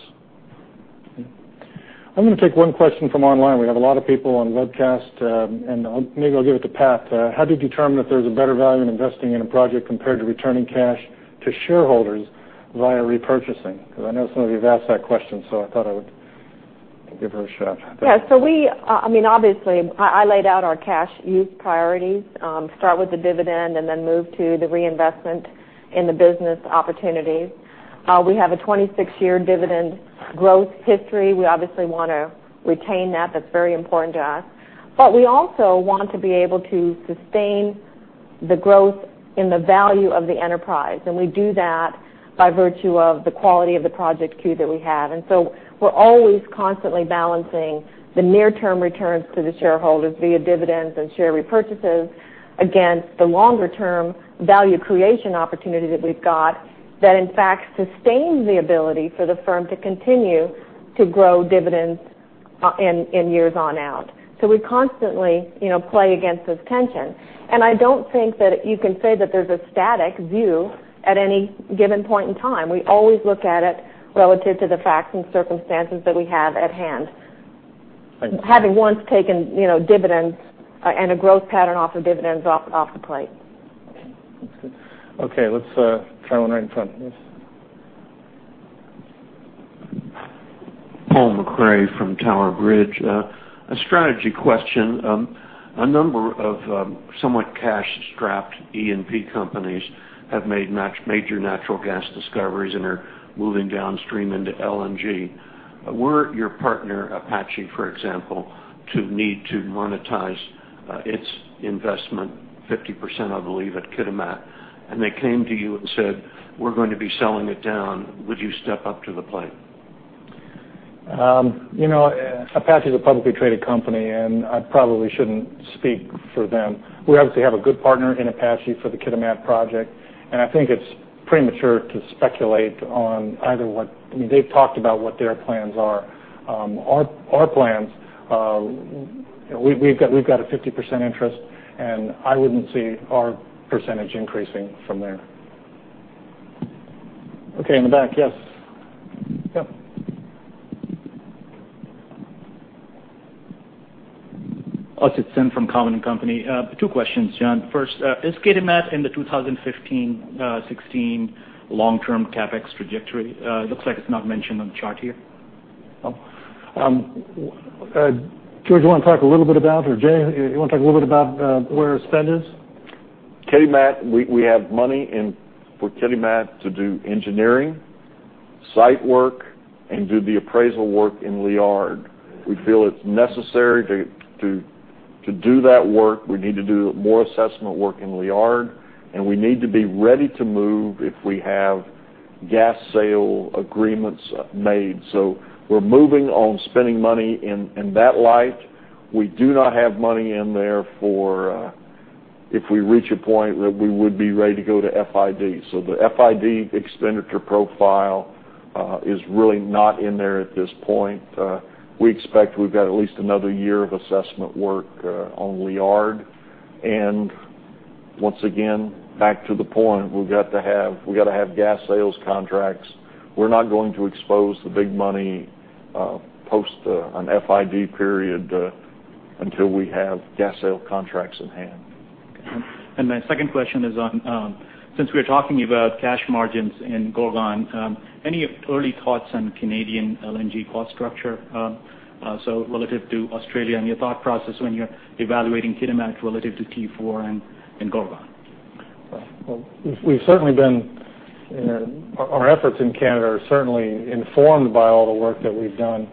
I'm going to take one question from online. We have a lot of people on webcast, and maybe I'll give it to Pat. How do you determine if there's a better value in investing in a project compared to returning cash to shareholders via repurchasing? I know some of you have asked that question, I thought I would give her a shot. Yeah. Obviously, I laid out our cash use priorities. Start with the dividend and then move to the reinvestment in the business opportunities. We have a 26-year dividend growth history. We obviously want to retain that. That's very important to us. We also want to be able to sustain the growth in the value of the enterprise, and we do that by virtue of the quality of the project queue that we have. We're always constantly balancing the near-term returns to the shareholders via dividends and share repurchases against the longer-term value creation opportunity that we've got that, in fact, sustains the ability for the firm to continue to grow dividends in years on out. We constantly play against this tension, and I don't think that you can say that there's a static view at any given point in time. We always look at it relative to the facts and circumstances that we have at hand. Thank you. Having once taken, dividends and a growth pattern off the dividends off the plate. Okay. Let's try one right in front. Yes. Paul McCray from Tower Bridge. A strategy question. A number of somewhat cash-strapped E&P companies have made major natural gas discoveries and are moving downstream into LNG. Were your partner, Apache, for example, to need to monetize its investment 50%, I believe, at Kitimat, and they came to you and said, "We're going to be selling it down," would you step up to the plate? Apache is a publicly traded company. I probably shouldn't speak for them. We obviously have a good partner in Apache for the Kitimat project. I think it's premature to speculate on either they've talked about what their plans are. Our plans, we've got a 50% interest. I wouldn't see our percentage increasing from there. Okay, in the back. Yes. Asit Sen from Cowen & Company. Two questions, John. First, is Kitimat in the 2015-2016 long term CapEx trajectory? Looks like it's not mentioned on the chart here. George, you want to talk a little bit about, or Jay, you want to talk a little bit about where spend is? Kitimat, we have money for Kitimat to do engineering, site work, and do the appraisal work in Liard. We feel it's necessary to do that work. We need to do more assessment work in Liard, and we need to be ready to move if we have gas sale agreements made. We're moving on spending money in that light. We do not have money in there for if we reach a point that we would be ready to go to FID. The FID expenditure profile is really not in there at this point. We expect we've got at least another year of assessment work on Liard. Once again, back to the point, we've got to have gas sales contracts. We're not going to expose the big money post an FID period until we have gas sale contracts in hand. Okay. My second question is on, since we're talking about cash margins in Gorgon, any early thoughts on Canadian LNG cost structure? Relative to Australia and your thought process when you're evaluating Kitimat relative to T4 and Gorgon. Well, our efforts in Canada are certainly informed by all the work that we've done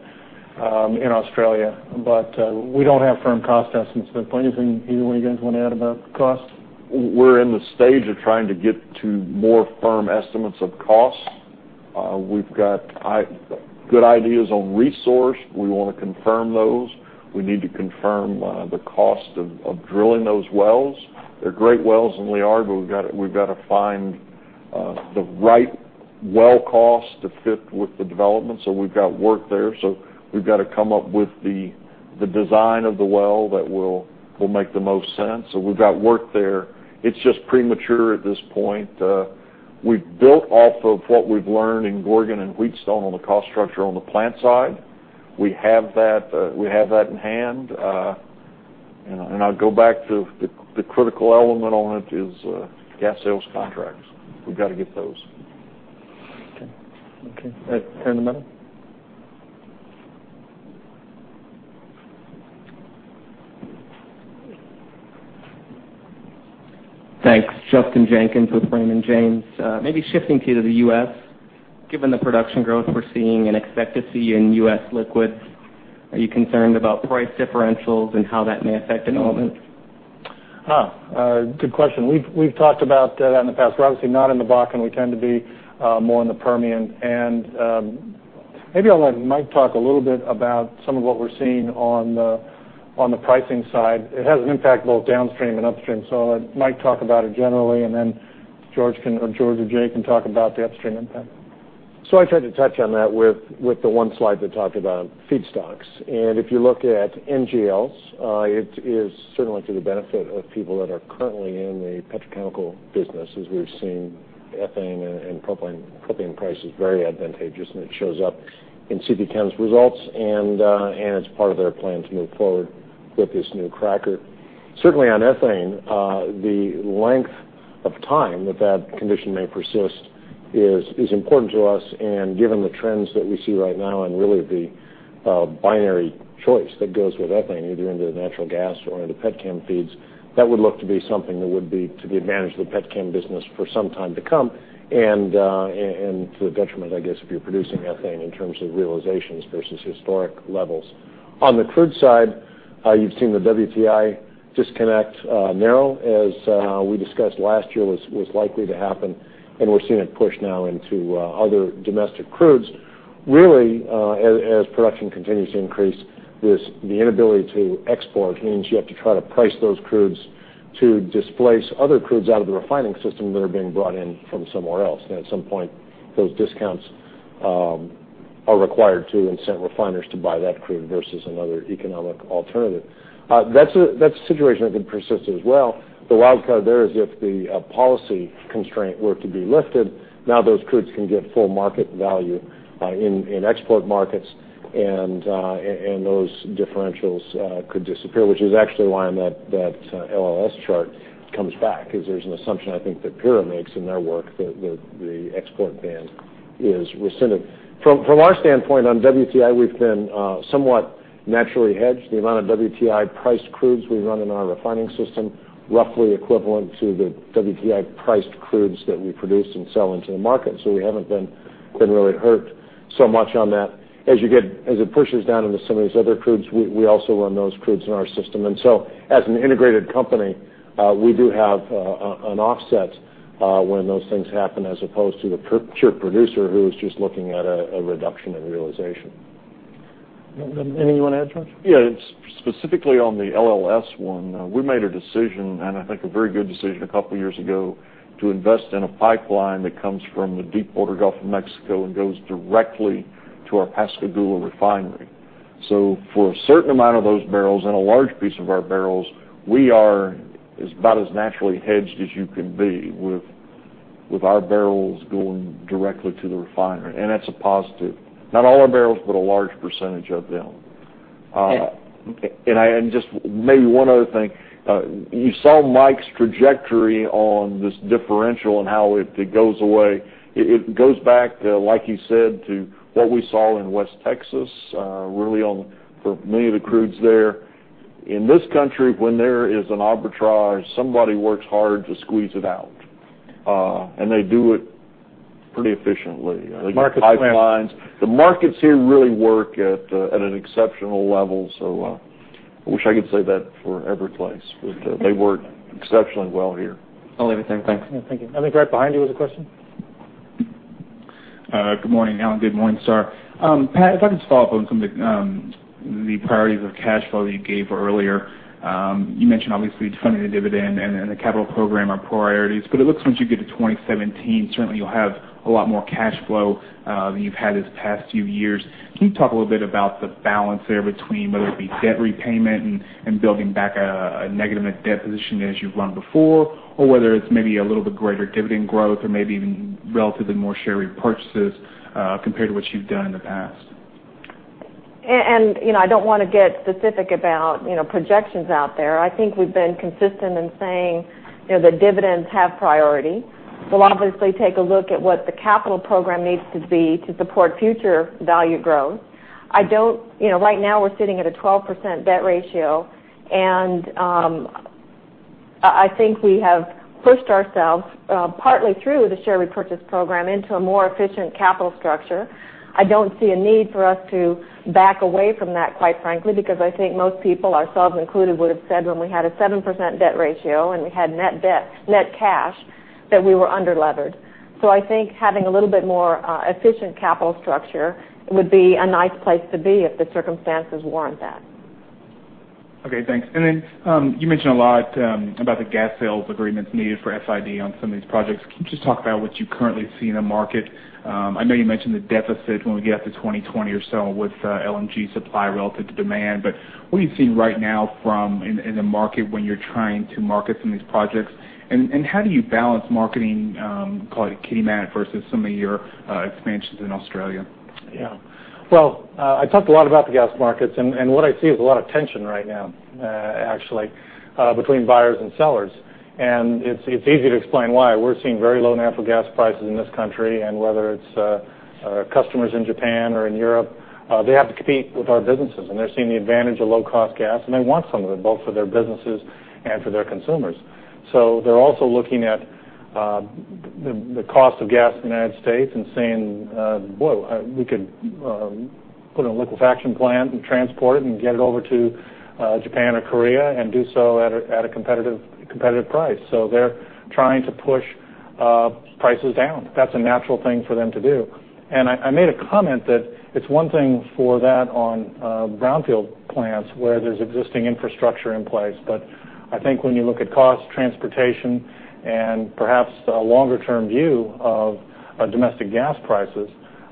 in Australia. We don't have firm cost estimates there. Anything either one of you guys want to add about cost? We're in the stage of trying to get to more firm estimates of cost. We've got good ideas on resource. We want to confirm those. We need to confirm the cost of drilling those wells. They're great wells in Liard, but we've got to find the right well cost to fit with the development. We've got work there. We've got to come up with the design of the well that will make the most sense. We've got work there. It's just premature at this point. We've built off of what we've learned in Gorgon and Wheatstone on the cost structure on the plant side. We have that in hand. I'll go back to the critical element on it is gas sales contracts. We've got to get those. Okay. Here in the middle. Thanks. Justin Jenkins with Raymond James. Maybe shifting to the U.S., given the production growth we're seeing and expect to see in U.S. liquids, are you concerned about price differentials and how that may affect development? Good question. We've talked about that in the past. We're obviously not in the Bakken. We tend to be more in the Permian. Maybe I'll let Mike talk a little bit about some of what we're seeing on the pricing side. It has an impact both downstream and upstream. Mike, talk about it generally, and then George or Jay can talk about the upstream impact. I tried to touch on that with the one slide that talked about feedstocks. If you look at NGLs, it is certainly to the benefit of people that are currently in the petrochemical business, as we've seen ethane and propylene prices very advantageous, and it shows up in CPChem's results, and it's part of their plan to move forward with this new cracker. Certainly on ethane, the length of time that condition may persist is important to us, and given the trends that we see right now and really the binary choice that goes with ethane, either into the natural gas or into pet chem feeds, that would look to be something that would be to the advantage of the pet chem business for some time to come, and to the detriment, I guess, if you're producing ethane in terms of realizations versus historic levels. On the crude side, you've seen the WTI disconnect narrow as we discussed last year was likely to happen, and we're seeing it push now into other domestic crudes. As production continues to increase, the inability to export means you have to try to price those crudes to displace other crudes out of the refining system that are being brought in from somewhere else, and at some point, those discounts are required to incent refiners to buy that crude versus another economic alternative. That's a situation that could persist as well. The wild card there is if the policy constraint were to be lifted, now those crudes can get full market value in export markets and those differentials could disappear, which is actually why on that LLS chart comes back, because there's an assumption I think that PIRA makes in their work that the export ban is rescinded. From our standpoint on WTI, we've been somewhat naturally hedged. The amount of WTI priced crudes we run in our refining system, roughly equivalent to the WTI priced crudes that we produce and sell into the market. We haven't been really hurt so much on that. As it pushes down into some of these other crudes, we also run those crudes in our system. As an integrated company, we do have an offset when those things happen as opposed to the pure producer who is just looking at a reduction in realization. Anything you want to add, George? Yeah. Specifically on the LLS one, we made a decision, and I think a very good decision a couple of years ago, to invest in a pipeline that comes from the deepwater Gulf of Mexico and goes directly to our Pascagoula refinery. For a certain amount of those barrels and a large piece of our barrels, we are about as naturally hedged as you can be with our barrels going directly to the refinery, and that's a positive. Not all our barrels, but a large percentage of them. Yeah. Just maybe one other thing. You saw Mike's trajectory on this differential and how it goes away. It goes back, like you said, to what we saw in West Texas, really on for many of the crudes there. In this country, when there is an arbitrage, somebody works hard to squeeze it out, and they do it pretty efficiently. Market plans. The markets here really work at an exceptional level. I wish I could say that for every place, but they work exceptionally well here. I'll leave it there. Thanks. Yeah. Thank you. I think right behind you was a question. Good morning and good morning, Sir. Pat, if I could just follow up on some of the priorities of cash flow that you gave earlier. You mentioned obviously funding the dividend and the capital program are priorities, but it looks once you get to 2017, certainly you'll have a lot more cash flow than you've had these past few years. Can you talk a little bit about the balance there between whether it be debt repayment and building back a negative net debt position as you've run before, or whether it's maybe a little bit greater dividend growth or maybe even relatively more share repurchases compared to what you've done in the past? I don't want to get specific about projections out there. I think we've been consistent in saying that dividends have priority. We'll obviously take a look at what the capital program needs to be to support future value growth. Right now, we're sitting at a 12% debt ratio, I think we have pushed ourselves, partly through the share repurchase program, into a more efficient capital structure. I don't see a need for us to back away from that, quite frankly, because I think most people, ourselves included, would have said when we had a 7% debt ratio and we had net cash, that we were under-levered. I think having a little bit more efficient capital structure would be a nice place to be if the circumstances warrant that. Okay, thanks. You mentioned a lot about the gas sales agreements needed for FID on some of these projects. Can you just talk about what you currently see in the market? I know you mentioned the deficit when we get to 2020 or so with LNG supply relative to demand, but what are you seeing right now in the market when you're trying to market some of these projects? How do you balance marketing, call it Kitimat versus some of your expansions in Australia? Well, I talked a lot about the gas markets, what I see is a lot of tension right now, actually, between buyers and sellers. It's easy to explain why. We're seeing very low natural gas prices in this country, whether it's customers in Japan or in Europe, they have to compete with our businesses, they're seeing the advantage of low-cost gas, they want some of it, both for their businesses and for their consumers. They're also looking at the cost of gas in the U.S. and saying, "Whoa, we could put a liquefaction plant and transport it and get it over to Japan or Korea, and do so at a competitive price." They're trying to push prices down. That's a natural thing for them to do. I made a comment that it's one thing for that on brownfield plants where there's existing infrastructure in place. I think when you look at cost, transportation, and perhaps a longer-term view of domestic gas prices,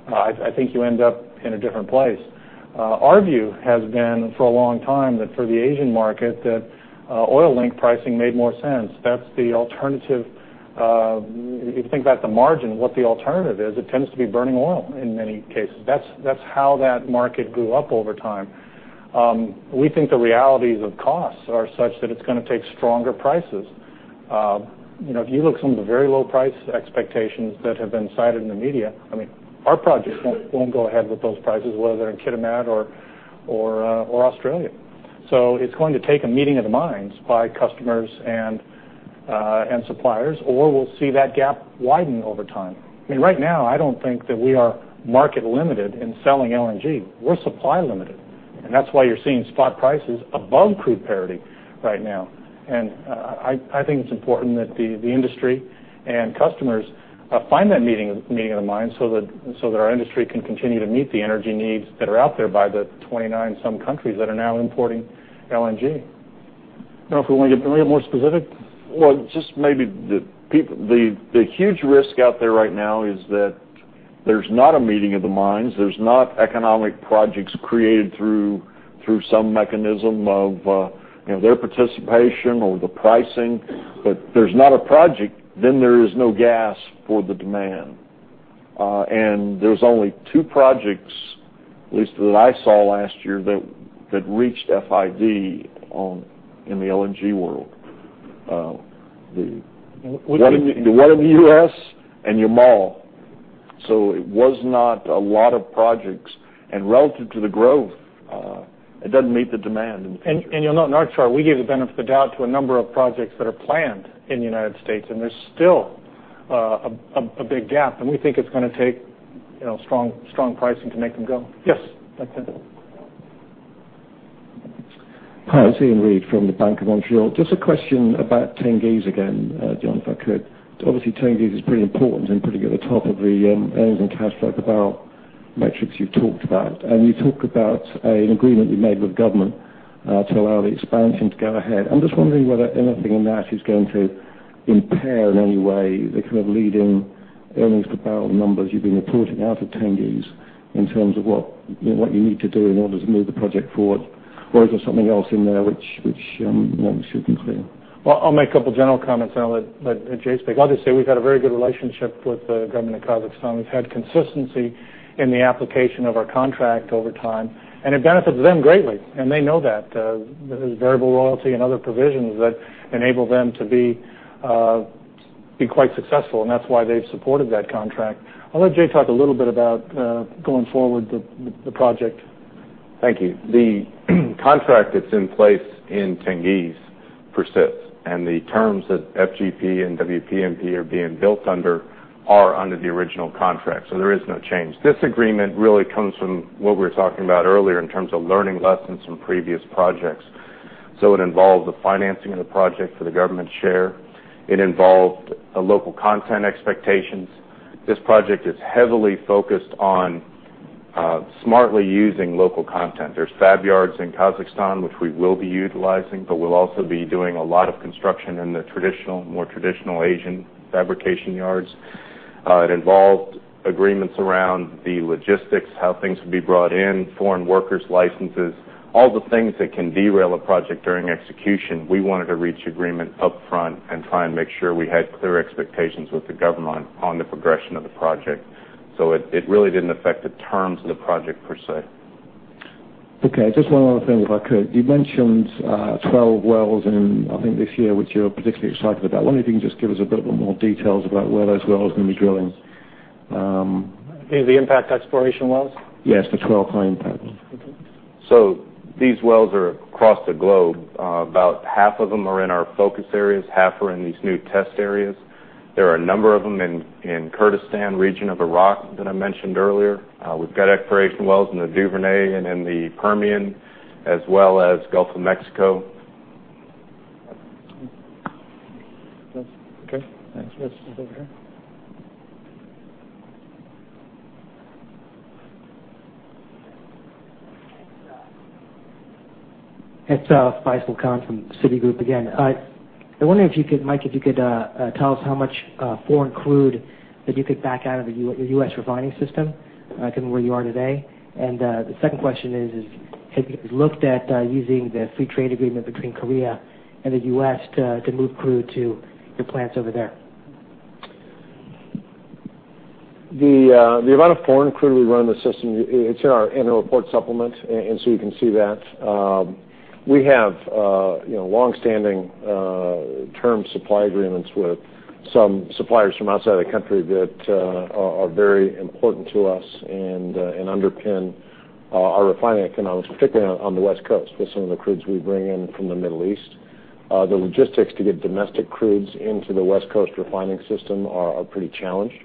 I think you end up in a different place. Our view has been for a long time that for the Asian market, that oil-linked pricing made more sense. That's the alternative. If you think about the margin, what the alternative is, it tends to be burning oil in many cases. That's how that market grew up over time. We think the realities of costs are such that it's going to take stronger prices. If you look at some of the very low price expectations that have been cited in the media, our projects won't go ahead with those prices, whether in Kitimat or Australia. It's going to take a meeting of the minds by customers and suppliers, or we'll see that gap widen over time. Right now, I don't think that we are market limited in selling LNG. We're supply limited, that's why you're seeing spot prices above crude parity right now. I think it's important that the industry and customers find that meeting of the minds so that our industry can continue to meet the energy needs that are out there by the 29 some countries that are now importing LNG. If we want to get a little more specific? Well, just maybe the huge risk out there right now is that there's not a meeting of the minds. There's not economic projects created through some mechanism of their participation or the pricing. There's not a project, then there is no gas for the demand. There's only two projects, at least that I saw last year, that reached FID in the LNG world. What do you mean? The one in the U.S. and Yamal. It was not a lot of projects, and relative to the growth, it doesn't meet the demand in the future. You'll note in our chart, we gave the benefit of the doubt to a number of projects that are planned in the United States, and there's still a big gap, and we think it's going to take strong pricing to make them go. Yes, that's it. Hi, it's Iain Reid from the Bank of Montreal. Just a question about Tengiz again, John, if I could. Obviously, Tengiz is pretty important and pretty at the top of the earnings and cash flow barrel metrics you've talked about. You talked about an agreement you made with the government to allow the expansion to go ahead. I'm just wondering whether anything in that is going to impair in any way the kind of leading earnings per barrel numbers you've been reporting out of Tengiz in terms of what you need to do in order to move the project forward. Is there something else in there which should be clear? Well, I'll make a couple general comments and I'll let Jay speak. Obviously, we've had a very good relationship with the government of Kazakhstan. We've had consistency in the application of our contract over time, and it benefits them greatly, and they know that. There's variable royalty and other provisions that enable them to be quite successful, and that's why they've supported that contract. I'll let Jay talk a little bit about going forward with the project. Thank you. The contract that's in place in Tengiz persists, and the terms that FGP and WPMP are being built under are under the original contract. There is no change. This agreement really comes from what we were talking about earlier in terms of learning lessons from previous projects. It involved the financing of the project for the government share. It involved local content expectations. This project is heavily focused on smartly using local content. There's fab yards in Kazakhstan, which we will be utilizing, but we'll also be doing a lot of construction in the more traditional Asian fabrication yards. It involved agreements around the logistics, how things would be brought in, foreign workers' licenses. All the things that can derail a project during execution, we wanted to reach agreement upfront and try and make sure we had clear expectations with the government on the progression of the project. It really didn't affect the terms of the project per se. Okay. Just one other thing if I could. You mentioned 12 wells in, I think this year, which you're particularly excited about. I wonder if you can just give us a bit more details about where those wells are going to be drilling. You mean the impact exploration wells? Yes, the 12 high-impact ones. These wells are across the globe. About half of them are in our focus areas, half are in these new test areas. There are a number of them in Kurdistan region of Iraq that I mentioned earlier. We've got exploration wells in the Duvernay and in the Permian, as well as Gulf of Mexico. Okay, thanks. Yes. Over here. It's Faisal Khan from Citigroup again. I wonder, Mike, if you could tell us how much foreign crude that you could back out of the U.S. refining system from where you are today, and the second question is, have you looked at using the free trade agreement between Korea and the U.S. to move crude to your plants over there? The amount of foreign crude we run in the system, it's in our annual report supplement, you can see that. We have longstanding term supply agreements with some suppliers from outside the country that are very important to us and underpin our refining economics, particularly on the West Coast with some of the crudes we bring in from the Middle East. The logistics to get domestic crudes into the West Coast refining system are pretty challenged.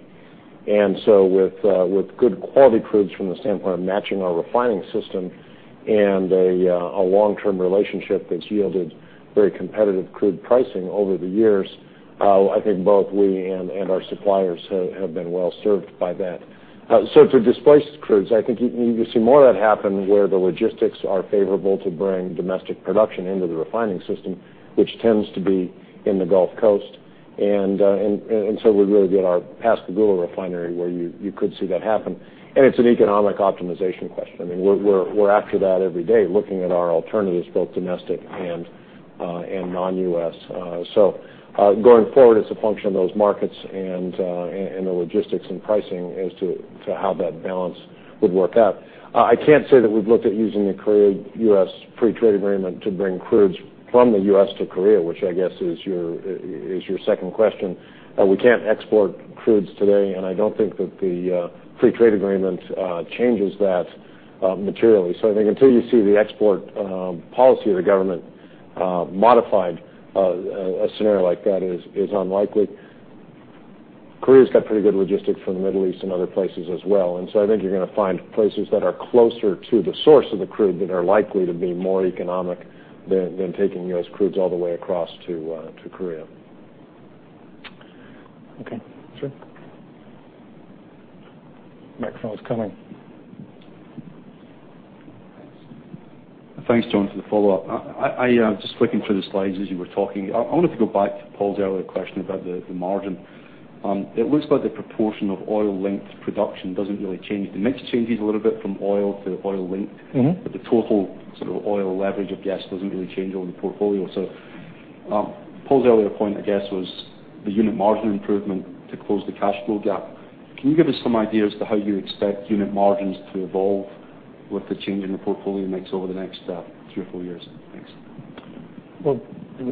With good quality crudes from the standpoint of matching our refining system and a long-term relationship that's yielded very competitive crude pricing over the years, I think both we and our suppliers have been well-served by that. To displace crudes, I think you need to see more of that happen where the logistics are favorable to bring domestic production into the refining system, which tends to be in the Gulf Coast. We really get our Pascagoula Refinery where you could see that happen. It's an economic optimization question. I mean, we're after that every day, looking at our alternatives, both domestic and non-U.S. Going forward, it's a function of those markets and the logistics and pricing as to how that balance would work out. I can't say that we've looked at using the Korea-U.S. free trade agreement to bring crudes from the U.S. to Korea, which I guess is your second question. We can't export crudes today, I don't think that the free trade agreement changes that materially. I think until you see the export policy of the government modified, a scenario like that is unlikely. Korea's got pretty good logistics from the Middle East and other places as well, I think you're going to find places that are closer to the source of the crude that are likely to be more economic than taking U.S. crudes all the way across to Korea. Okay. Sure. Microphone's coming. Thanks, John, for the follow-up. I was just flicking through the slides as you were talking. I wanted to go back to Paul's earlier question about the margin. It looks like the proportion of oil-linked production doesn't really change. The mix changes a little bit from oil to oil-linked- The total sort of oil leverage, I guess, doesn't really change over the portfolio. Paul's earlier point, I guess, was the unit margin improvement to close the cash flow gap. Can you give us some idea as to how you expect unit margins to evolve with the change in the portfolio mix over the next three or four years? Thanks. Well,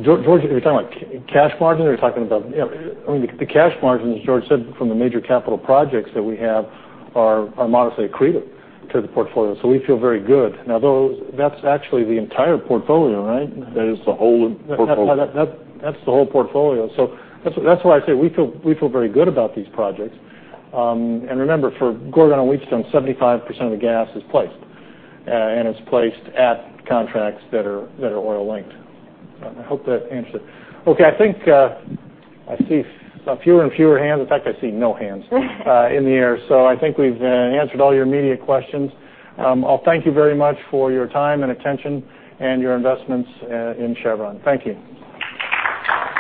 George, are you talking about cash margin, or I mean, the cash margin, as George said, from the major capital projects that we have are modestly accretive to the portfolio. We feel very good. Now, that's actually the entire portfolio, right? That is the whole portfolio. That's the whole portfolio. That's why I say we feel very good about these projects. Remember, for Gorgon and Wheatstone, 75% of the gas is placed, and it's placed at contracts that are oil-linked. I hope that answers it. Okay. I think I see fewer and fewer hands. In fact, I see no hands in the air. I think we've answered all your immediate questions. I'll thank you very much for your time and attention and your investments in Chevron. Thank you.